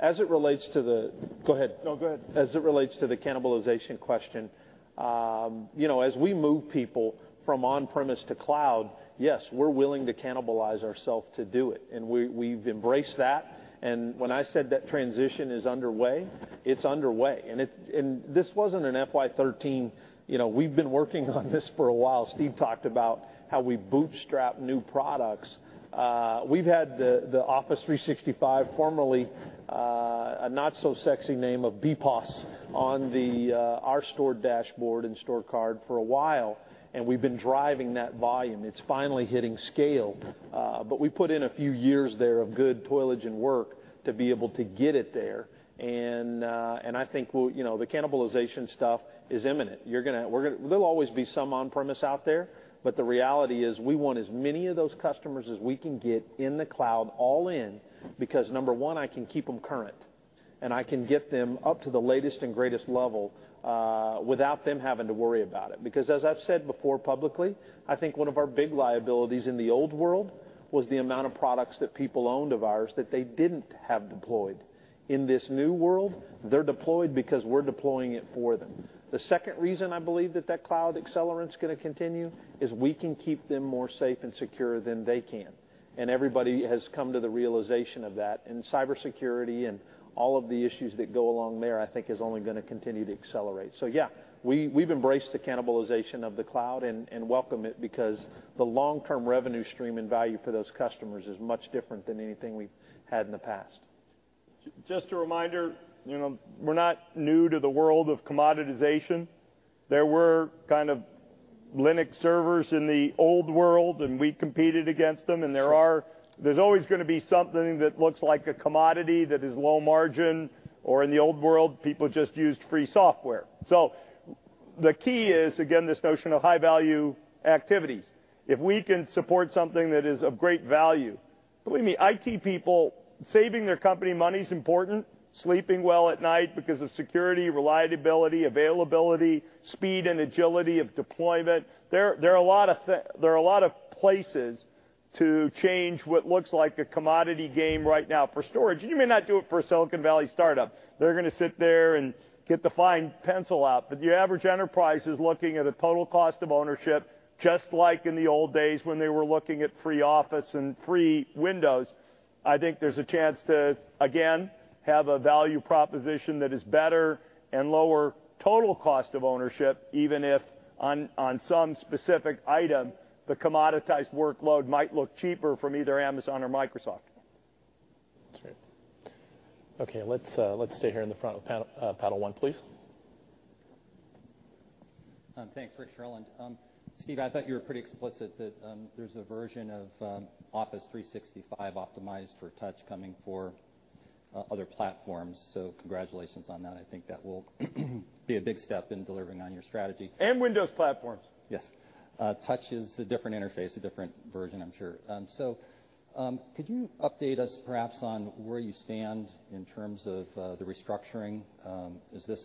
[SPEAKER 3] As it relates to the-- Go ahead. No, go ahead. As it relates to the cannibalization question, as we move people from on-premise to cloud, yes, we're willing to cannibalize ourself to do it, and we've embraced that, and when I said that transition is underway, it's underway. This wasn't an FY 2013. We've been working on this for a while. Steve talked about how we bootstrap new products. We've had the Office 365, formerly a not-so-sexy name of BPOS, on our store dashboard and scorecard for a while, and we've been driving that volume. It's finally hitting scale. We put in a few years there of good toilage and work to be able to get it there, and I think the cannibalization stuff is imminent. There'll always be some on-premise out there, but the reality is we want as many of those customers as we can get in the cloud all in because number one, I can keep them current, and I can get them up to the latest and greatest level without them having to worry about it. As I've said before publicly, I think one of our big liabilities in the old world was the amount of products that people owned of ours that they didn't have deployed. In this new world, they're deployed because we're deploying it for them. The second reason I believe that that cloud accelerant is going to continue is we can keep them more safe and secure than they can, and everybody has come to the realization of that. Cybersecurity and all of the issues that go along there, I think, is only going to continue to accelerate. Yeah, we've embraced the cannibalization of the cloud and welcome it because the long-term revenue stream and value for those customers is much different than anything we've had in the past.
[SPEAKER 16] Just a reminder, we're not new to the world of commoditization. There were kind of Linux servers in the old world. We competed against them.
[SPEAKER 3] Sure.
[SPEAKER 16] There's always going to be something that looks like a commodity that is low margin, or in the old world, people just used free software. The key is, again, this notion of high-value activities. If we can support something that is of great value, believe me, IT people, saving their company money is important, sleeping well at night because of security, reliability, availability, speed, and agility of deployment. There are a lot of places to change what looks like a commodity game right now for storage. You may not do it for a Silicon Valley startup. They're going to sit there and get the fine pencil out. Your average enterprise is looking at a total cost of ownership, just like in the old days when they were looking at free Office and free Windows. I think there's a chance to, again, have a value proposition that is better and lower total cost of ownership, even if on some specific item, the commoditized workload might look cheaper from either Amazon or Microsoft.
[SPEAKER 1] That's right. Okay. Let's stay here in the front with panel one, please.
[SPEAKER 25] Thanks. Rick Sherlund. Steve, I thought you were pretty explicit that there's a version of Office 365 optimized for touch coming for other platforms, congratulations on that. I think that will be a big step in delivering on your strategy.
[SPEAKER 16] Windows platforms.
[SPEAKER 25] Yes. Touch is a different interface, a different version, I'm sure. Could you update us perhaps on where you stand in terms of the restructuring? Has this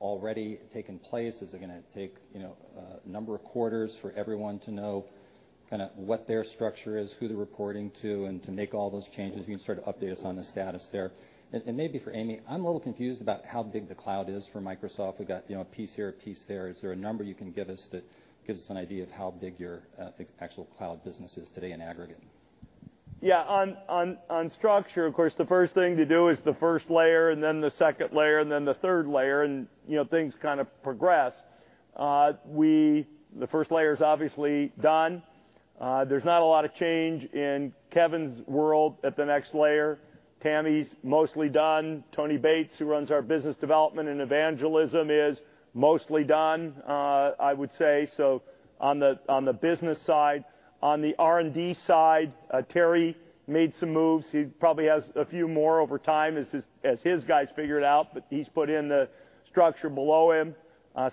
[SPEAKER 25] already taken place? Is it going to take a number of quarters for everyone to know what their structure is, who they're reporting to, and to make all those changes? Can you sort of update us on the status there? Maybe for Amy, I'm a little confused about how big the cloud is for Microsoft. We've got a piece here, a piece there. Is there a number you can give us that gives us an idea of how big your actual cloud business is today in aggregate?
[SPEAKER 16] On structure, of course, the first thing to do is the first layer, and then the second layer, and then the third layer, and things kind of progress. The first layer is obviously done. There's not a lot of change in Kevin's world at the next layer. Tami's mostly done. Tony Bates, who runs our business development and evangelism, is mostly done, I would say, on the business side. On the R&D side, Terry made some moves. He probably has a few more over time as his guys figure it out, but he's put in the structure below him.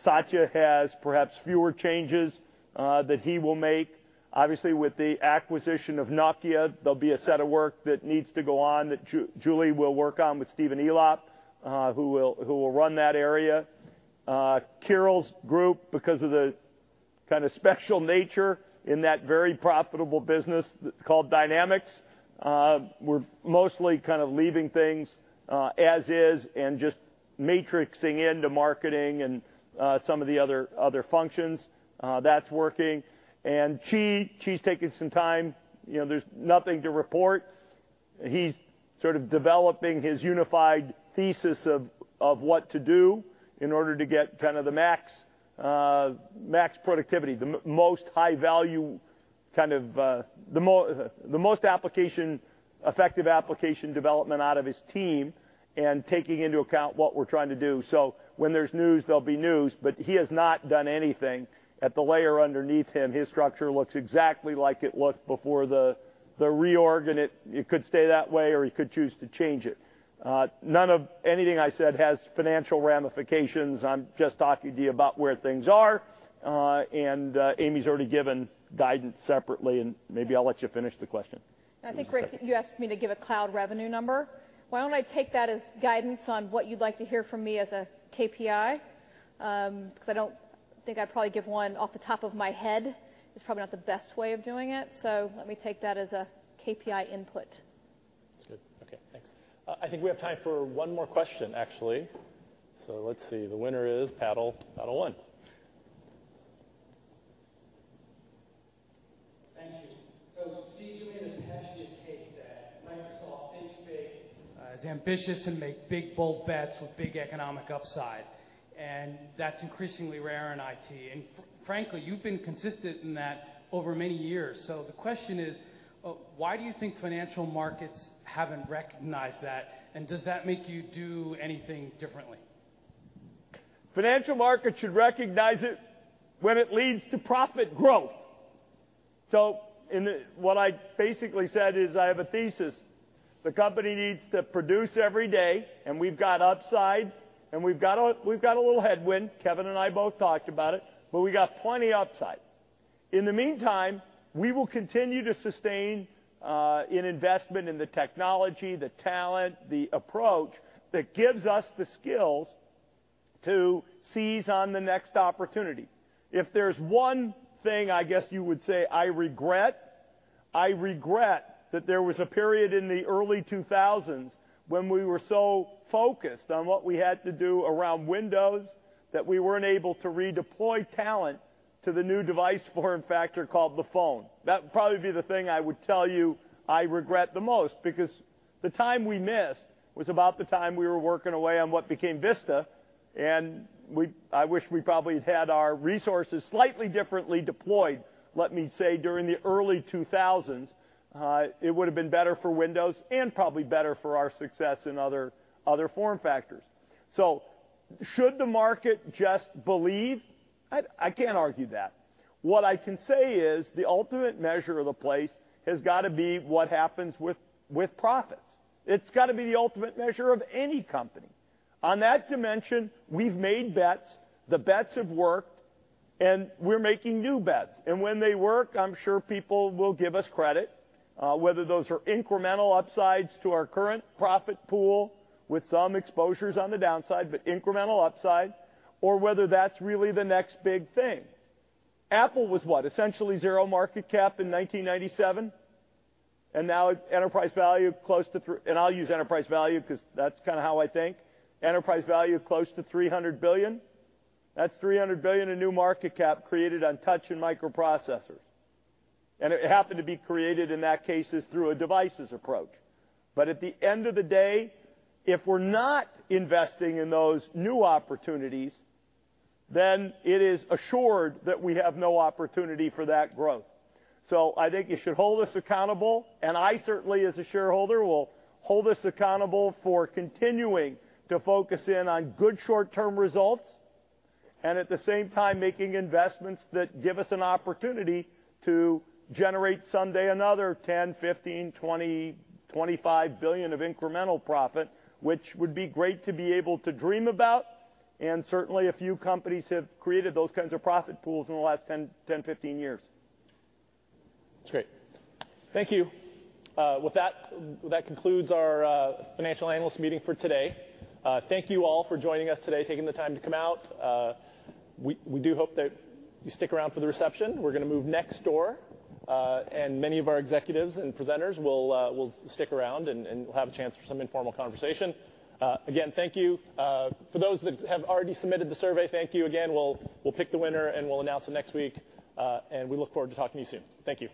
[SPEAKER 16] Satya has perhaps fewer changes that he will make. Obviously, with the acquisition of Nokia, there'll be a set of work that needs to go on that Julie will work on with Stephen Elop, who will run that area. Kirill's group, because of the kind of special nature in that very profitable business called Dynamics, we're mostly kind of leaving things as is and just matrixing into marketing and some of the other functions. That's working. Qi's taking some time. There's nothing to report. He's sort of developing his unified thesis of what to do in order to get kind of the max productivity, the most effective application development out of his team, and taking into account what we're trying to do. When there's news, there'll be news, but he has not done anything at the layer underneath him. His structure looks exactly like it looked before the reorg, and it could stay that way or he could choose to change it. None of anything I said has financial ramifications. I'm just talking to you about where things are. Amy's already given guidance separately, and maybe I'll let you finish the question.
[SPEAKER 2] I think, Rick, you asked me to give a cloud revenue number. Why don't I take that as guidance on what you'd like to hear from me as a KPI? Because I don't think I'd probably give one off the top of my head. It's probably not the best way of doing it, so let me take that as a KPI input.
[SPEAKER 1] That's good. Okay, thanks. I think we have time for one more question, actually. Let's see. The winner is paddle one.
[SPEAKER 26] Thank you. [Seasoning] has tested the case that Microsoft thinks big, is ambitious, and makes big, bold bets with big economic upside. That's increasingly rare in IT. Frankly, you've been consistent in that over many years. The question is, why do you think financial markets haven't recognized that, and does that make you do anything differently?
[SPEAKER 16] Financial markets should recognize it when it leads to profit growth. What I basically said is I have a thesis. The company needs to produce every day, and we've got upside, and we've got a little headwind. Kevin and I both talked about it, but we got plenty upside. In the meantime, we will continue to sustain an investment in the technology, the talent, the approach that gives us the skills to seize on the next opportunity. If there's one thing I guess you would say I regret, I regret that there was a period in the early 2000s when we were so focused on what we had to do around Windows that we weren't able to redeploy talent to the new device form factor called the phone. That would probably be the thing I would tell you I regret the most because the time we missed was about the time we were working away on what became Vista, and I wish we probably had had our resources slightly differently deployed, let me say, during the early 2000s. It would've been better for Windows and probably better for our success in other form factors. Should the market just believe? I can't argue that. What I can say is the ultimate measure of the place has got to be what happens with profits. It's got to be the ultimate measure of any company. On that dimension, we've made bets, the bets have worked, and we're making new bets. When they work, I'm sure people will give us credit, whether those are incremental upsides to our current profit pool with some exposures on the downside, but incremental upside, or whether that's really the next big thing. Apple was what? Essentially zero market cap in 1997, and now its enterprise value close to $300 billion. That's $300 billion in new market cap created on touch and microprocessors, and it happened to be created, in that case, through a devices approach. At the end of the day, if we're not investing in those new opportunities, then it is assured that we have no opportunity for that growth. I think you should hold us accountable, and I certainly, as a shareholder, will hold us accountable for continuing to focus in on good short-term results and, at the same time, making investments that give us an opportunity to generate someday another $10 billion, $15 billion, $20 billion, $25 billion of incremental profit, which would be great to be able to dream about. Certainly, a few companies have created those kinds of profit pools in the last 10, 15 years.
[SPEAKER 1] That's great. Thank you. With that concludes our financial analyst meeting for today. Thank you all for joining us today, taking the time to come out. We do hope that you stick around for the reception. We're going to move next door. Many of our executives and presenters will stick around, and we'll have a chance for some informal conversation. Again, thank you. For those that have already submitted the survey, thank you again. We'll pick the winner, and we'll announce it next week. We look forward to talking to you soon. Thank you.